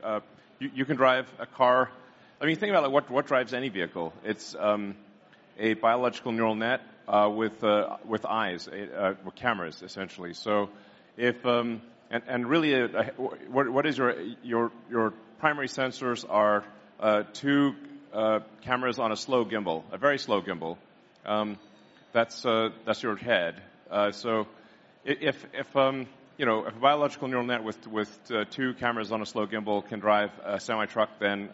you can drive a car. I mean, think about it, what drives any vehicle? It's a biological neural net with eyes or cameras essentially. What is your primary sensors are two cameras on a slow gimbal, a very slow gimbal. That's your head. If you know, if a biological neural net with two cameras on a slow gimbal can drive a Semi truck, then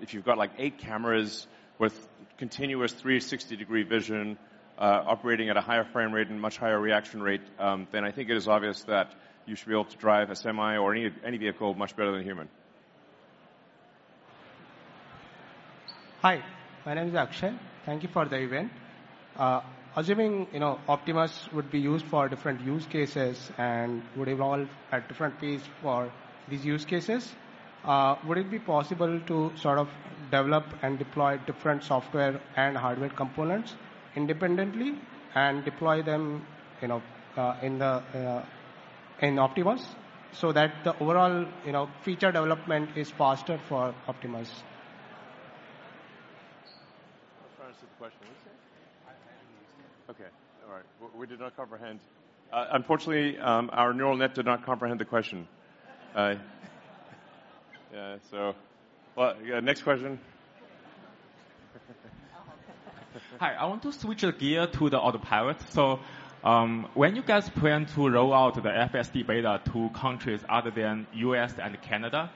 if you've got like eight cameras with continuous 360-degree vision, operating at a higher frame rate and much higher reaction rate, then I think it is obvious that you should be able to drive a Semi or any vehicle much better than a human. Hi, my name is Akshay. Thank you for the event. Assuming, you know, Optimus would be used for different use cases and would evolve at different pace for these use cases, would it be possible to sort of develop and deploy different software and hardware components independently and deploy them, you know, in the, in Optimus so that the overall, you know, feature development is faster for Optimus? What was the question? Okay. All right. We did not comprehend. Unfortunately, our neural net did not comprehend the question. Yeah, next question. Hi. I want to switch gear to the Autopilot. When you guys plan to roll out the FSD Beta to countries other than U.S. and Canada?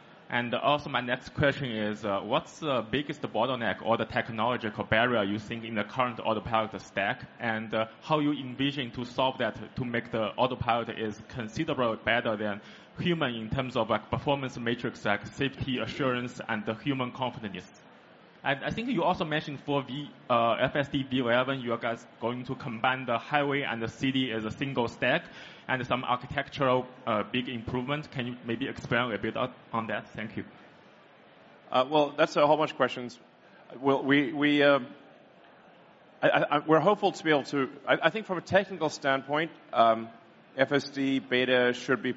My next question is, what's the biggest bottleneck or the technological barrier you think in the current Autopilot stack, and, how you envision to solve that to make the Autopilot is considerably better than human in terms of like performance metrics, like safety assurance and the human confidence? I think you also mentioned for V11, you guys are going to combine the highway and the city as a single stack and some architectural, big improvements. Can you maybe expand a bit on that? Thank you. Well, that's a whole bunch of questions. I think from a technical standpoint, it should be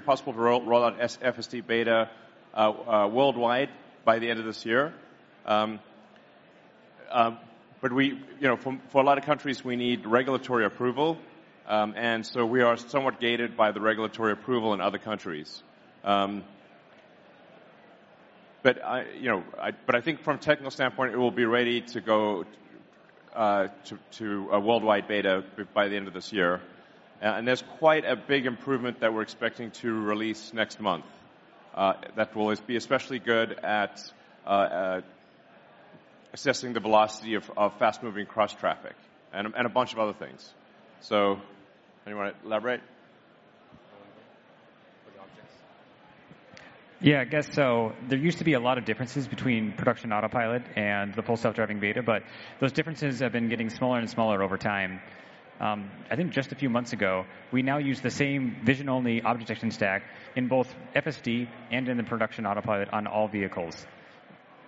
possible to roll out FSD Beta worldwide by the end of this year. We, you know, for a lot of countries, we need regulatory approval, and so we are somewhat gated by the regulatory approval in other countries. I think from a technical standpoint, it will be ready to go to a worldwide beta by the end of this year. There's quite a big improvement that we're expecting to release next month that will be especially good at assessing the velocity of fast-moving cross traffic and a bunch of other things. Anyone wanna elaborate? Yeah, I guess so. There used to be a lot of differences between production Autopilot and the Full Self-Driving Beta, but those differences have been getting smaller and smaller over time. I think just a few months ago, we now use the same vision-only object detection stack in both FSD and in the production Autopilot on all vehicles.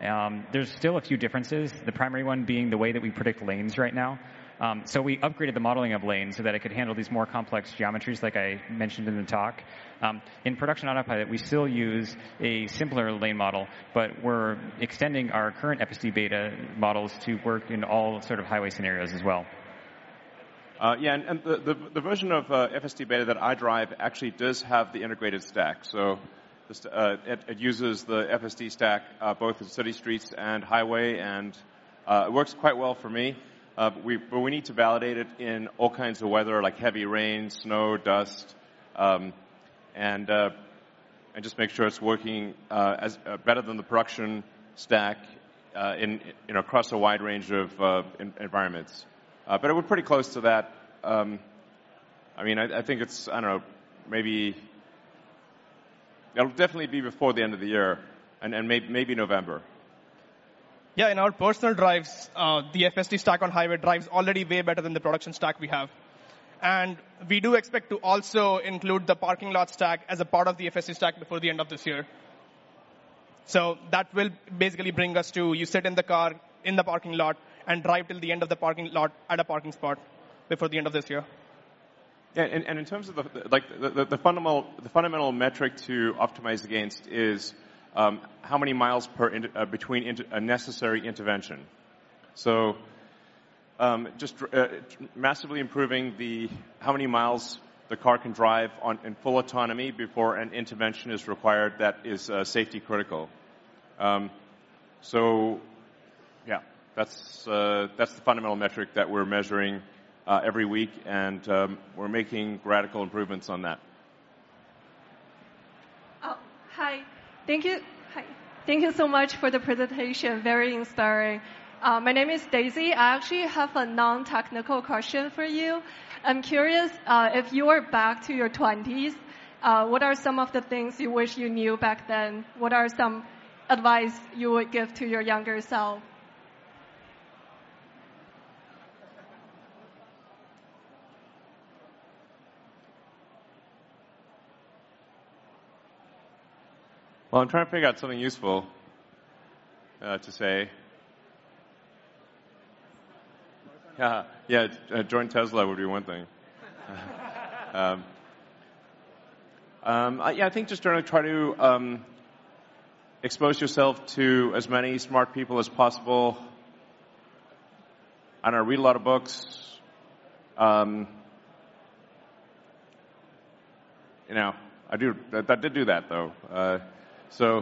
There's still a few differences, the primary one being the way that we predict lanes right now. We upgraded the modeling of lanes so that it could handle these more complex geometries like I mentioned in the talk. In production Autopilot, we still use a simpler lane model, but we're extending our current FSD Beta models to work in all sort of highway scenarios as well. Yeah, the version of FSD Beta that I drive actually does have the integrated stack. It just uses the FSD stack both in city streets and highway, and it works quite well for me. We need to validate it in all kinds of weather, like heavy rain, snow, dust, and just make sure it's working better than the production stack across a wide range of environments. We're pretty close to that. I mean, I think it's, I don't know, maybe it'll definitely be before the end of the year and maybe November. Yeah, in our personal drives, the FSD stack on highway drives already way better than the production stack we have. We do expect to also include the parking lot stack as a part of the FSD stack before the end of this year. That will basically bring us to you sit in the car in the parking lot and drive till the end of the parking lot at a parking spot before the end of this year. Yeah, in terms of the fundamental metric to optimize against is how many miles between necessary interventions. Just massively improving how many miles the car can drive in full autonomy before an intervention is required that is safety critical. Yeah, that's the fundamental metric that we're measuring every week, and we're making radical improvements on that. Oh, hi. Thank you. Hi. Thank you so much for the presentation. Very inspiring. My name is Daisy. I actually have a non-technical question for you. I'm curious, if you were back to your twenties, what are some of the things you wish you knew back then? What are some advice you would give to your younger self? Well, I'm trying to figure out something useful to say. Join Tesla. Yeah. Join Tesla would be one thing. Yeah, I think just trying to expose yourself to as many smart people as possible. I don't know, read a lot of books. You know, I did do that though. I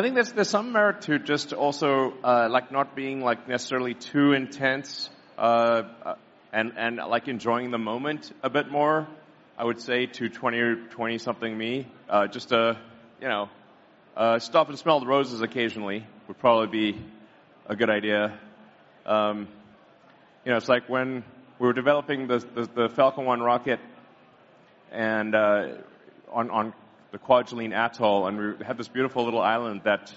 think there's some merit to just also like not being like necessarily too intense and like enjoying the moment a bit more, I would say to 20 or 20-something me. Just, you know, stop and smell the roses occasionally would probably be a good idea. You know, it's like when we were developing the Falcon 1 rocket and on the Kwajalein Atoll, and we had this beautiful little island that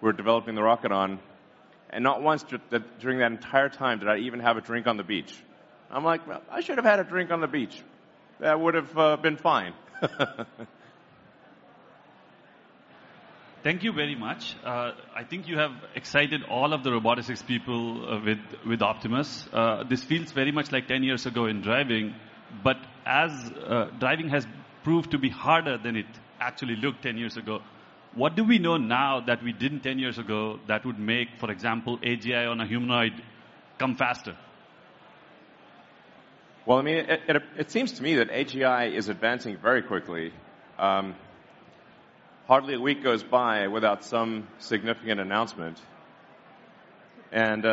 we were developing the rocket on, and not once during that entire time did I even have a drink on the beach. I'm like, "Well, I should have had a drink on the beach. That would've been fine. Thank you very much. I think you have excited all of the robotics people with Optimus. This feels very much like ten years ago in driving, but driving has proved to be harder than it actually looked ten years ago. What do we know now that we didn't ten years ago that would make, for example, AGI on a humanoid come faster? Well, I mean, it seems to me that AGI is advancing very quickly. Hardly a week goes by without some significant announcement and,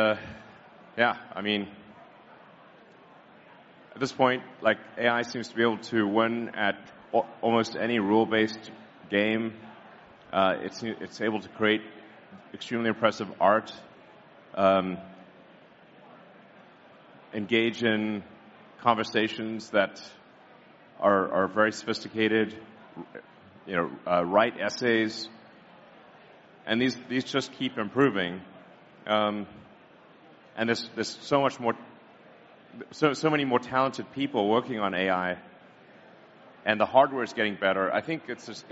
yeah, I mean, at this point, like AI seems to be able to win at almost any rule-based game. It's able to create extremely impressive art, engage in conversations that are very sophisticated, you know, write essays, and these just keep improving. And there's so much more, so many more talented people working on AI, and the hardware is getting better. I think it's just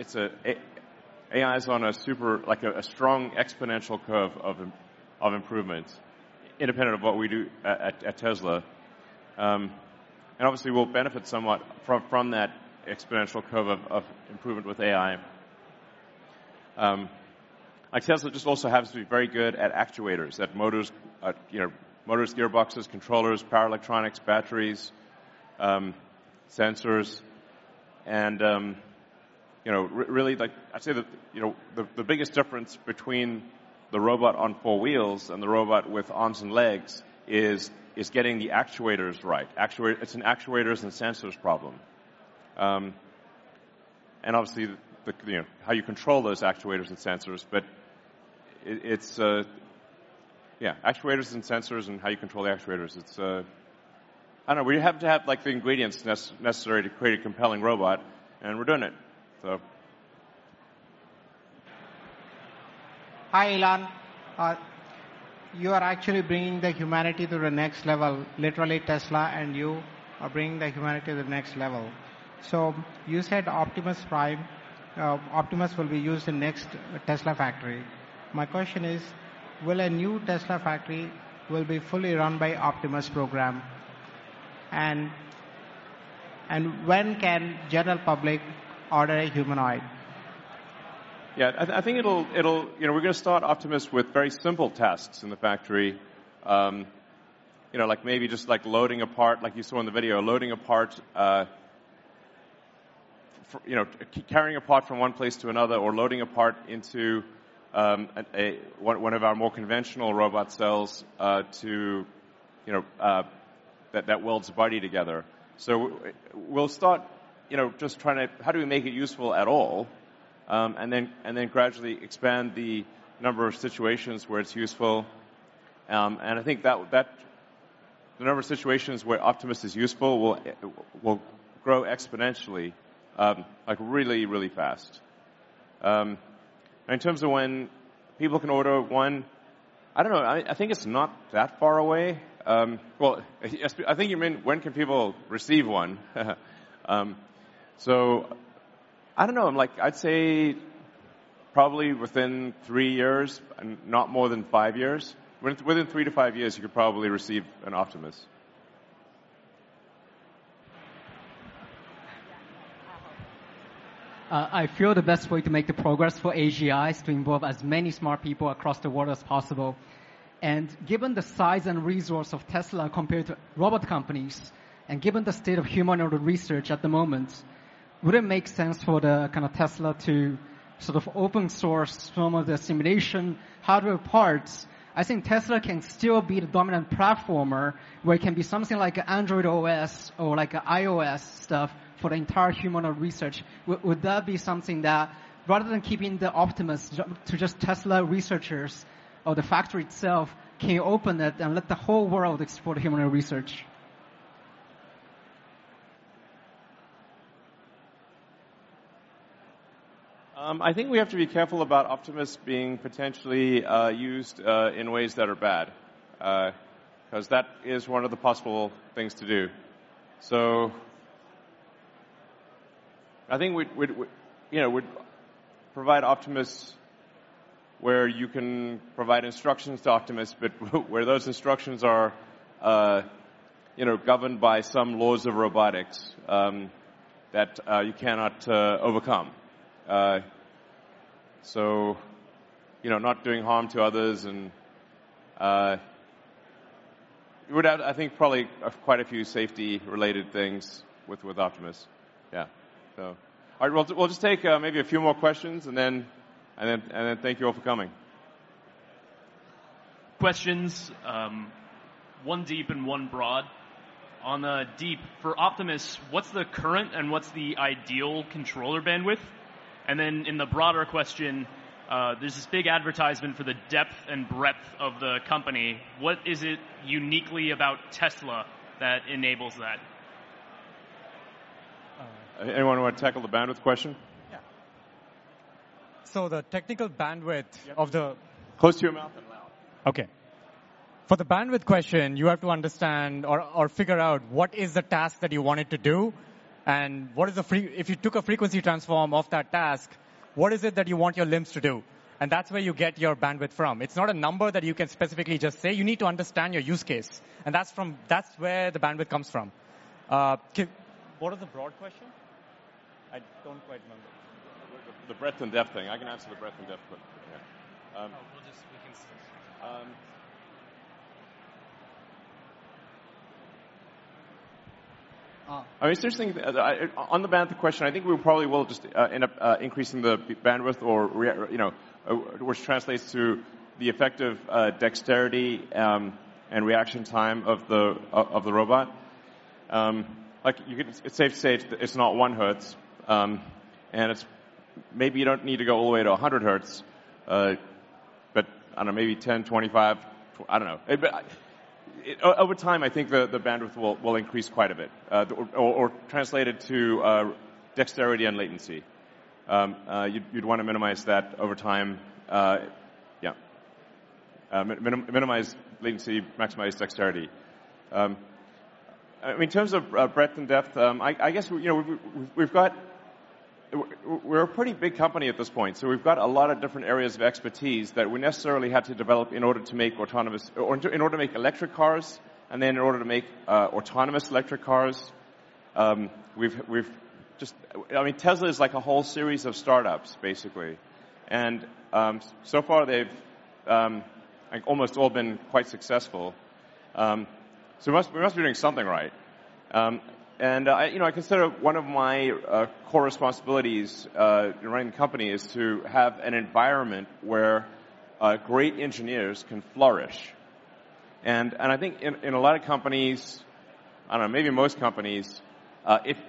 AI is on a super, like a strong exponential curve of improvement independent of what we do at Tesla. And obviously we'll benefit somewhat from that exponential curve of improvement with AI. Like Tesla just also happens to be very good at actuators, at motors, you know, motors, gearboxes, controllers, power electronics, batteries, sensors, and you know really like I'd say that you know the biggest difference between the robot on four wheels and the robot with arms and legs is getting the actuators right. It's an actuators and sensors problem. Obviously the you know how you control those actuators and sensors, but it's yeah actuators and sensors and how you control the actuators. It's I don't know we have to have like the ingredients necessary to create a compelling robot, and we're doing it so. Hi, Elon. You are actually bringing the humanity to the next level. Literally, Tesla and you are bringing the humanity to the next level. You said Optimus Prime, Optimus will be used in next Tesla factory. My question is, will a new Tesla factory will be fully run by Optimus program, and when can general public order a humanoid? Yeah. I think it'll, you know, we're gonna start Optimus with very simple tasks in the factory. You know, like, maybe just, like, loading a part, like you saw in the video, loading a part, for, you know, carrying a part from one place to another or loading a part into a one of our more conventional robot cells, to, you know, that welds a body together. We'll start, you know, just trying to how do we make it useful at all, and then gradually expand the number of situations where it's useful. I think that the number of situations where Optimus is useful will grow exponentially, like, really, really fast. In terms of when people can order one, I don't know. I think it's not that far away. Well, I think you meant when can people receive one? I don't know. I'm like, I'd say probably within three years and not more than five years. Within three to five years, you could probably receive an Optimus. I feel the best way to make the progress for AGI is to involve as many smart people across the world as possible. Given the size and resource of Tesla compared to robot companies, and given the state of humanoid research at the moment, would it make sense for the kind of Tesla to sort of open source some of the simulation hardware parts? I think Tesla can still be the dominant platformer, where it can be something like Android OS or like a iOS stuff for the entire humanoid research. Would that be something that rather than keeping the Optimus to just Tesla researchers or the factory itself, can you open it and let the whole world explore humanoid research? I think we have to be careful about Optimus being potentially used in ways that are bad, 'cause that is one of the possible things to do. I think we'd, you know, provide Optimus where you can provide instructions to Optimus, but where those instructions are, you know, governed by some laws of robotics, that you cannot overcome. You know, not doing harm to others and we'd have, I think, probably quite a few safety related things with Optimus. Yeah. All right, we'll just take maybe a few more questions and then thank you all for coming. Questions, one deep and one broad. On the deep, for Optimus, what's the current and what's the ideal controller bandwidth? In the broader question, there's this big advertisement for the depth and breadth of the company. What is it uniquely about Tesla that enables that? Anyone wanna tackle the bandwidth question? The technical bandwidth Yep... of the- Close to your mouth and loud. Okay. For the bandwidth question, you have to understand or figure out what is the task that you want it to do, and if you took a frequency transform of that task, what is it that you want your limbs to do? That's where you get your bandwidth from. It's not a number that you can specifically just say. You need to understand your use case, and that's where the bandwidth comes from. What is the broad question? I don't quite remember. The breadth and depth thing. I can answer the breadth and depth one. Yeah. We can switch.... um. Oh. I mean, it's interesting. On the bandwidth question, I think we probably will just end up increasing the bandwidth or, you know, which translates to the effective dexterity and reaction time of the robot. Like, you can, it's safe to say it's not one hertz, and it's maybe you don't need to go all the way to 100 hertz, but I don't know, maybe 10, 25. I don't know. Over time, I think the bandwidth will increase quite a bit, or translated to dexterity and latency. You'd wanna minimize that over time. Yeah. Minimize latency, maximize dexterity. I mean, in terms of breadth and depth, I guess, you know, we're a pretty big company at this point, so we've got a lot of different areas of expertise that we necessarily had to develop in order to make electric cars and then in order to make autonomous electric cars. We've just, I mean, Tesla is like a whole series of startups basically, and so far they've like almost all been quite successful. We must be doing something right. I consider one of my core responsibilities in running the company is to have an environment where great engineers can flourish. I think in a lot of companies, I don't know, maybe most companies,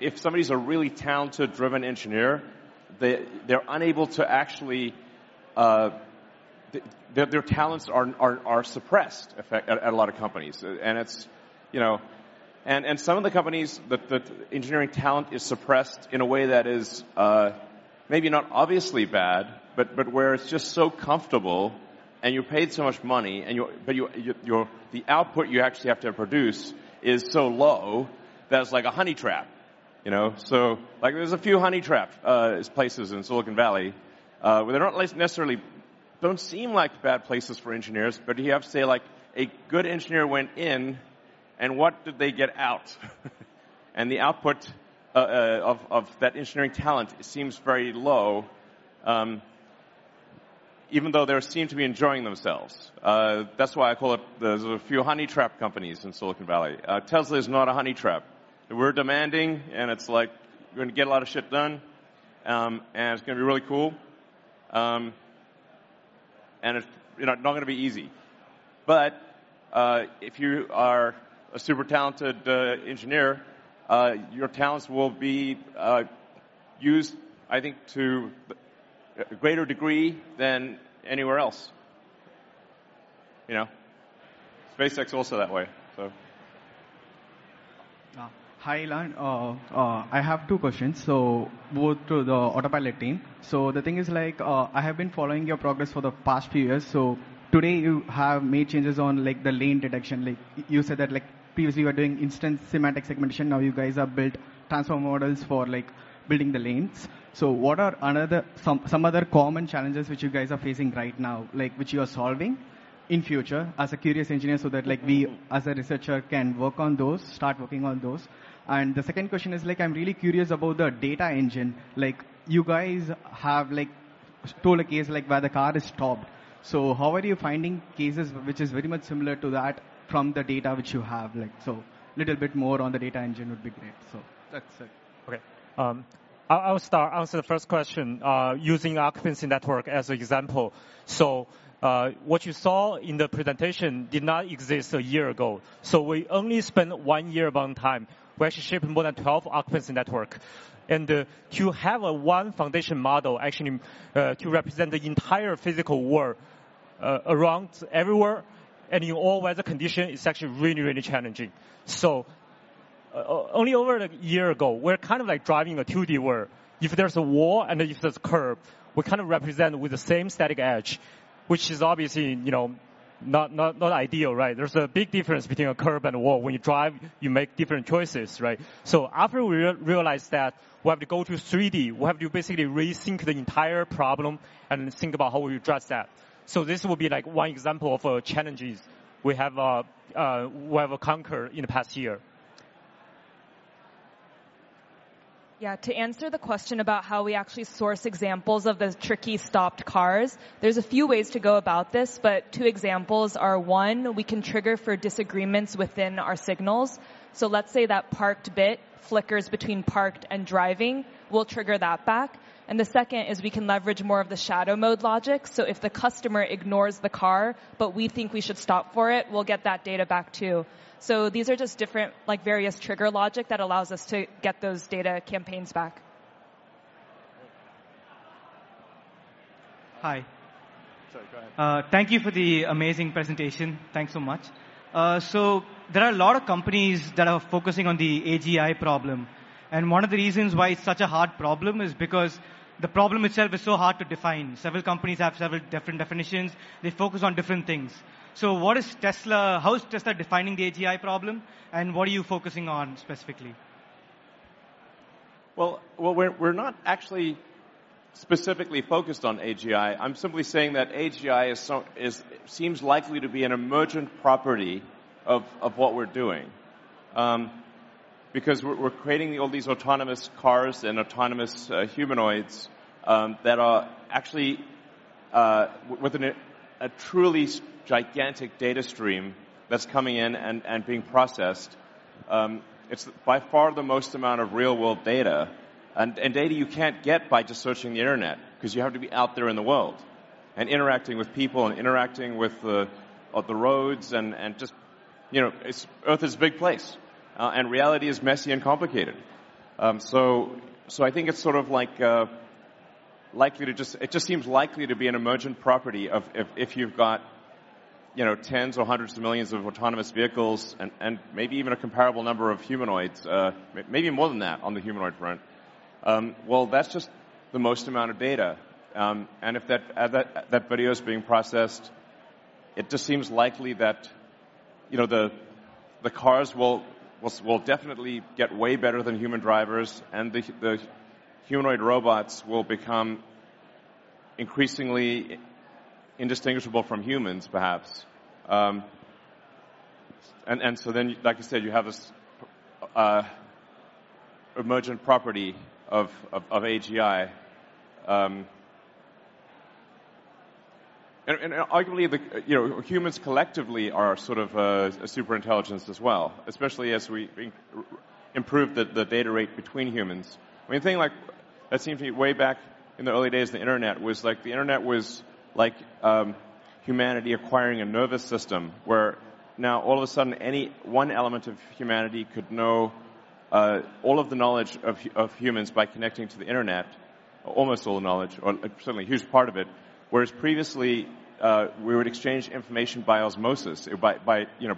if somebody's a really talented, driven engineer, they're unable to actually, their talents are suppressed at a lot of companies. It's, you know, some of the companies, the engineering talent is suppressed in a way that is maybe not obviously bad, but where it's just so comfortable and you're paid so much money and the output you actually have to produce is so low that it's like a honey trap, you know? Like, there's a few honey trap places in Silicon Valley where they don't necessarily seem like bad places for engineers, but you have to say, like, a good engineer went in, and what did they get out? The output of that engineering talent seems very low, even though they seem to be enjoying themselves. That's why I call it there's a few honey trap companies in Silicon Valley. Tesla is not a honey trap. We're demanding, and it's like we're gonna get a lot of shit done, and it's gonna be really cool. It's, you know, not gonna be easy. But if you are a super talented engineer, your talents will be used, I think, to a greater degree than anywhere else, you know. SpaceX also that way. Hi, Elon. I have two questions, so both to the Autopilot team. The thing is, like, I have been following your progress for the past few years. Today, you have made changes on, like, the lane detection. Like, you said that, like, previously you were doing instance semantic segmentation. Now you guys have built transformer models for, like, building the lanes. What are some other common challenges which you guys are facing right now, like, which you are solving in future as a curious engineer, so that, like, we as a researcher can work on those, start working on those? And the second question is, like, I'm really curious about the data engine. Like, you guys have, like, told a case, like, where the car is stopped. How are you finding cases which is very much similar to that from the data which you have? Like, so little bit more on the data engine would be great. That's it. Okay. I'll start. I'll answer the first question, using occupancy network as an example. What you saw in the presentation did not exist a year ago. We only spent one year of our time. We're actually shipping more than 12 occupancy network. To have a one foundation model actually, to represent the entire physical world, around everywhere, any and all weather condition is actually really, really challenging. Only over a year ago, we're kind of like driving a 2D world. If there's a wall and if there's a curb, we kind of represent with the same static edge, which is obviously, you know, not ideal, right? There's a big difference between a curb and a wall. When you drive, you make different choices, right? After we realized that, we have to go to 3D. We have to basically rethink the entire problem and think about how we address that. This will be like one example of challenges we have conquered in the past year. Yeah. To answer the question about how we actually source examples of the tricky stopped cars, there's a few ways to go about this, but two examples are, one, we can trigger for disagreements within our signals. Let's say that parked bit flickers between parked and driving, we'll trigger that back. The second is we can leverage more of the shadow mode logic. If the customer ignores the car, but we think we should stop for it, we'll get that data back too. These are just different, like, various trigger logic that allows us to get those data campaigns back. Hi. Sorry, go ahead. Thank you for the amazing presentation. Thanks so much. There are a lot of companies that are focusing on the AGI problem, one of the reasons why it's such a hard problem is because the problem itself is so hard to define. Several companies have several different definitions. They focus on different things. What is Tesla, how is Tesla defining the AGI problem, and what are you focusing on specifically? Well, we're not actually specifically focused on AGI. I'm simply saying that AGI seems likely to be an emergent property of what we're doing, because we're creating all these autonomous cars and autonomous humanoids that are actually within a truly gigantic data stream that's coming in and being processed. It's by far the most amount of real world data and data you can't get by just searching the internet 'cause you have to be out there in the world and interacting with people and interacting with the roads and just, you know, Earth is a big place and reality is messy and complicated. I think it's sort of like, it just seems likely to be an emergent property of, if you've got, you know, tens or hundreds of millions of autonomous vehicles and maybe even a comparable number of humanoids, maybe more than that on the humanoid front. Well, that's just the most amount of data. If that video is being processed, it just seems likely that, you know, the cars will definitely get way better than human drivers, and the humanoid robots will become increasingly indistinguishable from humans, perhaps. Like you said, you have this emergent property of AGI. Arguably, you know, humans collectively are sort of a super intelligence as well, especially as we improve the data rate between humans. I mean, think like, it seems to me way back in the early days of the Internet was like, the Internet was like humanity acquiring a nervous system, where now all of a sudden, any one element of humanity could know all of the knowledge of humans by connecting to the Internet, almost all the knowledge, or certainly a huge part of it. Whereas previously, we would exchange information by osmosis, you know,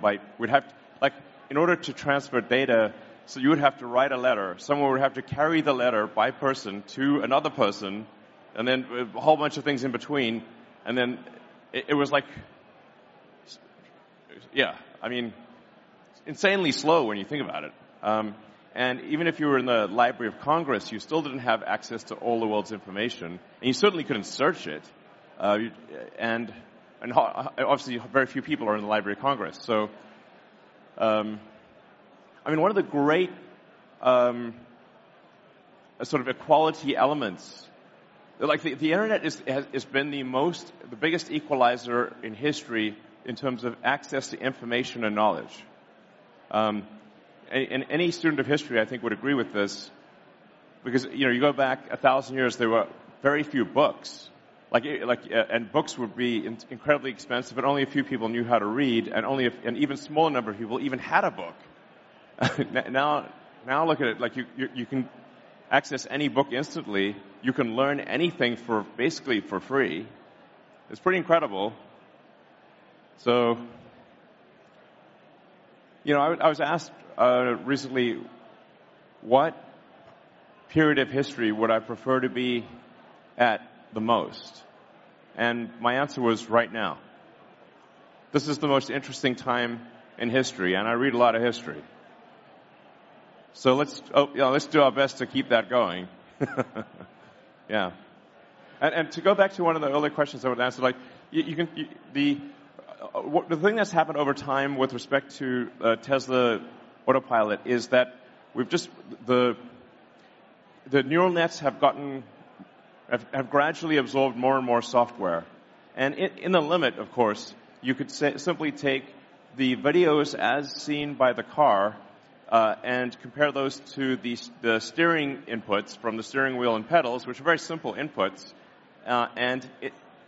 like, in order to transfer data, you would have to write a letter, someone would have to carry the letter by person to another person, and then a whole bunch of things in between. It was like, yeah, I mean, insanely slow when you think about it. Even if you were in the Library of Congress, you still didn't have access to all the world's information, and you certainly couldn't search it. Obviously, very few people are in the Library of Congress. I mean, one of the great sort of equality elements, like the Internet has been the most, the biggest equalizer in history in terms of access to information and knowledge. Any student of history, I think, would agree with this because, you know, you go back 1,000 years, there were very few books. Like, and books would be incredibly expensive, and only a few people knew how to read, and only an even smaller number of people even had a book. Now, look at it, like you can access any book instantly. You can learn anything, basically for free. It's pretty incredible. You know, I was asked recently, what period of history would I prefer to be at the most? My answer was right now. This is the most interesting time in history, and I read a lot of history. Let's do our best to keep that going. Yeah. To go back to one of the other questions that were asked, the thing that's happened over time with respect to Tesla Autopilot is that the neural nets have gradually absorbed more and more software. In the limit, of course, you could simply take the videos as seen by the car and compare those to the steering inputs from the steering wheel and pedals, which are very simple inputs.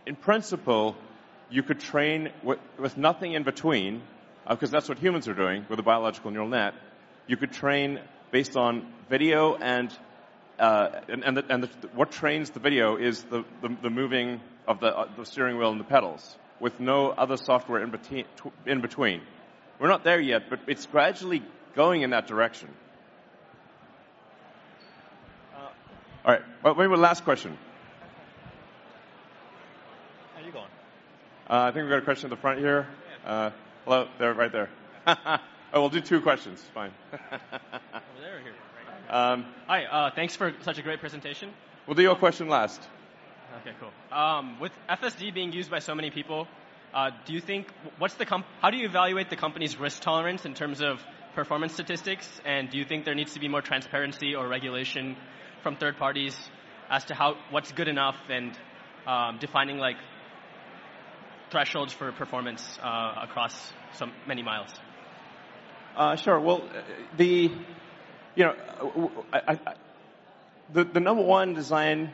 In principle, you could train with nothing in between, 'cause that's what humans are doing with a biological neural net. You could train based on video and the what trains the video is the moving of the steering wheel and the pedals with no other software in between. We're not there yet, but it's gradually going in that direction. All right. Oh, maybe one last question. How you going? I think we got a question at the front here. Hello. There, right there. Oh, we'll do two questions. Fine. Over there or here? Um- Hi. Thanks for such a great presentation. We'll do your question last. Okay, cool. With FSD being used by so many people, how do you evaluate the company's risk tolerance in terms of performance statistics? And do you think there needs to be more transparency or regulation from third parties as to how what's good enough and defining like thresholds for performance across some many miles? Well, you know, the number one design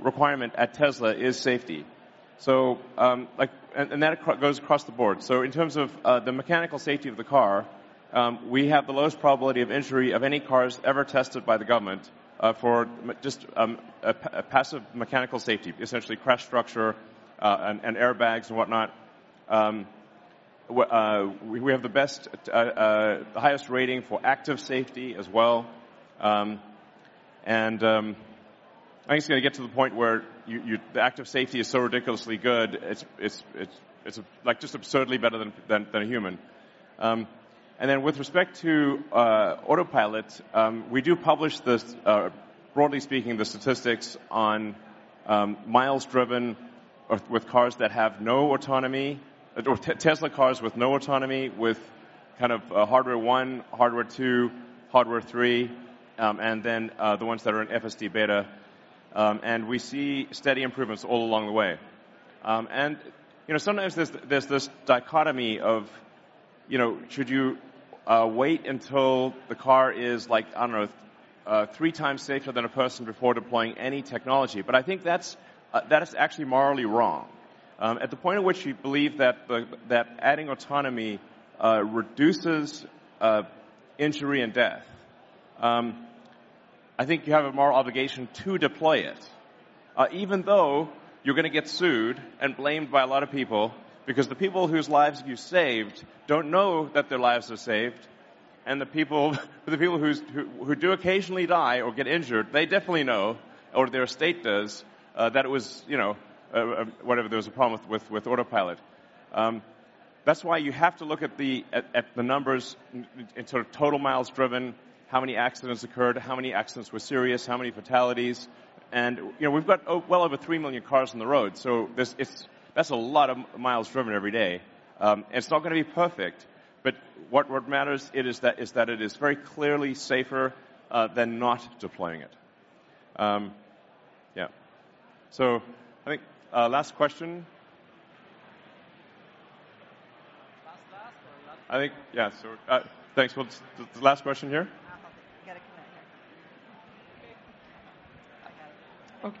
requirement at Tesla is safety. Like, and that goes across the board. In terms of the mechanical safety of the car, we have the lowest probability of injury of any cars ever tested by the government, for just a passive mechanical safety, essentially crash structure, and airbags and whatnot. We have the highest rating for active safety as well. I'm just gonna get to the point where the active safety is so ridiculously good, it's like just absurdly better than a human. With respect to Autopilot, we do publish, broadly speaking, the statistics on miles driven with cars that have no autonomy, or Tesla cars with no autonomy, with kind of Hardware 1, Hardware 2, Hardware 3, and then the ones that are in FSD Beta. We see steady improvements all along the way. You know, sometimes there's this dichotomy of, you know, should you wait until the car is like, I don't know, three times safer than a person before deploying any technology. I think that is actually morally wrong. At the point at which you believe that adding autonomy reduces injury and death, I think you have a moral obligation to deploy it. Even though you're gonna get sued and blamed by a lot of people because the people whose lives you saved don't know that their lives are saved, and the people who do occasionally die or get injured, they definitely know or their estate does, you know, whatever there was a problem with Autopilot. That's why you have to look at the numbers in sort of total miles driven, how many accidents occurred, how many accidents were serious, how many fatalities. You know, we've got well over 3 million cars on the road, so that's a lot of miles driven every day. It's not gonna be perfect, but what matters is that it is very clearly safer than not deploying it. Yeah. I think, last question. Last. I think, yeah, so, thanks. Well, the last question here. You gotta come out here.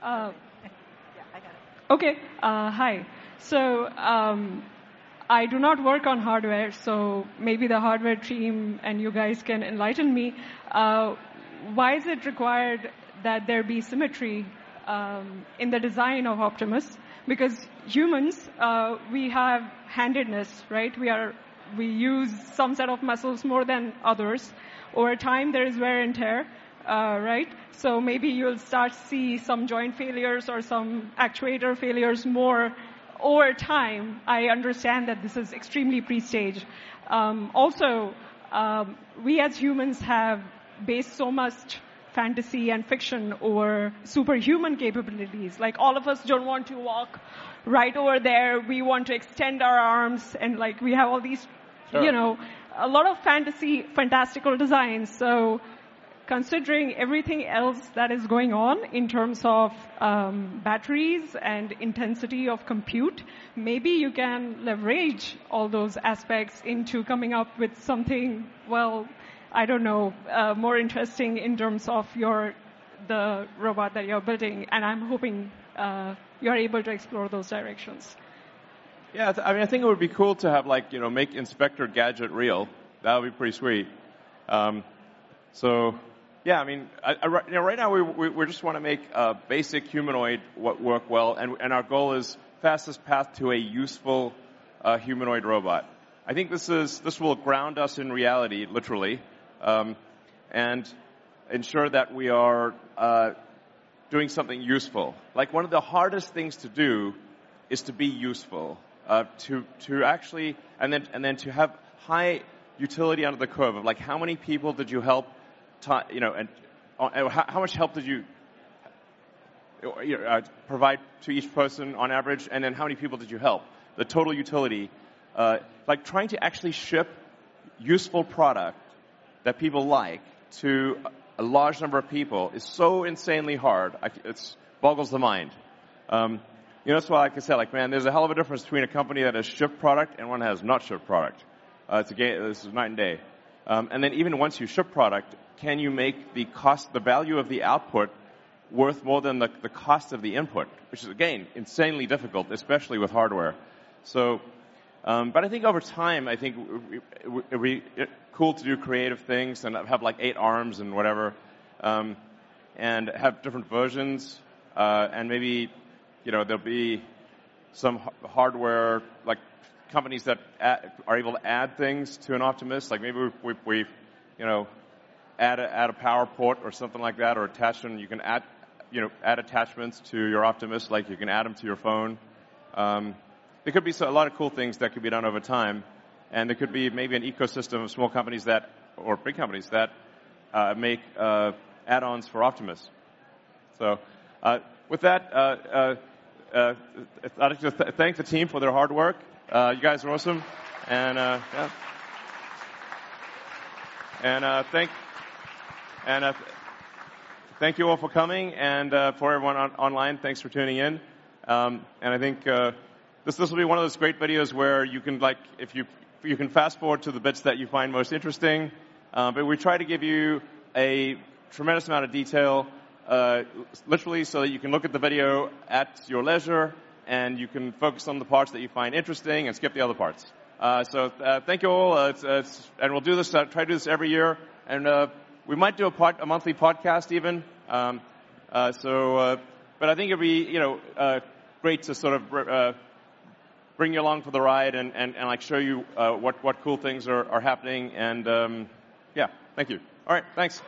I got it. Okay. Yeah, I got it. Okay, hi. I do not work on hardware, so maybe the hardware team and you guys can enlighten me. Why is it required that there be symmetry in the design of Optimus? Because humans, we have handedness, right? We use some set of muscles more than others. Over time, there is wear and tear, right? Maybe you'll start to see some joint failures or some actuator failures more over time. I understand that this is extremely pre-staged. Also, we as humans have based so much fantasy and fiction over superhuman capabilities. Like, all of us don't want to walk right over there. We want to extend our arms, and, like, we have all these. Sure. You know, a lot of fantasy, fantastical designs. Considering everything else that is going on in terms of, batteries and intensity of compute, maybe you can leverage all those aspects into coming up with something, well, I don't know, more interesting in terms of your, the robot that you're building. I'm hoping you're able to explore those directions. Yeah. I mean, I think it would be cool to have, like, you know, make Inspector Gadget real. That would be pretty sweet. Yeah, I mean, you know, right now we just wanna make a basic humanoid work well, and our goal is fastest path to a useful humanoid robot. I think this will ground us in reality, literally, and ensure that we are doing something useful. Like, one of the hardest things to do is to be useful, and then to have high utility under the curve of, like, how many people did you help, you know, and how much help did you know, provide to each person on average, and then how many people did you help? The total utility. Like, trying to actually ship useful product that people like to a large number of people is so insanely hard, it boggles the mind. You know, that's why I can say, like, man, there's a hell of a difference between a company that has shipped product and one that has not shipped product. It's, again, this is night and day. Then even once you ship product, can you make the cost, the value of the output worth more than the cost of the input, which is, again, insanely difficult, especially with hardware. I think over time, I think it'd be cool to do creative things and have, like, eight arms and whatever, and have different versions, and maybe, you know, there'll be some hardware, like, companies that are able to add things to an Optimus. Like, maybe we've, you know, add a power port or something like that or attachment. You can add, you know, attachments to your Optimus, like you can add them to your phone. There could be a lot of cool things that could be done over time, and there could be maybe an ecosystem of small companies that, or big companies that, make add-ons for Optimus. With that, I'd like to thank the team for their hard work. You guys are awesome. Yeah. Thank you all for coming, and for everyone online, thanks for tuning in. I think this will be one of those great videos where you can, like, you can fast-forward to the bits that you find most interesting. We try to give you a tremendous amount of detail, literally so that you can look at the video at your leisure, and you can focus on the parts that you find interesting and skip the other parts. Thank you all. We'll try to do this every year. We might do a monthly podcast even. I think it'd be, you know, great to sort of bring you along for the ride and, like, show you what cool things are happening. Yeah. Thank you. All right. Thanks.